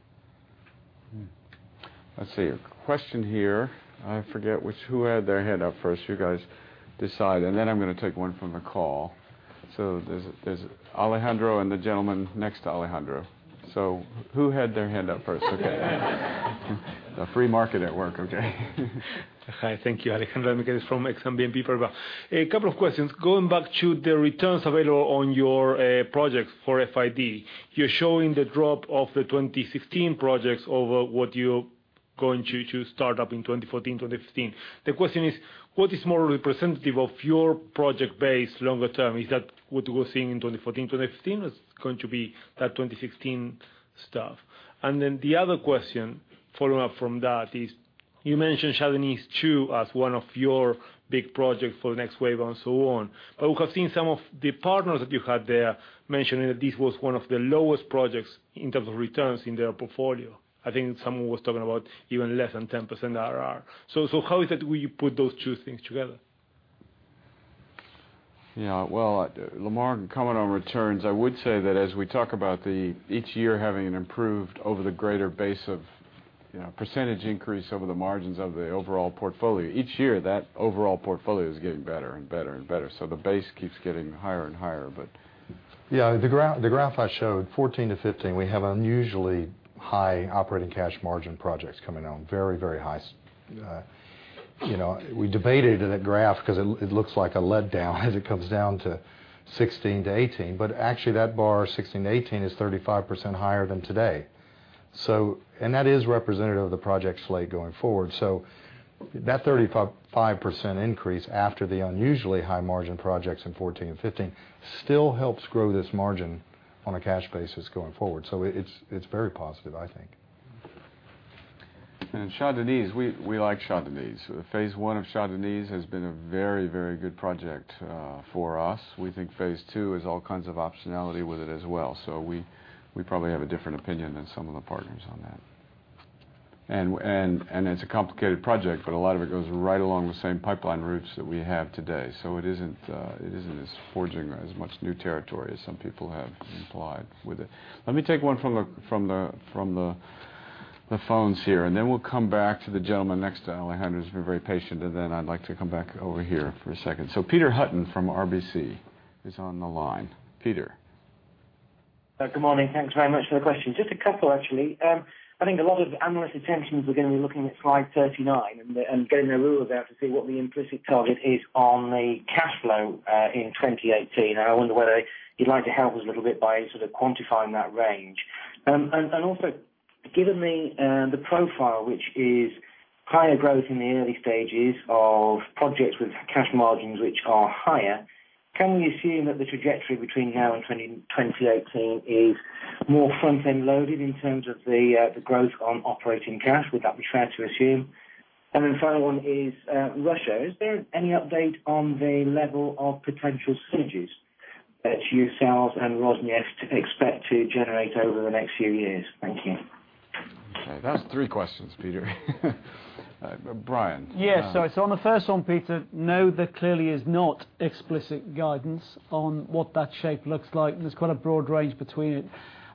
Let's see. A question here. I forget who had their hand up first. You guys decide. Then I'm going to take one from the call. There's Alejandro and the gentleman next to Alejandro. Who had their hand up first? Okay. A free market at work, okay.
Hi. Thank you. Alejandro Demichelis from Exane BNP Paribas. A couple of questions. Going back to the returns available on your projects for FID. You're showing the drop of the 2016 projects over what you're going to start up in 2014, 2015. The question is, what is more representative of your project base longer term? Is that what we're seeing in 2014, 2015? Or it's going to be that 2016 stuff? Then the other question following up from that is, you mentioned Shah Deniz 2 as one of your big projects for the next wave and so on. We have seen some of the partners that you had there mentioning that this was one of the lowest projects in terms of returns in their portfolio. I think someone was talking about even less than 10% RR. How is it will you put those two things together?
Yeah. Well, Lamar, comment on returns. I would say that as we talk about each year having an improved over the greater base of percentage increase over the margins of the overall portfolio. Each year, that overall portfolio is getting better and better. The base keeps getting higher and higher.
Yeah. The graph I showed, 2014 to 2015, we have unusually high operating cash margin projects coming on. Very high. We debated in a graph because it looks like a letdown as it comes down to 2016 to 2018, but actually that bar 2016 to 2018 is 35% higher than today. That is representative of the project slate going forward. That 35% increase after the unusually high margin projects in 2014 and 2015 still helps grow this margin on a cash basis going forward. It's very positive, I think.
Shah Deniz, we like Shah Deniz. Phase 1 of Shah Deniz has been a very good project for us. We think phase 2 has all kinds of optionality with it as well. We probably have a different opinion than some of the partners on that. It's a complicated project, but a lot of it goes right along the same pipeline routes that we have today. It isn't as forging as much new territory as some people have implied with it. Let me take one from the phones here, and then we'll come back to the gentleman next to Alejandro, who's been very patient, and then I'd like to come back over here for a second. Peter Hutton from RBC is on the line. Peter.
Good morning. Thanks very much for the question. Just a couple, actually. I think a lot of analysts' attentions are going to be looking at slide 39, and getting their ruler out to see what the implicit target is on the cash flow, in 2018. I wonder whether you'd like to help us a little bit by sort of quantifying that range. Also, given the profile, which is higher growth in the early stages of projects with cash margins which are higher, can we assume that the trajectory between now and 2018 is more front-end loaded in terms of the growth on operating cash? Would that be fair to assume? Final one is Russia. Is there any update on the level of potential synergies that you selves and Rosneft expect to generate over the next few years? Thank you.
Okay, that's three questions, Peter. Brian.
On the first one, Peter, no, there clearly is not explicit guidance on what that shape looks like. There's quite a broad range between it.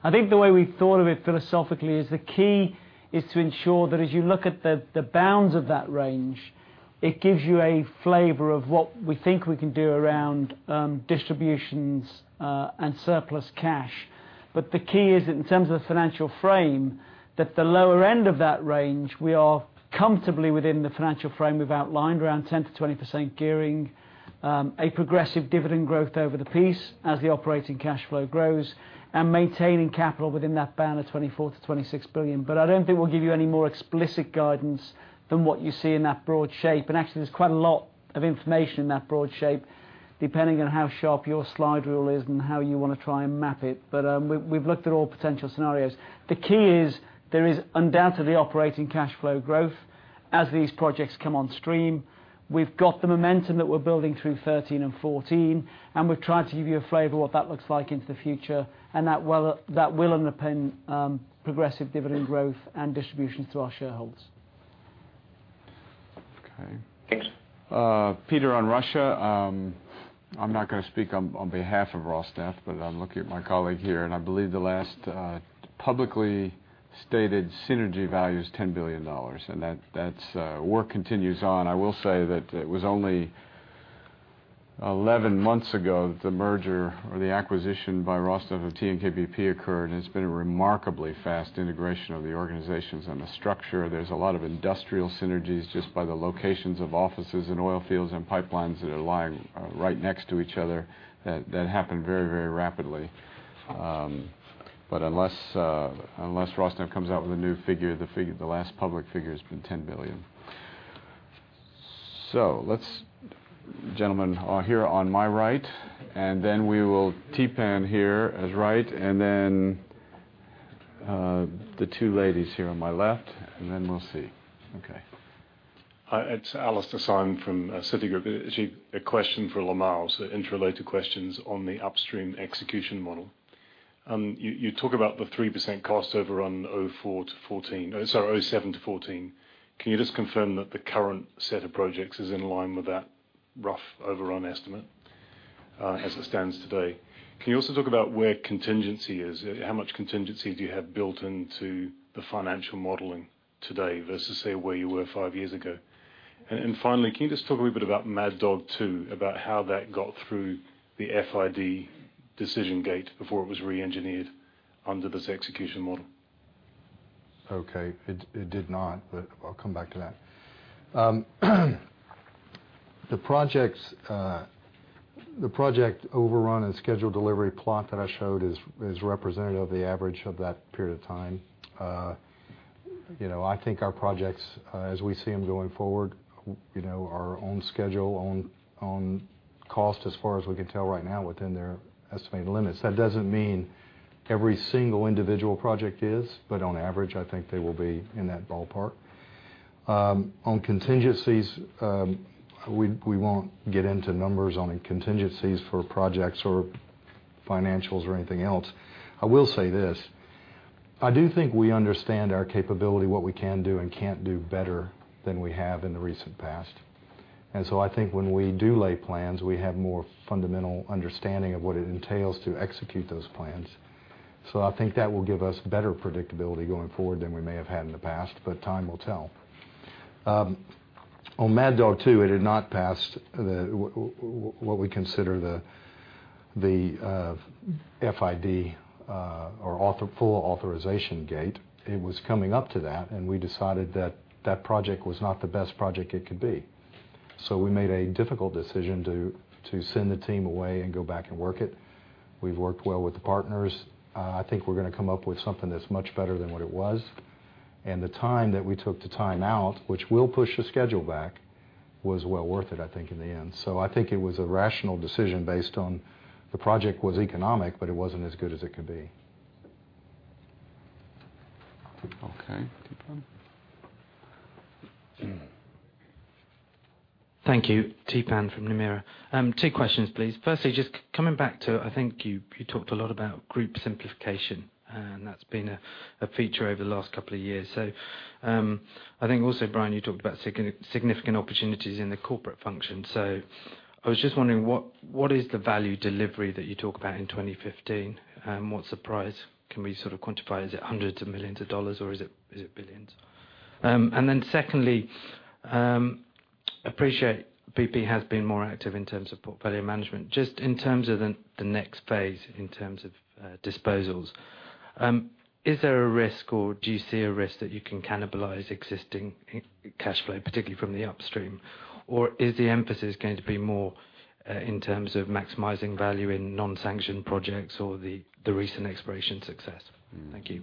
I think the way we thought of it philosophically is the key is to ensure that as you look at the bounds of that range, it gives you a flavor of what we think we can do around distributions and surplus cash. The key is, in terms of the financial frame, that the lower end of that range, we are comfortably within the financial frame we've outlined, around 10%-20% gearing, a progressive dividend growth over the piece as the operating cash flow grows, and maintaining capital within that band of 24 billion-26 billion. I don't think we'll give you any more explicit guidance than what you see in that broad shape. Actually, there's quite a lot of information in that broad shape, depending on how sharp your slide rule is and how you want to try and map it. We've looked at all potential scenarios. The key is there is undoubtedly operating cash flow growth as these projects come on stream. We've got the momentum that we're building through 2013 and 2014, and we've tried to give you a flavor of what that looks like into the future, and that will underpin progressive dividend growth and distributions to our shareholders.
Okay.
Thanks.
Peter, on Russia, I'm not going to speak on behalf of Rosneft, I'm looking at my colleague here, and I believe the last publicly stated synergy value is GBP 10 billion. That work continues on. I will say that it was only 11 months ago that the merger or the acquisition by Rosneft of TNK-BP occurred, it's been a remarkably fast integration of the organizations and the structure. There's a lot of industrial synergies just by the locations of offices and oil fields and pipelines that are lying right next to each other that happened very rapidly. Unless Rosneft comes out with a new figure, the last public figure has been 10 billion. Let's, gentlemen here on my right, then we will Theepan here as right, then the two ladies here on my left, then we'll see. Okay.
Hi, it's Alastair Syme from Citigroup. A question for Lamar, interrelated questions on the upstream execution model. You talk about the 3% cost overrun, 2007 to 2014. Can you just confirm that the current set of projects is in line with that rough overrun estimate as it stands today? Can you also talk about where contingency is? How much contingency do you have built into the financial modeling today versus, say, where you were five years ago? Finally, can you just talk a little bit about Mad Dog 2, about how that got through the FID decision gate before it was re-engineered under this execution model?
It did not, I'll come back to that. The project overrun and schedule delivery plot that I showed is representative of the average of that period of time. I think our projects, as we see them going forward, are on schedule, on cost, as far as we can tell right now, within their estimated limits. That doesn't mean every single individual project is, on average, I think they will be in that ballpark. On contingencies, we won't get into numbers on contingencies for projects or financials or anything else. I will say this, I do think we understand our capability, what we can do and can't do better than we have in the recent past. I think when we do lay plans, we have more fundamental understanding of what it entails to execute those plans. I think that will give us better predictability going forward than we may have had in the past, time will tell. On Mad Dog 2, it had not passed what we consider the FID or full authorization gate. It was coming up to that, we decided that that project was not the best project it could be. We made a difficult decision to send the team away and go back and work it. We've worked well with the partners. I think we're going to come up with something that's much better than what it was. The time that we took the time out, which will push the schedule back, was well worth it, I think, in the end. I think it was a rational decision based on the project was economic, it wasn't as good as it could be.
Theepan.
Thank you. Theepan from Nomura. Two questions, please. Firstly, just coming back to it, I think you talked a lot about group simplification, and that's been a feature over the last couple of years. I think also, Brian, you talked about significant opportunities in the corporate function. I was just wondering, what is the value delivery that you talk about in 2015? What's the price? Can we sort of quantify, is it hundreds of millions of dollars or is it billions? Secondly, appreciate BP has been more active in terms of portfolio management. Just in terms of the next phase in terms of disposals, is there a risk or do you see a risk that you can cannibalize existing cash flow, particularly from the Upstream? Is the emphasis going to be more in terms of maximizing value in non-sanctioned projects or the recent exploration success? Thank you.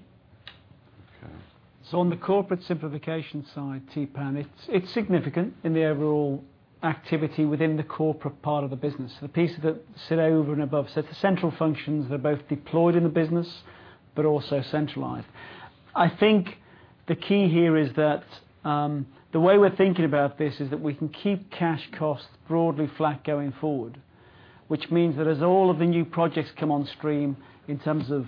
Okay.
On the corporate simplification side, Theepan, it's significant in the overall activity within the corporate part of the business. The pieces that sit over and above. It's the central functions that are both deployed in the business, but also centralized. I think the key here is that the way we're thinking about this is that we can keep cash costs broadly flat going forward. Which means that as all of the new projects come on stream in terms of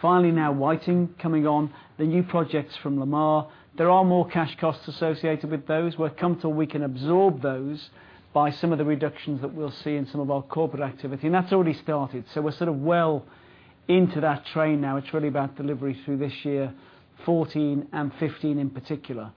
finally now Whiting coming on, the new projects from Lamar, there are more cash costs associated with those. We're comfortable we can absorb those by some of the reductions that we'll see in some of our corporate activity, and that's already started. We're sort of well into that train now. It's really about delivery through this year, 2014 and 2015 in particular.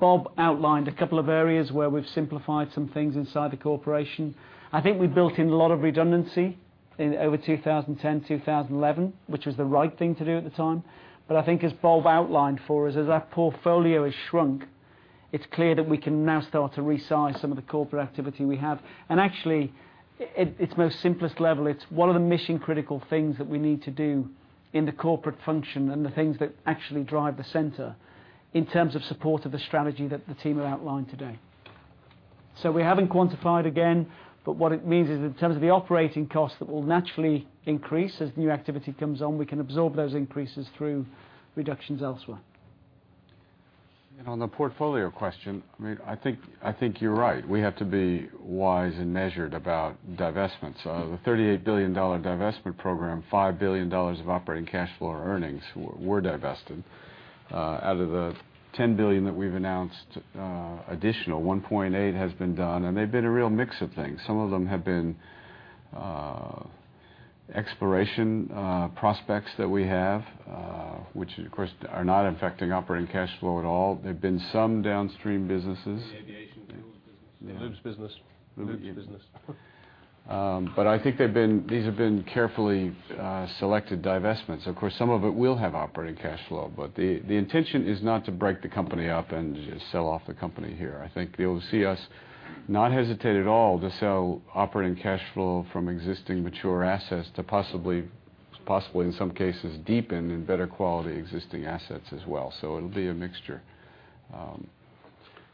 Bob outlined a couple of areas where we've simplified some things inside the corporation. I think we built in a lot of redundancy over 2010, 2011, which was the right thing to do at the time. I think as Bob outlined for us, as our portfolio has shrunk, it's clear that we can now start to resize some of the corporate activity we have. Actually, at its most simplest level, it's one of the mission-critical things that we need to do in the corporate function and the things that actually drive the center in terms of support of the strategy that the team have outlined today. We haven't quantified again, but what it means is in terms of the operating cost, that will naturally increase as new activity comes on. We can absorb those increases through reductions elsewhere.
On the portfolio question, I think you're right. We have to be wise and measured about divestments. Of the GBP 38 billion divestment program, GBP 5 billion of operating cash flow or earnings were divested. Out of the 10 billion that we've announced additional, 1.8 has been done, and they've been a real mix of things. Some of them have been Exploration prospects that we have, which, of course, are not affecting operating cash flow at all. There've been some Downstream businesses.
The aviation fuels business.
The lubes business.
I think these have been carefully selected divestments. Of course, some of it will have operating cash flow. The intention is not to break the company up and sell off the company here. I think you'll see us not hesitate at all to sell operating cash flow from existing mature assets to possibly, in some cases, deepen in better quality existing assets as well. It'll be a mixture.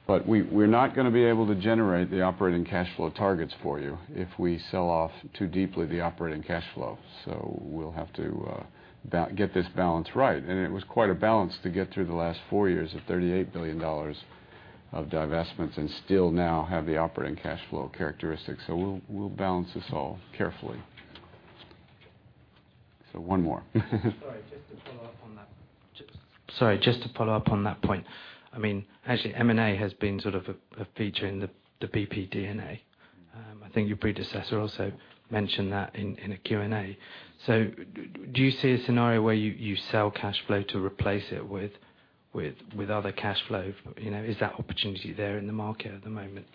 We're not going to be able to generate the operating cash flow targets for you if we sell off too deeply the operating cash flow. We'll have to get this balance right. It was quite a balance to get through the last four years of GBP 38 billion of divestments, and still now have the operating cash flow characteristics. We'll balance this all carefully. One more.
Sorry, just to follow up on that point. Actually, M&A has been sort of a feature in the BP DNA. I think your predecessor also mentioned that in a Q&A. Do you see a scenario where you sell cash flow to replace it with other cash flow? Is that opportunity there in the market at the moment?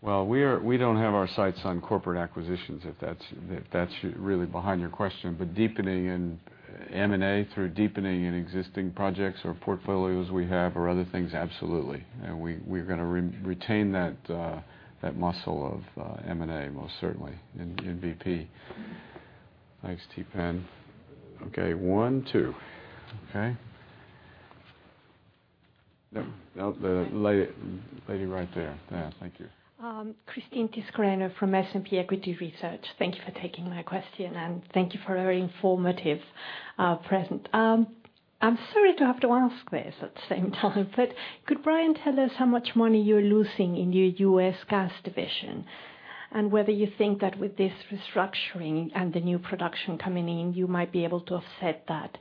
Well, we don't have our sights on corporate acquisitions, if that's really behind your question. Deepening in M&A through deepening in existing projects or portfolios we have or other things, absolutely. We're going to retain that muscle of M&A most certainly in BP. Thanks, Theepan. Okay. One, two. Okay. The lady right there. Yeah, thank you.
Christine Tiscareno from S&P Equity Research. Thank you for taking my question, and thank you for a very informative present. I'm sorry to have to ask this at the same time, could Brian tell us how much money you're losing in your U.S. gas division? Whether you think that with this restructuring and the new production coming in, you might be able to offset that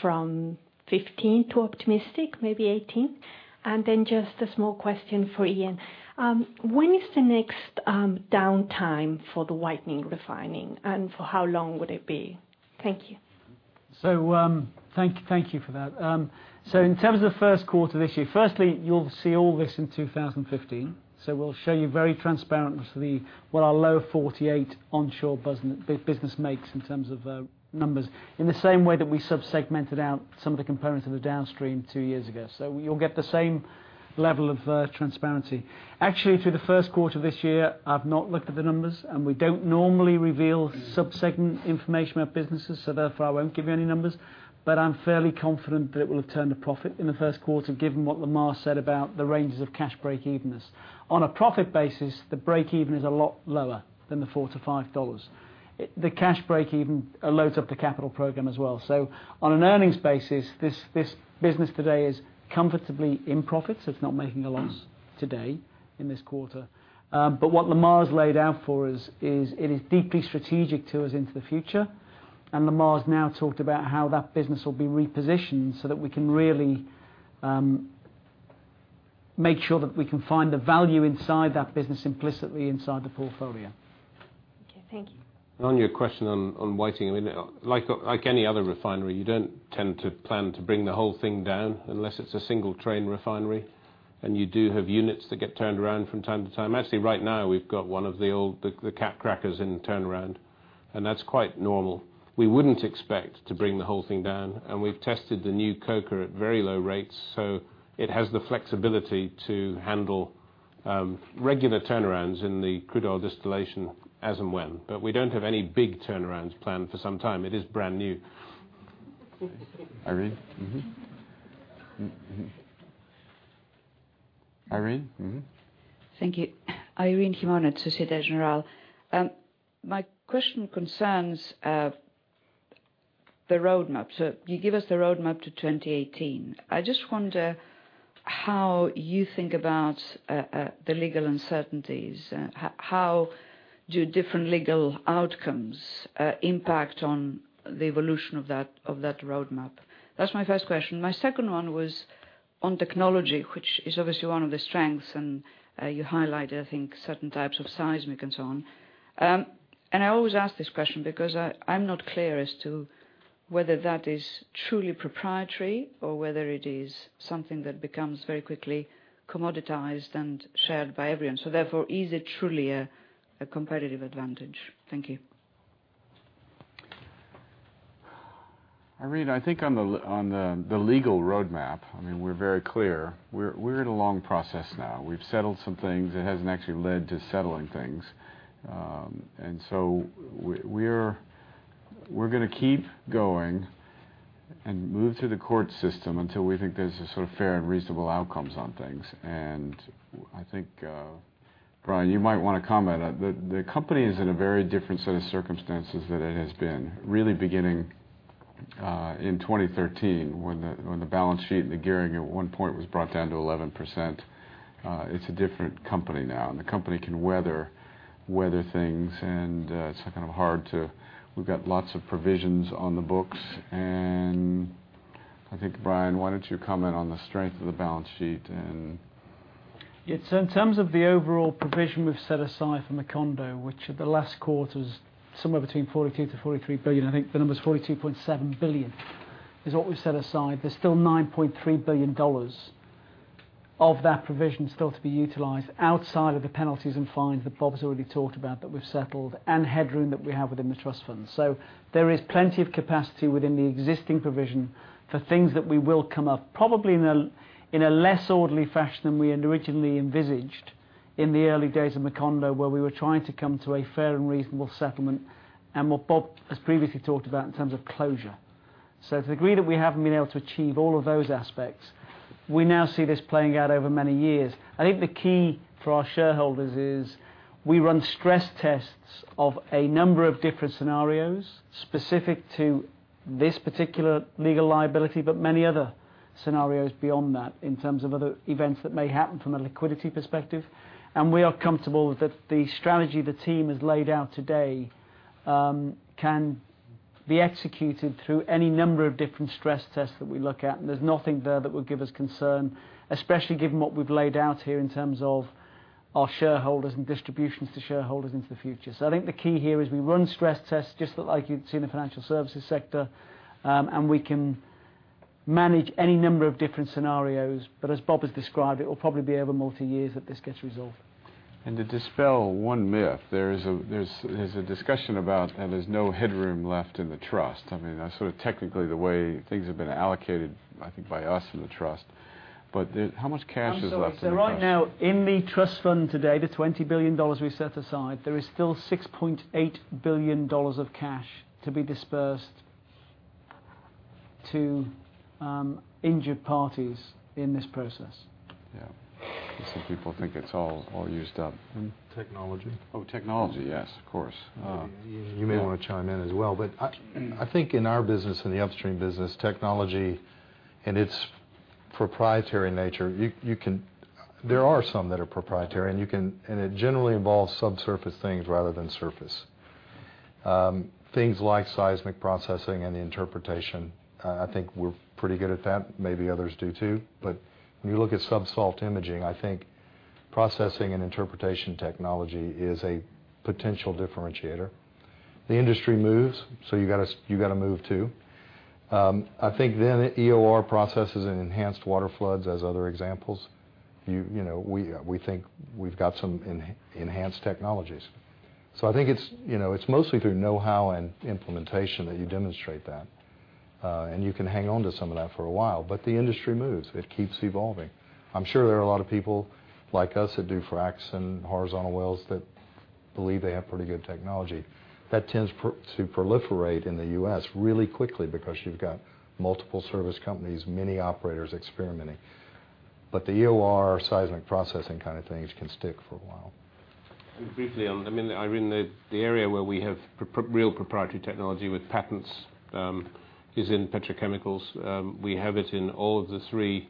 from 2015 to optimistic, maybe 2018? Just a small question for Iain. When is the next downtime for the Whiting Refinery, and for how long would it be? Thank you.
Thank you for that. In terms of the first quarter of this year, firstly, you'll see all this in 2015. We'll show you very transparently what our Lower 48 onshore business makes in terms of numbers, in the same way that we sub-segmented out some of the components of the downstream two years ago. You'll get the same level of transparency. Actually, through the first quarter of this year, I've not looked at the numbers, and we don't normally reveal sub-segment information about businesses, therefore, I won't give you any numbers. I'm fairly confident that it will have turned a profit in the first quarter, given what Lamar said about the ranges of cash breakevens. On a profit basis, the breakeven is a lot lower than the GBP 4-GBP 5. The cash breakeven loads up the capital program as well. On an earnings basis, this business today is comfortably in profit. It's not making a loss today in this quarter. What Lamar's laid out for us is it is deeply strategic to us into the future, and Lamar's now talked about how that business will be repositioned so that we can really make sure that we can find the value inside that business implicitly inside the portfolio.
Okay. Thank you.
On your question on Whiting, like any other refinery, you don't tend to plan to bring the whole thing down unless it's a single-train refinery. You do have units that get turned around from time to time. Actually, right now, we've got one of the old cat crackers in turnaround, and that's quite normal. We wouldn't expect to bring the whole thing down, and we've tested the new coker at very low rates, so it has the flexibility to handle regular turnarounds in the crude oil distillation as and when. We don't have any big turnarounds planned for some time. It is brand new.
Irene? Irene?
Thank you. Irene Himona, Société Générale. My question concerns the roadmap. You give us the roadmap to 2018. I just wonder how you think about the legal uncertainties. How do different legal outcomes impact on the evolution of that roadmap? That is my first question. My second one was on technology, which is obviously one of the strengths, and you highlighted, I think, certain types of seismic and so on. I always ask this question because I am not clear as to whether that is truly proprietary or whether it is something that becomes very quickly commoditized and shared by everyone. Therefore, is it truly a competitive advantage? Thank you.
Irene, I think on the legal roadmap, we are very clear. We are in a long process now. We have settled some things. It has not actually led to settling things. We are going to keep going and move through the court system until we think there is a sort of fair and reasonable outcomes on things. I think, Brian, you might want to comment. The company is in a very different set of circumstances than it has been, really beginning in 2013 when the balance sheet and the gearing at one point was brought down to 11%. It is a different company now, and the company can weather things, and it is kind of hard to. We have got lots of provisions on the books. I think, Brian, why don't you comment on the strength of the balance sheet and.
Yes. In terms of the overall provision we have set aside from Macondo, which at the last quarter is somewhere between 42 billion to 43 billion, I think the number is 42.7 billion, is what we have set aside. There is still GBP 9.3 billion of that provision still to be utilized outside of the penalties and fines that Bob has already talked about that we have settled, headroom that we have within the trust fund. There is plenty of capacity within the existing provision for things that we will come up, probably in a less orderly fashion than we had originally envisaged in the early days of Macondo, where we were trying to come to a fair and reasonable settlement, what Bob has previously talked about in terms of closure. To the degree that we have not been able to achieve all of those aspects, we now see this playing out over many years. I think the key for our shareholders is we run stress tests of a number of different scenarios specific to this particular legal liability, but many other scenarios beyond that in terms of other events that may happen from a liquidity perspective. We are comfortable that the strategy the team has laid out today can be executed through any number of different stress tests that we look at. There is nothing there that would give us concern, especially given what we have laid out here in terms of our shareholders and distributions to shareholders into the future. I think the key here is we run stress tests, just like you would see in the financial services sector, and we can manage any number of different scenarios. As Bob has described, it will probably be over multi-years that this gets resolved.
To dispel one myth, there's a discussion about how there's no headroom left in the trust. That's sort of technically the way things have been allocated, I think, by us in the trust. How much cash is left in the trust?
I'm sorry. Right now, in the trust fund today, the $20 billion we set aside, there is still $6.8 billion of cash to be dispersed to injured parties in this process.
Yeah. Some people think it's all used up.
Technology?
Oh, technology. Yes, of course.
You may want to chime in as well, I think in our business, in the upstream business, technology in its proprietary nature, there are some that are proprietary, and it generally involves subsurface things rather than surface. Things like seismic processing and the interpretation. I think we're pretty good at that. Maybe others do, too. When you look at sub-salt imaging, I think processing and interpretation technology is a potential differentiator. The industry moves, you got to move, too. I think EOR processes and enhanced water floods as other examples. We think we've got some enhanced technologies. I think it's mostly through know-how and implementation that you demonstrate that. You can hang on to some of that for a while, but the industry moves. It keeps evolving. I'm sure there are a lot of people like us that do fracs and horizontal wells that believe they have pretty good technology. That tends to proliferate in the U.S. really quickly because you've got multiple service companies, many operators experimenting. The EOR seismic processing kind of things can stick for a while.
Briefly, Irene, the area where we have real proprietary technology with patents is in petrochemicals. We have it in all of the three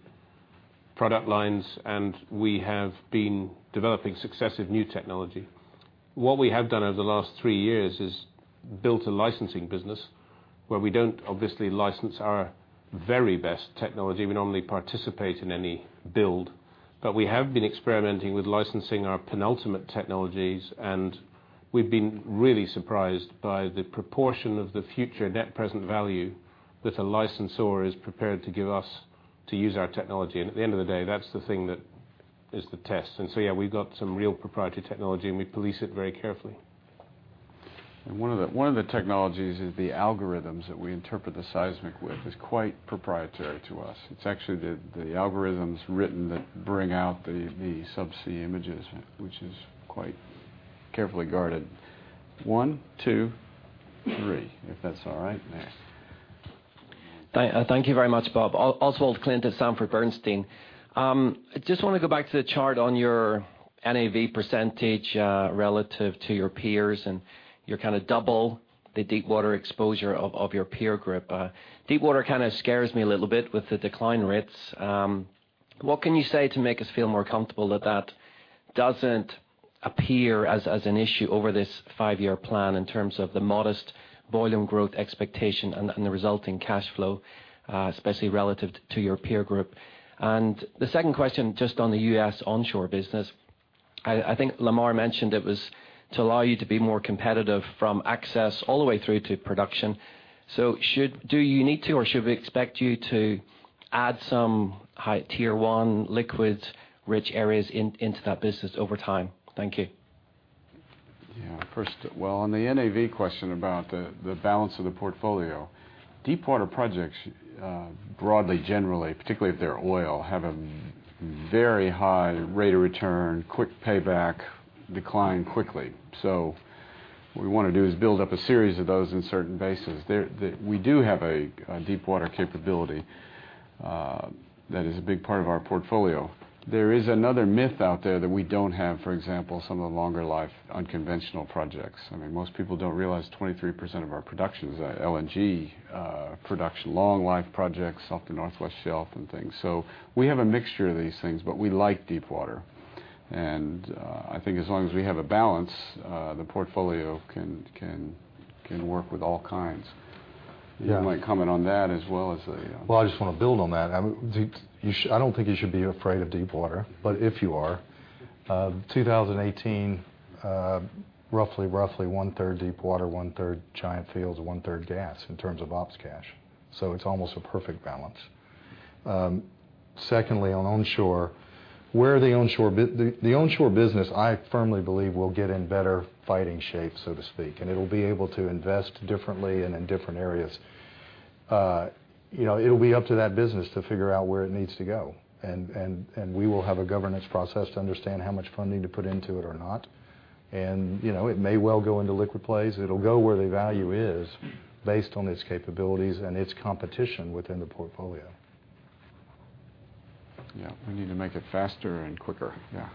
product lines, We have been developing successive new technology. What we have done over the last three years is built a licensing business where we don't obviously license our very best technology. We normally participate in any build. We have been experimenting with licensing our penultimate technologies, We've been really surprised by the proportion of the future net present value that a licensor is prepared to give us to use our technology. At the end of the day, that's the thing that is the test. Yeah, we've got some real proprietary technology, and we police it very carefully.
One of the technologies is the algorithms that we interpret the seismic with. It is quite proprietary to us. It is actually the algorithms written that bring out the subsea images, which is quite carefully guarded. One, two, three, if that is all right. Next.
Thank you very much, Bob. Oswald Clint, Sanford C. Bernstein. I just want to go back to the chart on your NAV % relative to your peers, you kind of double the deepwater exposure of your peer group. Deepwater kind of scares me a little bit with the decline rates. What can you say to make us feel more comfortable that that does not appear as an issue over this five-year plan in terms of the modest volume growth expectation and the resulting cash flow, especially relative to your peer group? The second question, just on the U.S. onshore business. I think Lamar mentioned it was to allow you to be more competitive from access all the way through to production. Do you need to, or should we expect you to add some tier 1 liquids-rich areas into that business over time? Thank you.
First, on the NAV question about the balance of the portfolio, deepwater projects, broadly, generally, particularly if they are oil, have a very high rate of return, quick payback, decline quickly. What we want to do is build up a series of those in certain bases. We do have a deepwater capability that is a big part of our portfolio. There is another myth out there that we do not have, for example, some of the longer life unconventional projects. Most people do not realize 23% of our production is LNG production, long-life projects off the Northwest Shelf and things. We have a mixture of these things, but we like deepwater, I think as long as we have a balance, the portfolio can work with all kinds. You might comment on that as well as the-
I just want to build on that. I do not think you should be afraid of Deepwater, if you are, 2018, roughly one-third Deepwater, one-third giant fields, one-third gas in terms of ops cash. It is almost a perfect balance. Secondly, on onshore, the onshore business, I firmly believe, will get in better fighting shape, so to speak. It will be able to invest differently and in different areas. It will be up to that business to figure out where it needs to go. We will have a governance process to understand how much funding to put into it or not. It may well go into liquid plays. It will go where the value is based on its capabilities and its competition within the portfolio.
Yeah. We need to make it faster and quicker. Yeah.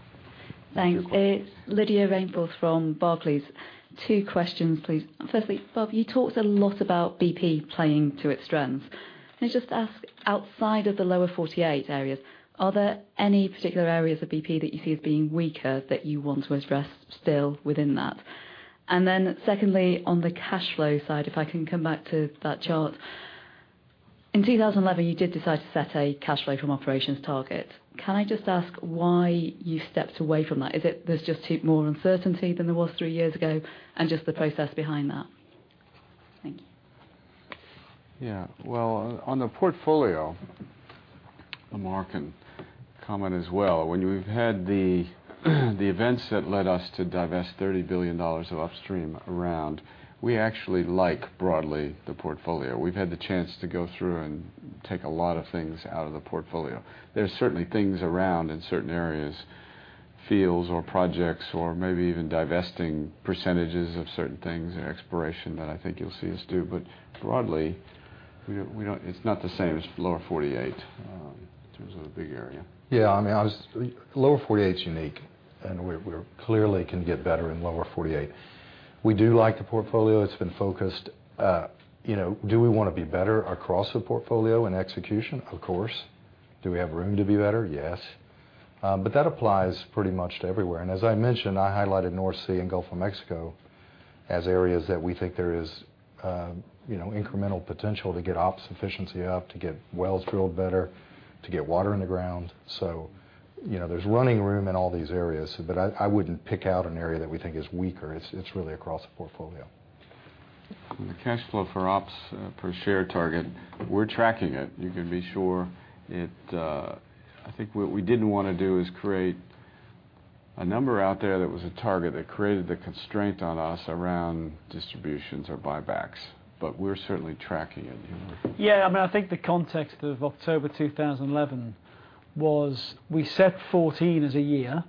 Thanks. It's Lydia Rainforth from Barclays. Two questions, please. Firstly, Bob, you talked a lot about BP playing to its strengths. Can I just ask, outside of the Lower 48 areas, are there any particular areas of BP that you see as being weaker that you want to address still within that? Secondly, on the cash flow side, if I can come back to that chart. In 2011, you did decide to set a cash flow from operations target. Can I just ask why you stepped away from that? Is it there's just more uncertainty than there was three years ago, and just the process behind that? Thank you.
Yeah. Well, on the portfolio, Lamar can comment as well. When we've had the events that led us to divest GBP 30 billion of upstream around, we actually like broadly the portfolio. We've had the chance to go through and take a lot of things out of the portfolio. There's certainly things around in certain areas, fields or projects or maybe even divesting percentages of certain things or exploration that I think you'll see us do, broadly it's not the same as Lower 48 in terms of a big area.
Yeah. Lower 48 is unique, and we clearly can get better in Lower 48. We do like the portfolio. It's been focused. Do we want to be better across the portfolio in execution? Of course. Do we have room to be better? Yes. That applies pretty much to everywhere. As I mentioned, I highlighted North Sea and Gulf of Mexico as areas that we think there is incremental potential to get ops efficiency up, to get wells drilled better, to get water in the ground. There's running room in all these areas. I wouldn't pick out an area that we think is weaker. It's really across the portfolio.
The cash flow for ops per share target, we're tracking it. You can be sure I think what we didn't want to do is create a number out there that was a target that created the constraint on us around distributions or buybacks. We're certainly tracking it.
Yeah. I think the context of October 2011 was we set 2014 as a year.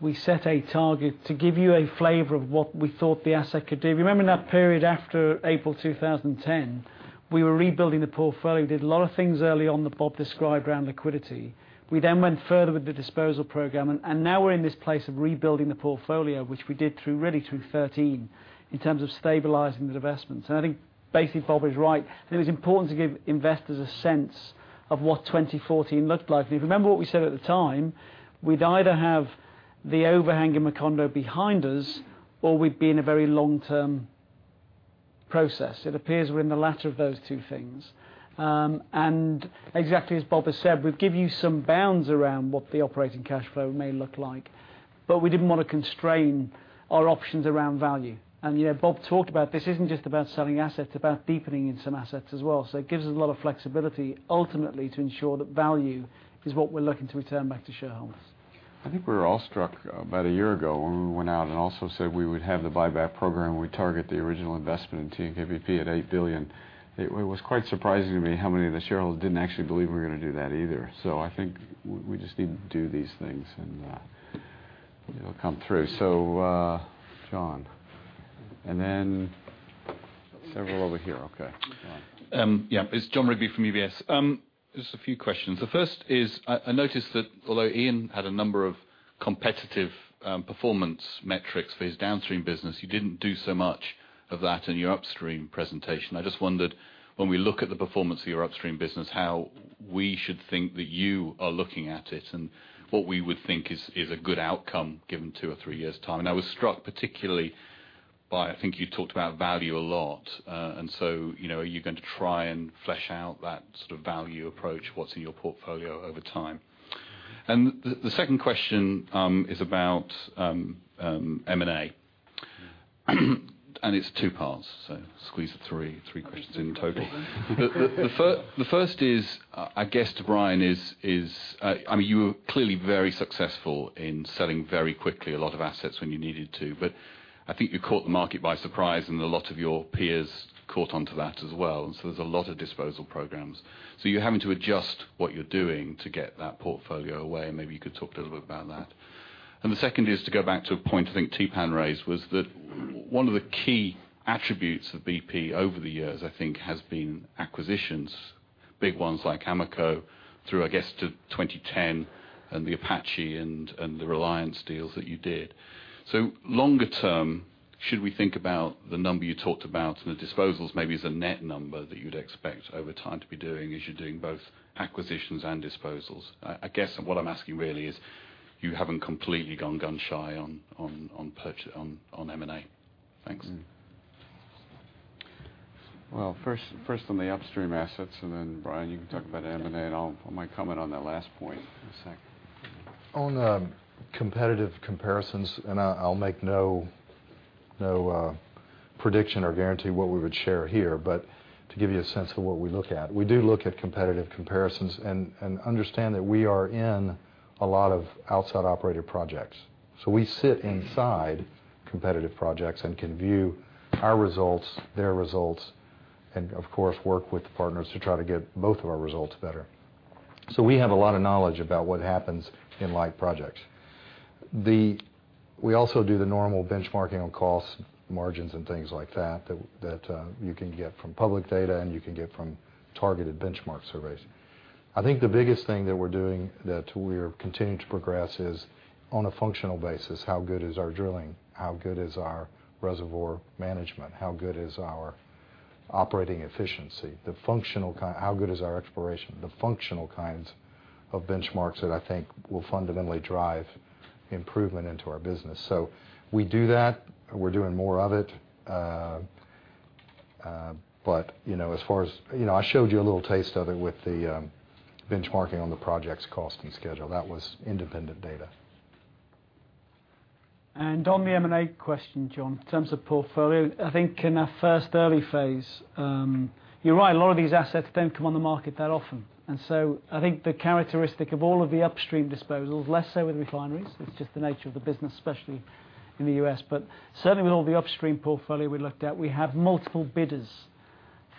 We set a target to give you a flavor of what we thought the asset could do. Remember in that period after April 2010, we were rebuilding the portfolio. We did a lot of things early on that Bob described around liquidity. We then went further with the disposal program. Now we're in this place of rebuilding the portfolio, which we did through really through 2013 in terms of stabilizing the divestments. I think basically Bob is right. I think it's important to give investors a sense of what 2014 looked like. If you remember what we said at the time, we'd either have the overhang in Macondo behind us, or we'd be in a very long-term process. It appears we're in the latter of those two things. Exactly as Bob has said, we've given you some bounds around what the operating cash flow may look like. We didn't want to constrain our options around value. Bob talked about this isn't just about selling assets, it's about deepening in some assets as well. It gives us a lot of flexibility ultimately to ensure that value is what we're looking to return back to shareholders.
I think we were all struck about a year ago when we went out and also said we would have the buyback program, and we target the original investment in TNK-BP at 8 billion. It was quite surprising to me how many of the shareholders didn't actually believe we were going to do that either. I think we just need to do these things, and it'll come through. Jon. Then several over here. Okay. Jon.
Yeah. It's Jon Rigby from UBS. Just a few questions. The first is, I noticed that although Iain had a number of competitive performance metrics for his Downstream business, you didn't do so much of that in your Upstream presentation. I just wondered, when we look at the performance of your Upstream business, how we should think that you are looking at it, and what we would think is a good outcome given two or three years' time? I was struck particularly by, I think you talked about value a lot. So are you going to try and flesh out that sort of value approach? What's in your portfolio over time? The second question is about M&A. It's two parts, so squeeze the three questions in total. The first is, I guess to Brian is you were clearly very successful in selling very quickly a lot of assets when you needed to, but I think you caught the market by surprise and a lot of your peers caught onto that as well. There's a lot of disposal programs. You're having to adjust what you're doing to get that portfolio away, and maybe you could talk a little bit about that. The second is to go back to a point I think Theepan raised, was that one of the key attributes of BP over the years, I think has been acquisitions, big ones like Amoco through, I guess, to 2010 and the Apache and the Reliance deals that you did. Longer term, should we think about the number you talked about and the disposals maybe as a net number that you'd expect over time to be doing as you're doing both acquisitions and disposals? I guess what I'm asking really is You haven't completely gone gun shy on M&A. Thanks.
Well, first on the Upstream assets, then Brian, you can talk about M&A, I might comment on that last point in a sec.
On the competitive comparisons, I'll make no prediction or guarantee what we would share here, to give you a sense of what we look at. We do look at competitive comparisons, understand that we are in a lot of outside operator projects. We sit inside competitive projects and can view our results, their results, and of course, work with partners to try to get both of our results better. We have a lot of knowledge about what happens in live projects. We also do the normal benchmarking on costs, margins, and things like that you can get from public data and you can get from targeted benchmark surveys. I think the biggest thing that we're doing that we're continuing to progress is, on a functional basis, how good is our drilling? How good is our reservoir management? How good is our operating efficiency? How good is our exploration? The functional kinds of benchmarks that I think will fundamentally drive improvement into our business. We do that. We're doing more of it. I showed you a little taste of it with the benchmarking on the project's cost and schedule. That was independent data.
On the M&A question, Jon, in terms of portfolio, I think in our first early phase, you're right, a lot of these assets don't come on the market that often. I think the characteristic of all of the upstream disposals, less so with refineries, it's just the nature of the business, especially in the U.S. Certainly with all the upstream portfolio we looked at, we have multiple bidders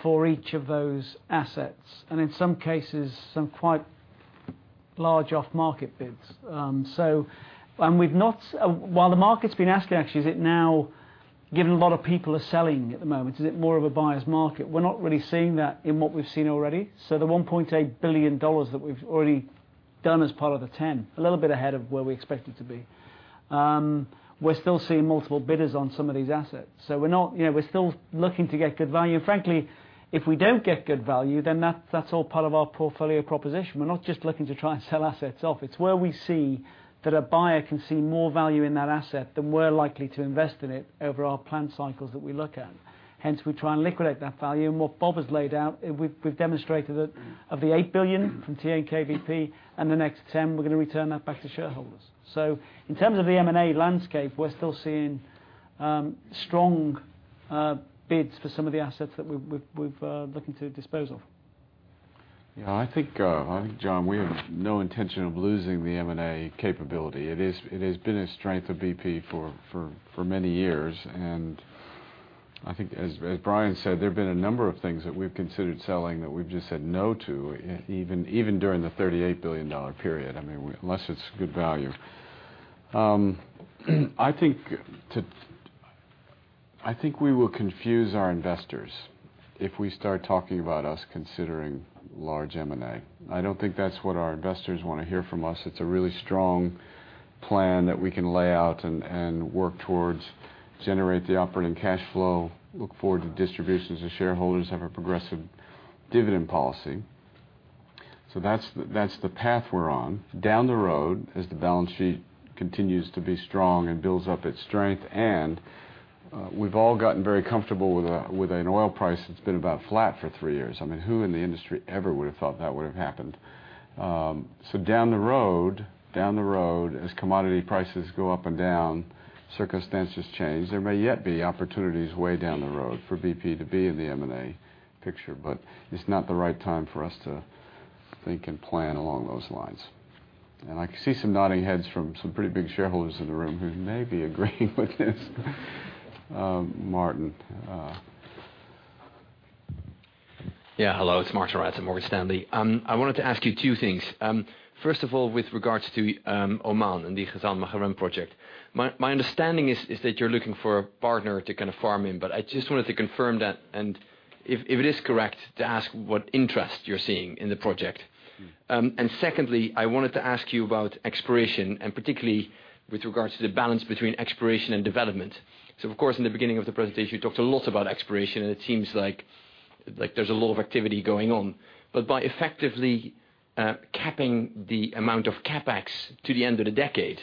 for each of those assets, and in some cases, some quite large off-market bids. While the market's been asking actually, given a lot of people are selling at the moment, is it more of a buyer's market? We're not really seeing that in what we've seen already. The GBP 1.8 billion that we've already done as part of the 10, a little bit ahead of where we expected to be. We're still seeing multiple bidders on some of these assets. We're still looking to get good value. Frankly, if we don't get good value, then that's all part of our portfolio proposition. We're not just looking to try and sell assets off. It's where we see that a buyer can see more value in that asset than we're likely to invest in it over our planned cycles that we look at. Hence, we try and liquidate that value. What Bob has laid out, we've demonstrated that of the 8 billion from TNK-BP and the next 10, we're going to return that back to shareholders. In terms of the M&A landscape, we're still seeing strong bids for some of the assets that we've looking to dispose of.
I think, Jon, we have no intention of losing the M&A capability. It has been a strength of BP for many years, and I think as Brian said, there have been a number of things that we've considered selling that we've just said no to, even during the GBP 38 billion period, unless it's good value. I think we will confuse our investors if we start talking about us considering large M&A. I don't think that's what our investors want to hear from us. It's a really strong plan that we can lay out and work towards, generate the operating cash flow, look forward to distributions to shareholders, have a progressive dividend policy. That's the path we're on. Down the road, as the balance sheet continues to be strong and builds up its strength and we've all gotten very comfortable with an oil price that's been about flat for three years. I mean, who in the industry ever would have thought that would have happened? Down the road, as commodity prices go up and down, circumstances change, there may yet be opportunities way down the road for BP to be in the M&A picture, but it's not the right time for us to think and plan along those lines. I can see some nodding heads from some pretty big shareholders in the room who may be agreeing with this. Martijn.
Hello, it's Martijn Rats at Morgan Stanley. I wanted to ask you two things. First of all, with regards to Oman and the Khazzan-Makarem project. My understanding is that you're looking for a partner to kind of farm in, but I just wanted to confirm that, and if it is correct, to ask what interest you're seeing in the project. Secondly, I wanted to ask you about exploration, and particularly with regards to the balance between exploration and development. Of course, in the beginning of the presentation, you talked a lot about exploration, and it seems like there's a lot of activity going on. But by effectively capping the amount of CapEx to the end of the decade,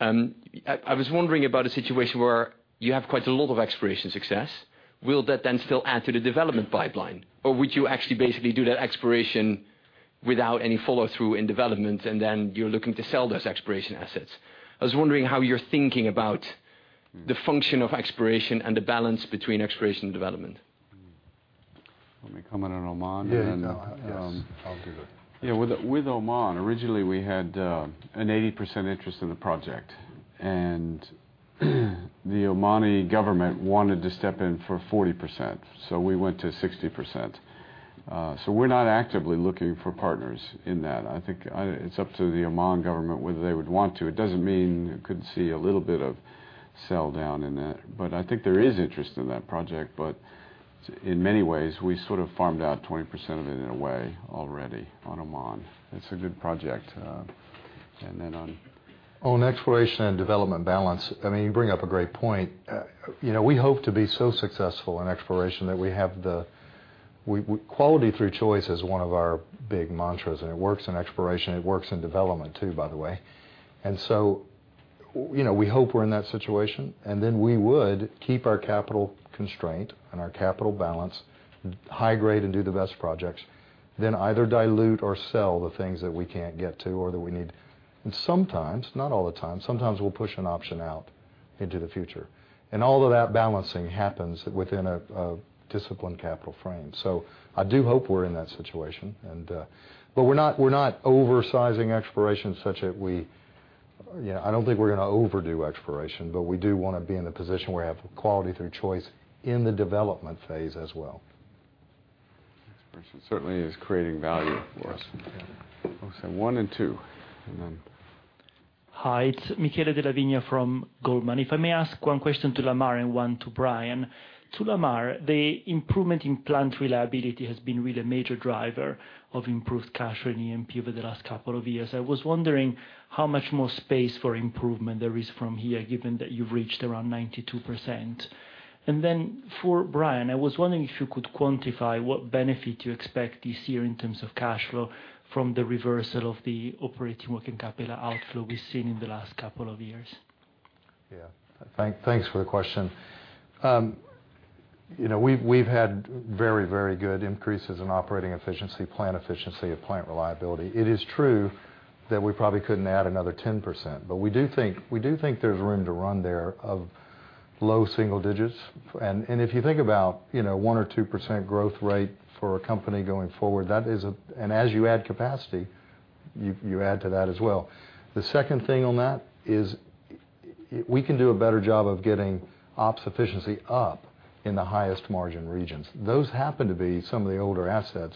I was wondering about a situation where you have quite a lot of exploration success. Will that then still add to the development pipeline? Would you actually basically do that exploration without any follow-through in development, then you're looking to sell those exploration assets? I was wondering how you're thinking about the function of exploration and the balance between exploration and development.
Want me to comment on Oman and then?
Yeah, no. Yes. I'll do the.
Yeah. With Oman, originally we had an 80% interest in the project, and the Omani government wanted to step in for 40%, so we went to 60%. We're not actively looking for partners in that. I think it's up to the Oman government whether they would want to. It doesn't mean you couldn't see a little bit of sell down in that. I think there is interest in that project, but in many ways, we sort of farmed out 20% of it in a way already on Oman. It's a good project.
On exploration and development balance, you bring up a great point. We hope to be so successful in exploration that we have the Quality through Choice is one of our big mantras, and it works in exploration. It works in development too, by the way. We hope we're in that situation, then we would keep our capital constraint and our capital balance high grade and do the best projects, then either dilute or sell the things that we can't get to or that we need. Sometimes, not all the time, sometimes we'll push an option out into the future. All of that balancing happens within a disciplined capital frame. I do hope we're in that situation, but we're not oversizing exploration such that I don't think we're going to overdo exploration, but we do want to be in the position where we have quality through choice in the development phase as well.
It certainly is creating value for us. Okay, one and two, and then.
Hi, it's Michele Della Vigna from Goldman. If I may ask one question to Lamar and one to Brian. To Lamar, the improvement in plant reliability has been really a major driver of improved cash in E&P over the last couple of years. I was wondering how much more space for improvement there is from here, given that you've reached around 92%. Then for Brian, I was wondering if you could quantify what benefit you expect this year in terms of cash flow from the reversal of the operating working capital outflow we've seen in the last couple of years.
Yeah. Thanks for the question. We've had very, very good increases in operating efficiency, plant efficiency and plant reliability. It is true that we probably couldn't add another 10%, but we do think there's room to run there of low single digits. If you think about one or two % growth rate for a company going forward, as you add capacity, you add to that as well. The second thing on that is we can do a better job of getting ops efficiency up in the highest margin regions. Those happen to be some of the older assets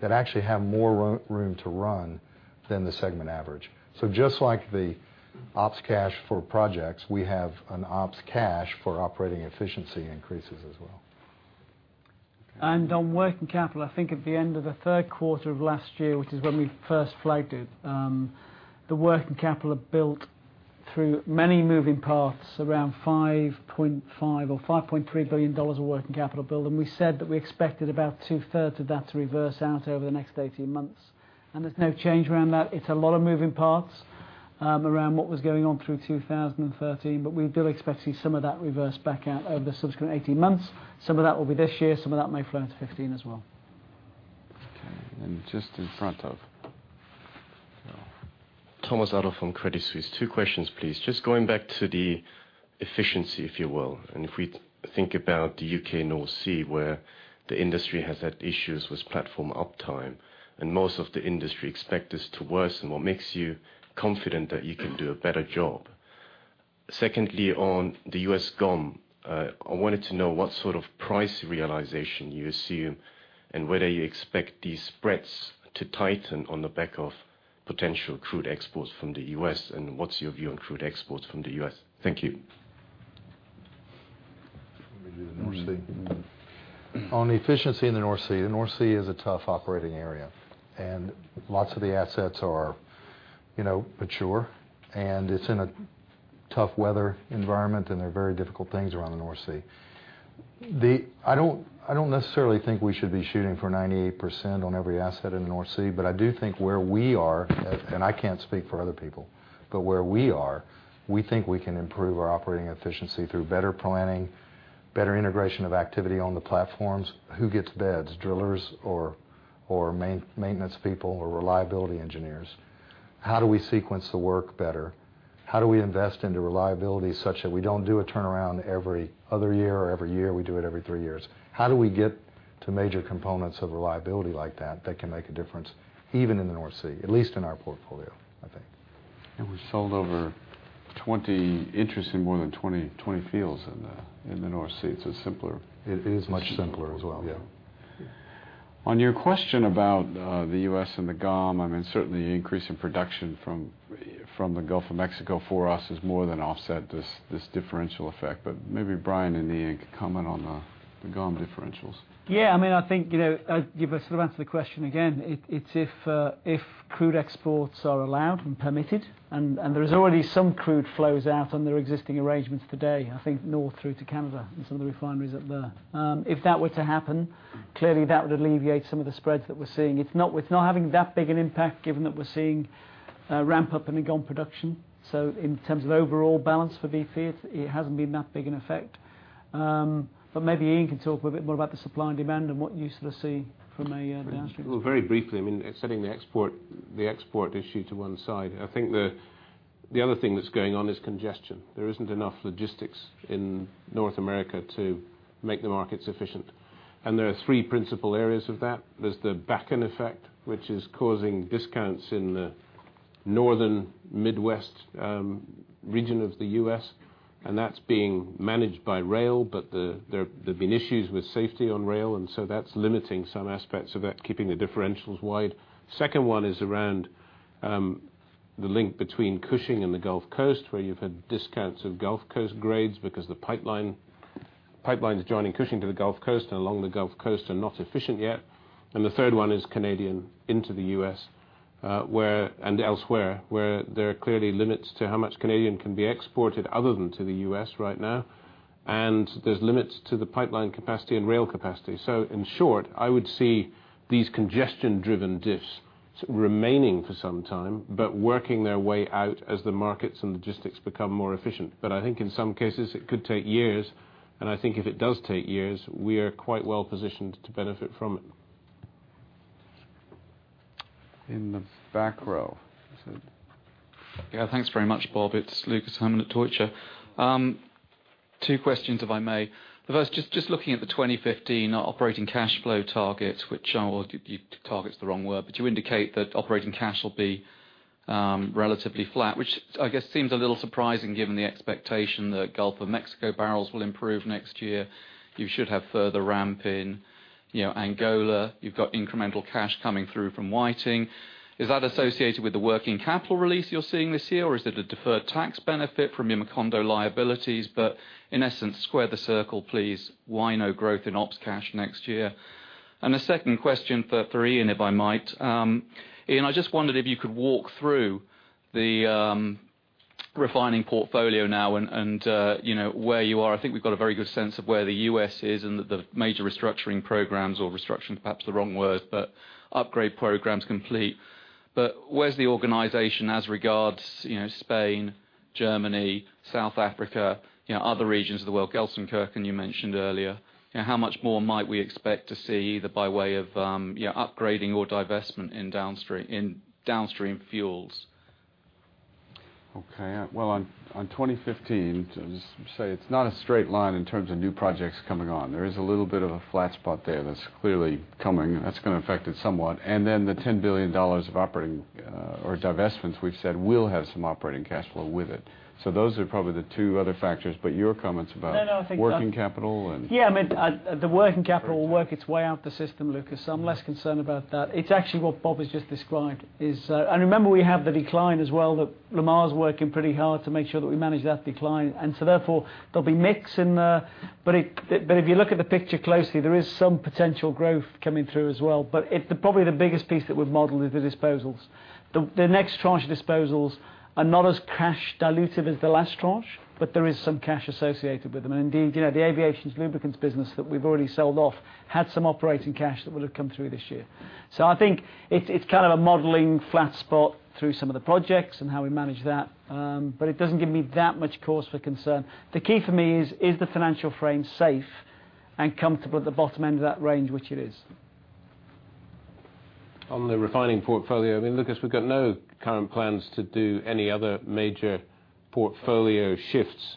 that actually have more room to run than the segment average. Just like the ops cash for projects, we have an ops cash for operating efficiency increases as well.
On working capital, I think at the end of the third quarter of last year, which is when we first flagged it, the working capital had built through many moving parts, around $5.5 billion or $5.3 billion of working capital build. We said that we expected about two-thirds of that to reverse out over the next 18 months. There's no change around that. It's a lot of moving parts around what was going on through 2013, but we do expect to see some of that reverse back out over the subsequent 18 months. Some of that will be this year. Some of that may flow into 2015 as well.
Okay, just in front of.
Thomas Adolff from Credit Suisse. Two questions, please. Just going back to the efficiency, if you will, if we think about the U.K. North Sea, where the industry has had issues with platform uptime, most of the industry expect this to worsen, what makes you confident that you can do a better job? Secondly, on the U.S. GoM, I wanted to know what sort of price realization you assume whether you expect these spreads to tighten on the back of potential crude exports from the U.S., what's your view on crude exports from the U.S.? Thank you.
Let me do the North Sea. On the efficiency in the North Sea, the North Sea is a tough operating area. Lots of the assets are mature, it's in a tough weather environment, there are very difficult things around the North Sea. I don't necessarily think we should be shooting for 98% on every asset in the North Sea. I do think where we are, I can't speak for other people, but where we are, we think we can improve our operating efficiency through better planning, better integration of activity on the platforms. Who gets beds? Drillers or maintenance people or reliability engineers? How do we sequence the work better? How do we invest into reliability such that we don't do a turnaround every other year or every year, we do it every three years? How do we get to major components of reliability like that can make a difference even in the North Sea, at least in our portfolio, I think.
We sold over 20 interests in more than 20 fields in the North Sea. It is simpler.
It is much simpler as well.
Yeah. On your question about the U.S. and the GoM, certainly the increase in production from the Gulf of Mexico for us has more than offset this differential effect. Maybe Brian and Iain can comment on the GoM differentials.
Yeah. I think to give a sort of answer the question again, it's if crude exports are allowed and permitted, and there is already some crude flows out under existing arrangements today, I think north through to Canada and some of the refineries up there. If that were to happen, clearly that would alleviate some of the spreads that we're seeing. It's not having that big an impact given that we're seeing a ramp up in the GoM production. In terms of overall balance for BP, it hasn't been that big an effect. Maybe Iain can talk a bit more about the supply and demand and what you sort of see from a downstream.
Well, very briefly, setting the export issue to one side, I think the other thing that's going on is congestion. There isn't enough logistics in North America to make the markets efficient. There are three principal areas of that. There's the Bakken effect, which is causing discounts in the northern Midwest region of the U.S., and that's being managed by rail, but there have been issues with safety on rail, and so that's limiting some aspects of that, keeping the differentials wide. Second one is around the link between Cushing and the Gulf Coast, where you've had discounts of Gulf Coast grades because the pipelines joining Cushing to the Gulf Coast and along the Gulf Coast are not efficient yet The third one is Canadian into the U.S. and elsewhere, where there are clearly limits to how much Canadian can be exported other than to the U.S. right now, and there's limits to the pipeline capacity and rail capacity. In short, I would see these congestion-driven dips remaining for some time, but working their way out as the markets and logistics become more efficient. I think in some cases it could take years, and I think if it does take years, we are quite well-positioned to benefit from it.
In the back row.
Yeah, thanks very much, Bob. It's Lucas Herrmann at Deutsche. Two questions, if I may. The first, just looking at the 2015 operating cash flow targets, which are Target's the wrong word, you indicate that operating cash will be relatively flat, which I guess seems a little surprising given the expectation that Gulf of Mexico barrels will improve next year. You should have further ramp in Angola. You've got incremental cash coming through from Whiting. Is that associated with the working capital release you're seeing this year, or is it a deferred tax benefit from your Macondo liabilities? In essence, square the circle, please. Why no growth in ops cash next year? A second question for Iain, if I might. Iain, I just wondered if you could walk through the refining portfolio now and where you are. I think we've got a very good sense of where the U.S. is and the major restructuring programs, or restructuring is perhaps the wrong word, upgrade programs complete. Where's the organization as regards Spain, Germany, South Africa, other regions of the world, Gelsenkirchen you mentioned earlier. How much more might we expect to see, either by way of upgrading or divestment in downstream fuels?
Well, on 2015, as you say, it's not a straight line in terms of new projects coming on. There is a little bit of a flat spot there that's clearly coming, that's going to affect it somewhat. The GBP 10 billion of operating or divestments we've said will have some operating cash flow with it. Those are probably the two other factors, your comments about-
No, no, I think that-
working capital
Yeah, the working capital will work its way out the system, Lucas, so I'm less concerned about that. It's actually what Bob has just described is. Remember, we have the decline as well, that Lamar's working pretty hard to make sure that we manage that decline. Therefore, there'll be mix in there. If you look at the picture closely, there is some potential growth coming through as well. Probably the biggest piece that we've modeled is the disposals. The next tranche of disposals are not as cash dilutive as the last tranche, but there is some cash associated with them. And indeed, the aviation lubricants business that we've already sold off had some operating cash that would've come through this year. I think it's kind of a modeling flat spot through some of the projects and how we manage that, but it doesn't give me that much cause for concern. The key for me is the financial frame safe and comfortable at the bottom end of that range? Which it is.
On the refining portfolio, Lucas, we've got no current plans to do any other major portfolio shifts.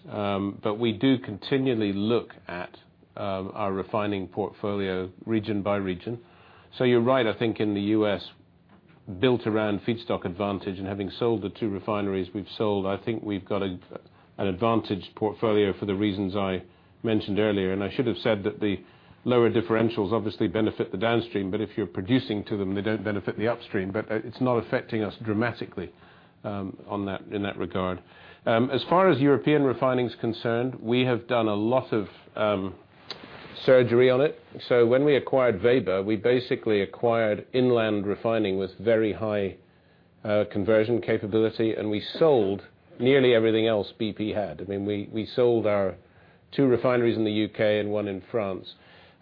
We do continually look at our refining portfolio region by region. You're right, I think in the U.S., built around feedstock advantage and having sold the two refineries we've sold, I think we've got an advantage portfolio for the reasons I mentioned earlier. I should have said that the lower differentials obviously benefit the downstream, but if you're producing to them, they don't benefit the upstream. It's not affecting us dramatically in that regard. As far as European refining is concerned, we have done a lot of surgery on it. When we acquired Veba, we basically acquired inland refining with very high conversion capability, and we sold nearly everything else BP had. We sold our two refineries in the U.K. and one in France.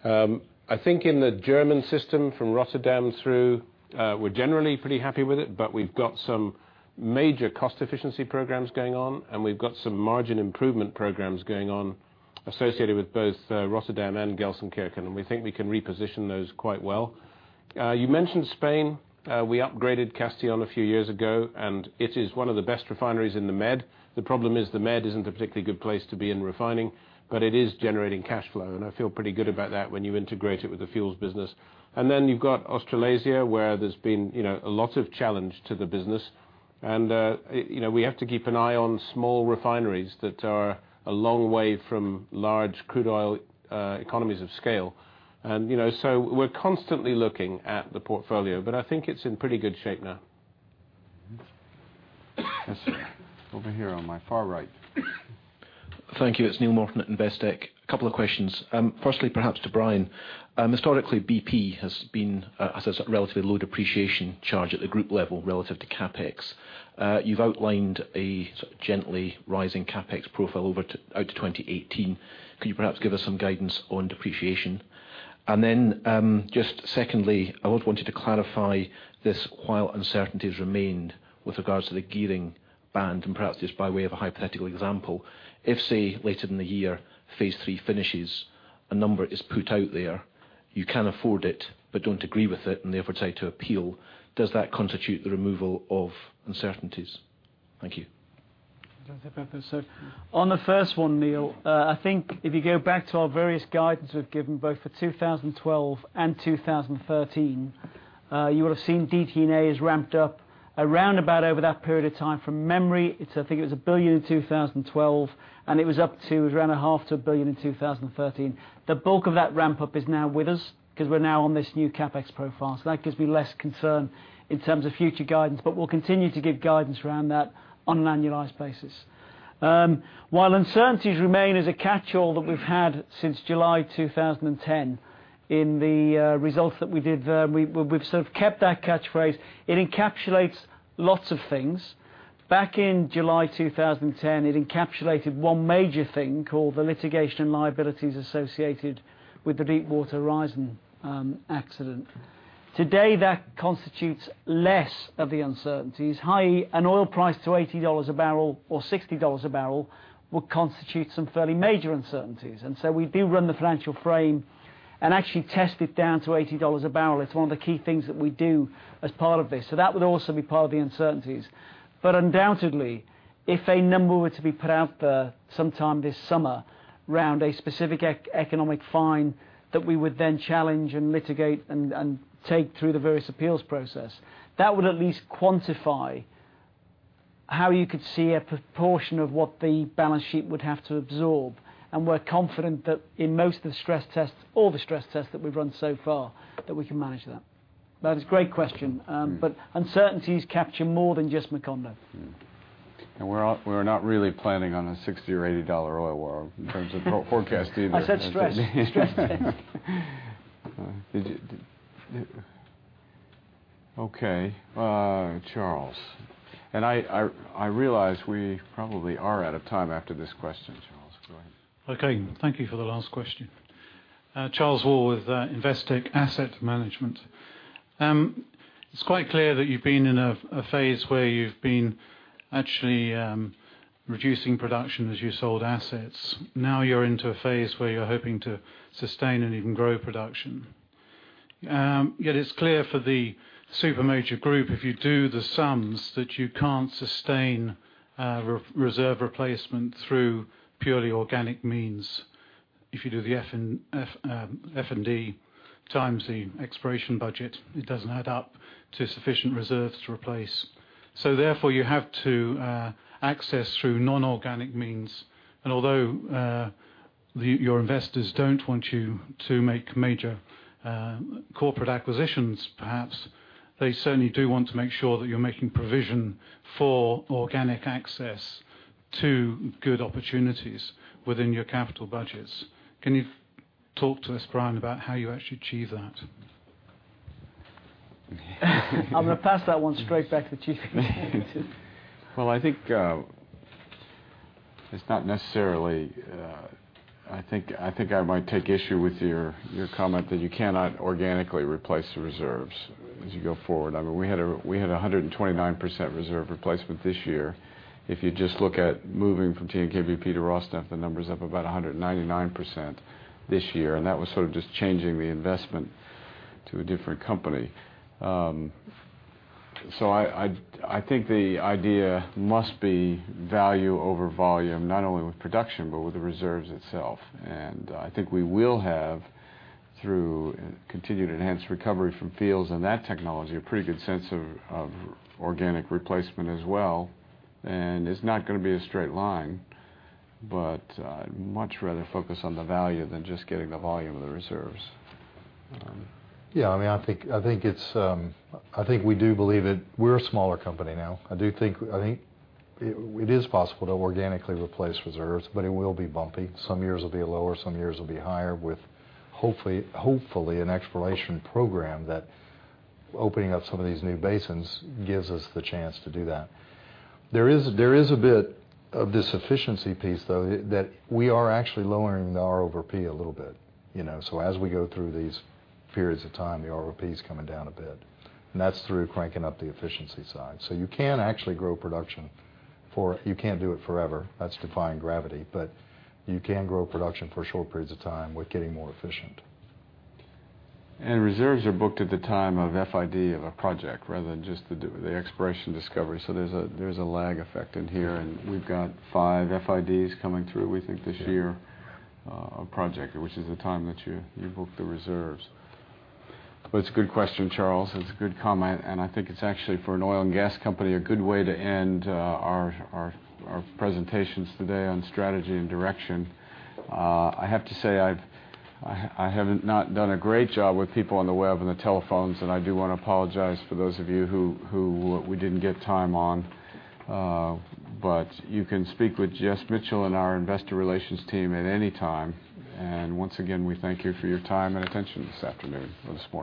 I think in the German system, from Rotterdam through, we're generally pretty happy with it, but we've got some major cost efficiency programs going on, and we've got some margin improvement programs going on associated with both Rotterdam and Gelsenkirchen, and we think we can reposition those quite well. You mentioned Spain. We upgraded Castell a few years ago, and it is one of the best refineries in the Med. The problem is the Med isn't a particularly good place to be in refining. It is generating cash flow, and I feel pretty good about that when you integrate it with the fuels business. Then you've got Australasia, where there's been a lot of challenge to the business. We have to keep an eye on small refineries that are a long way from large crude oil economies of scale. So we're constantly looking at the portfolio, but I think it's in pretty good shape now.
Yes, sir. Over here on my far right.
Thank you. It's Neil Morton at Investec. A couple of questions. Firstly, perhaps to Brian. Historically, BP has been a relatively low depreciation charge at the group level relative to CapEx. You've outlined a gently rising CapEx profile out to 2018. Could you perhaps give us some guidance on depreciation? Then, just secondly, I wanted to clarify this, while uncertainties remain with regards to the gearing band, and perhaps just by way of a hypothetical example. If, say, later in the year, phase three finishes, a number is put out there, you can afford it, but don't agree with it and therefore decide to appeal, does that constitute the removal of uncertainties? Thank you.
Do you want to take that first, Sir? On the first one, Neil, I think if you go back to our various guidance we've given both for 2012 and 2013, you would've seen DD&A has ramped up around about over that period of time. From memory, I think it was 1 billion in 2012, and it was up to around half to 1 billion in 2013. The bulk of that ramp-up is now with us, because we're now on this new CapEx profile. That gives me less concern in terms of future guidance, but we'll continue to give guidance around that on an annualized basis. While uncertainties remain as a catchall that we've had since July 2010 In the results that we did, we've sort of kept that catchphrase. It encapsulates lots of things. Back in July 2010, it encapsulated one major thing called the litigation and liabilities associated with the Deepwater Horizon accident. Today, that constitutes less of the uncertainties, i.e., an oil price to GBP 80 a barrel or GBP 60 a barrel would constitute some fairly major uncertainties. We do run the financial frame and actually test it down to GBP 80 a barrel. It's one of the key things that we do as part of this. That would also be part of the uncertainties. Undoubtedly, if a number were to be put out there sometime this summer around a specific economic fine that we would then challenge and litigate and take through the various appeals process, that would at least quantify how you could see a proportion of what the balance sheet would have to absorb. We're confident that in most of the stress tests, all the stress tests that we've run so far, that we can manage that. That is a great question, but uncertainties capture more than just Macondo.
We're not really planning on a 60 or GBP 80 oil world in terms of forecast either.
I said stress. Stress test.
Okay, Charles. I realize we probably are out of time after this question, Charles. Go ahead.
Okay. Thank you for the last question. Charles Wall with Investec Asset Management. It's quite clear that you've been in a phase where you've been actually reducing production as you sold assets. You're into a phase where you're hoping to sustain and even grow production. It's clear for the super major group, if you do the sums, that you can't sustain reserve replacement through purely organic means. If you do the F&D times the exploration budget, it doesn't add up to sufficient reserves to replace. Therefore, you have to access through non-organic means. Although your investors don't want you to make major corporate acquisitions, perhaps they certainly do want to make sure that you're making provision for organic access to good opportunities within your capital budgets. Can you talk to us, Brian, about how you actually achieve that?
I'm going to pass that one straight back to the chief.
I think I might take issue with your comment that you cannot organically replace the reserves as you go forward. I mean, we had 129% reserve replacement this year. If you just look at moving from TNK-BP to Rosneft, the number's up about 199% this year, and that was sort of just changing the investment to a different company. I think the idea must be value over volume, not only with production but with the reserves itself. I think we will have, through continued enhanced recovery from fields and that technology, a pretty good sense of organic replacement as well. It's not going to be a straight line, but I'd much rather focus on the value than just getting the volume of the reserves.
I think we do believe it. We're a smaller company now. I think it is possible to organically replace reserves, but it will be bumpy. Some years will be lower, some years will be higher with hopefully an exploration program that opening up some of these new basins gives us the chance to do that. There is a bit of this efficiency piece, though, that we are actually lowering the R over P a little bit. As we go through these periods of time, the R over P is coming down a bit, and that's through cranking up the efficiency side. You can actually grow production, for you can't do it forever. That's defying gravity. You can grow production for short periods of time with getting more efficient.
Reserves are booked at the time of FID of a project rather than just the exploration discovery. There's a lag effect in here, and we've got five FIDs coming through, we think this year, a project which is the time that you book the reserves. It's a good question, Charles. It's a good comment, and I think it's actually for an oil and gas company, a good way to end our presentations today on strategy and direction. I have to say, I have not done a great job with people on the web and the telephones, and I do want to apologize for those of you who we didn't get time on. You can speak with Jessica Mitchell and our investor relations team at any time. Once again, we thank you for your time and attention this afternoon or this morning.